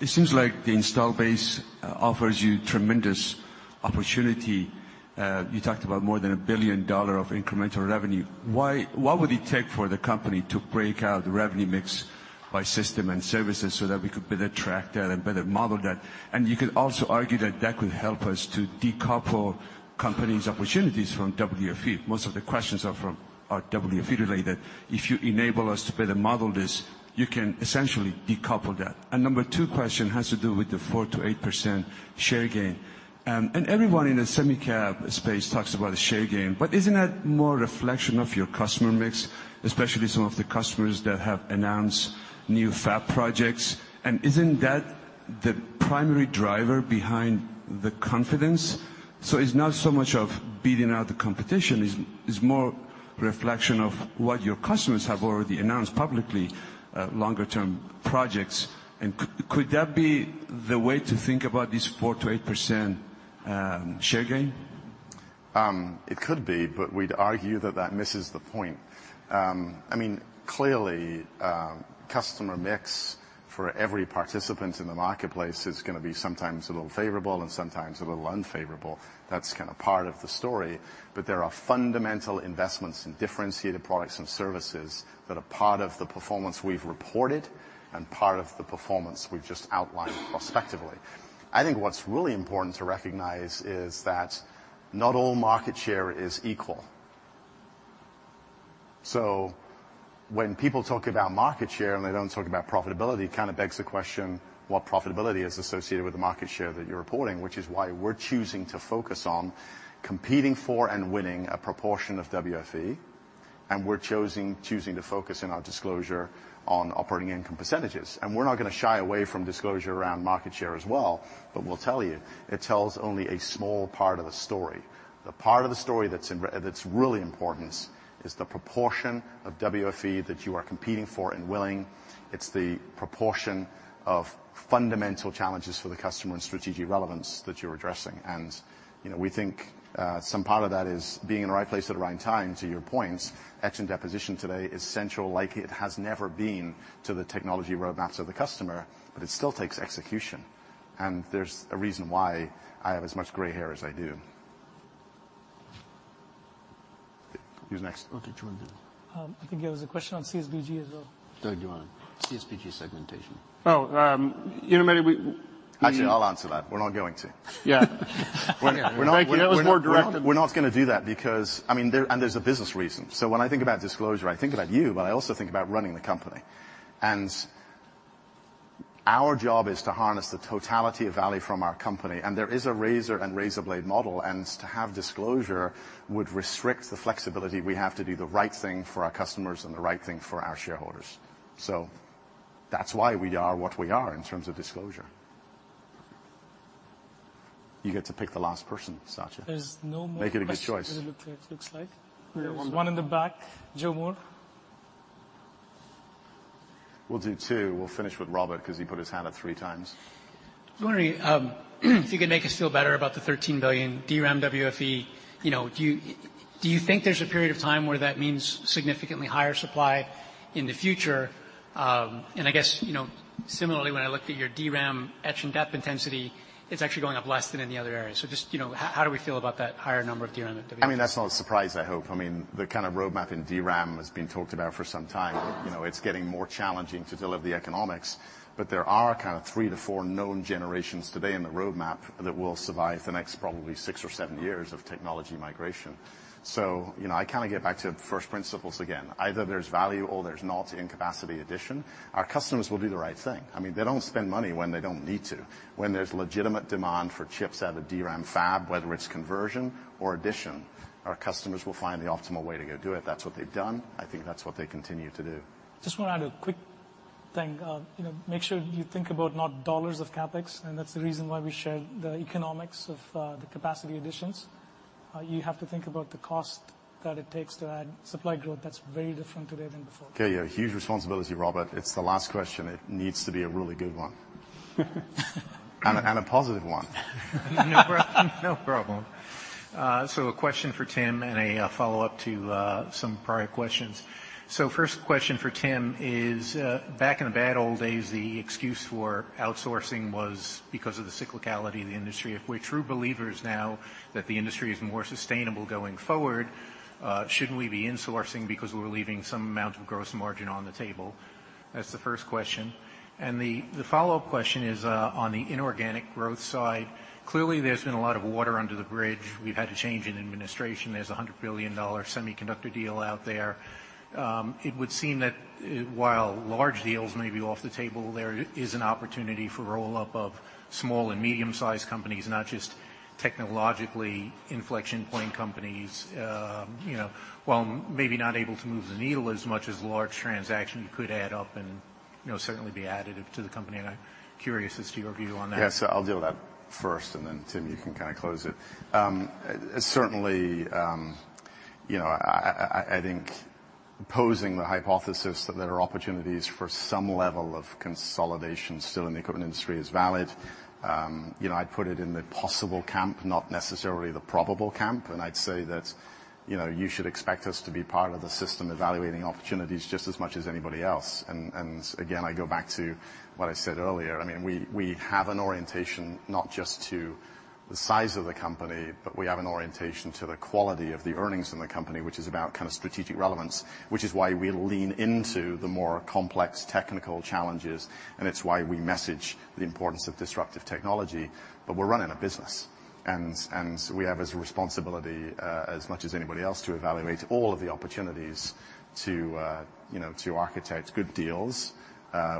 It seems like the install base offers you tremendous opportunity. You talked about more than $1 billion of incremental revenue. What would it take for the company to break out the revenue mix by system and services so that we could better track that and better model that? You could also argue that that could help us to decouple companies' opportunities from WFE. Most of the questions are WFE related. If you enable us to better model this, you can essentially decouple that. Number two question has to do with the 4%-8% share gain. Everyone in the semi cap space talks about a share gain. Isn't that more a reflection of your customer mix, especially some of the customers that have announced new fab projects? Isn't that the primary driver behind the confidence? It's not so much of beating out the competition, it's more a reflection of what your customers have already announced publicly, longer-term projects. Could that be the way to think about this 4%-8% share gain? It could be, we'd argue that that misses the point. Clearly, customer mix for every participant in the marketplace is going to be sometimes a little favorable and sometimes a little unfavorable. That's part of the story. There are fundamental investments in differentiated products and services that are part of the performance we've reported and part of the performance we've just outlined prospectively. I think what's really important to recognize is that not all market share is equal. When people talk about market share and they don't talk about profitability, it begs the question what profitability is associated with the market share that you're reporting, which is why we're choosing to focus on competing for and winning a proportion of WFE, and we're choosing to focus in our disclosure on operating income %. We're not going to shy away from disclosure around market share as well. We'll tell you, it tells only a small part of the story. The part of the story that's really important is the proportion of WFE that you are competing for and winning. It's the proportion of fundamental challenges for the customer and strategic relevance that you're addressing. We think some part of that is being in the right place at the right time, to your point. Etch and deposition today is central like it has never been to the technology roadmaps of the customer, but it still takes execution, and there's a reason why I have as much gray hair as I do. Who's next? Oh, did you want to do it? I think there was a question on CSBG as well. Doug, do you want to? CSBG segmentation. Oh, maybe. Actually, I'll answer that. We're not going to. Yeah. We're not. Thank you. That was more direct. We're not going to do that because, and there's a business reason. When I think about disclosure, I think about you, but I also think about running the company. Our job is to harness the totality of value from our company, and there is a razor and razor blade model, and to have disclosure would restrict the flexibility we have to do the right thing for our customers and the right thing for our shareholders. That's why we are what we are in terms of disclosure. You get to pick the last person, Satya. There's no more questions. Make it a good choice it looks like. There's one in the back. Joe Moore. We'll do two. We'll finish with Robert because he put his hand up three times. I was wondering if you could make us feel better about the $13 billion DRAM WFE. Do you think there's a period of time where that means significantly higher supply in the future? I guess similarly, when I looked at your DRAM etch and dep intensity, it's actually going up less than in the other areas. Just how do we feel about that higher number of DRAM at WFE? That's not a surprise, I hope. The kind of roadmap in DRAM has been talked about for some time. It's getting more challenging to deliver the economics. There are three to four known generations today in the roadmap that will survive the next probably six or seven years of technology migration. I get back to first principles again. Either there's value or there's not in capacity addition. Our customers will do the right thing. They don't spend money when they don't need to. When there's legitimate demand for chips out of DRAM fab, whether it's conversion or addition, our customers will find the optimal way to go do it. That's what they've done. I think that's what they continue to do. Just want to add a quick thing. Make sure you think about not dollars of CapEx. That's the reason why we share the economics of the capacity additions. You have to think about the cost that it takes to add supply growth that's very different today than before. Okay. Yeah. Huge responsibility, Robert. It's the last question. It needs to be a really good one. A positive one. No problem. A question for Tim and a follow-up to some prior questions. First question for Tim is, back in the bad old days, the excuse for outsourcing was because of the cyclicality of the industry. If we're true believers now that the industry is more sustainable going forward, shouldn't we be insourcing because we're leaving some amount of gross margin on the table? That's the first question. The follow-up question is on the inorganic growth side. Clearly, there's been a lot of water under the bridge. We've had a change in administration. There's a $100 billion semiconductor deal out there. It would seem that while large deals may be off the table, there is an opportunity for roll-up of small and medium-sized companies, not just technologically inflection point companies. While maybe not able to move the needle as much as large transaction, you could add up and certainly be additive to the company. I'm curious as to your view on that. Yes, I'll deal with that first, and then Tim, you can close it. Certainly, I think posing the hypothesis that there are opportunities for some level of consolidation still in the equipment industry is valid. I'd put it in the possible camp, not necessarily the probable camp. I'd say that you should expect us to be part of the system evaluating opportunities just as much as anybody else. Again, I go back to what I said earlier. We have an orientation not just to the size of the company, but we have an orientation to the quality of the earnings in the company, which is about strategic relevance, which is why we lean into the more complex technical challenges, and it's why we message the importance of disruptive technology. We're running a business, and we have as responsibility, as much as anybody else, to evaluate all of the opportunities to architect good deals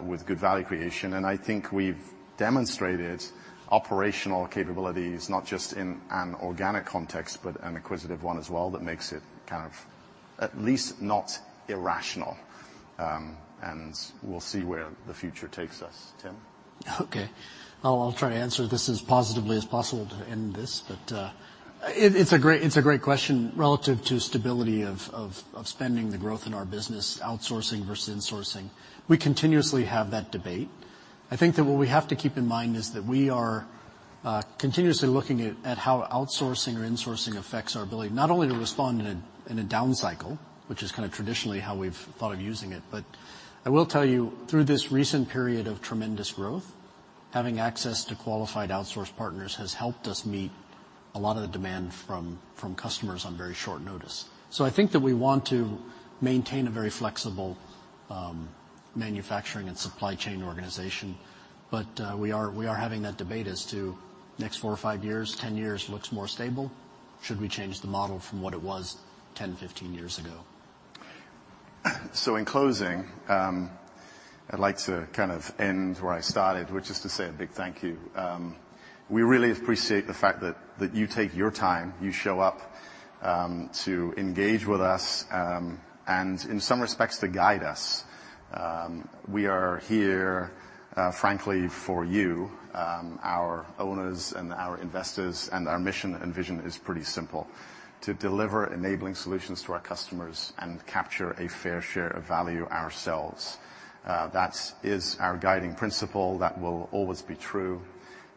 with good value creation. I think we've demonstrated operational capabilities, not just in an organic context, but an acquisitive one as well that makes it at least not irrational. We'll see where the future takes us. Tim? Okay. I'll try and answer this as positively as possible to end this, but it's a great question relative to stability of spending the growth in our business, outsourcing versus insourcing. We continuously have that debate. I think that what we have to keep in mind is that we are continuously looking at how outsourcing or insourcing affects our ability not only to respond in a down cycle, which is kind of traditionally how we've thought of using it, but I will tell you, through this recent period of tremendous growth, having access to qualified outsource partners has helped us meet a lot of the demand from customers on very short notice. I think that we want to maintain a very flexible manufacturing and supply chain organization. We are having that debate as to next four or five years, 10 years looks more stable. Should we change the model from what it was 10, 15 years ago? In closing, I'd like to end where I started, which is to say a big thank you. We really appreciate the fact that you take your time, you show up to engage with us, and in some respects, to guide us. We are here, frankly, for you, our owners and our investors, and our mission and vision is pretty simple, to deliver enabling solutions to our customers and capture a fair share of value ourselves. That is our guiding principle. That will always be true.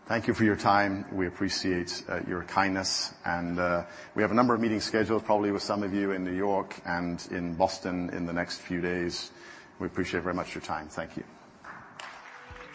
Thank you for your time. We appreciate your kindness, and we have a number of meetings scheduled, probably with some of you in New York and in Boston in the next few days. We appreciate very much your time. Thank you.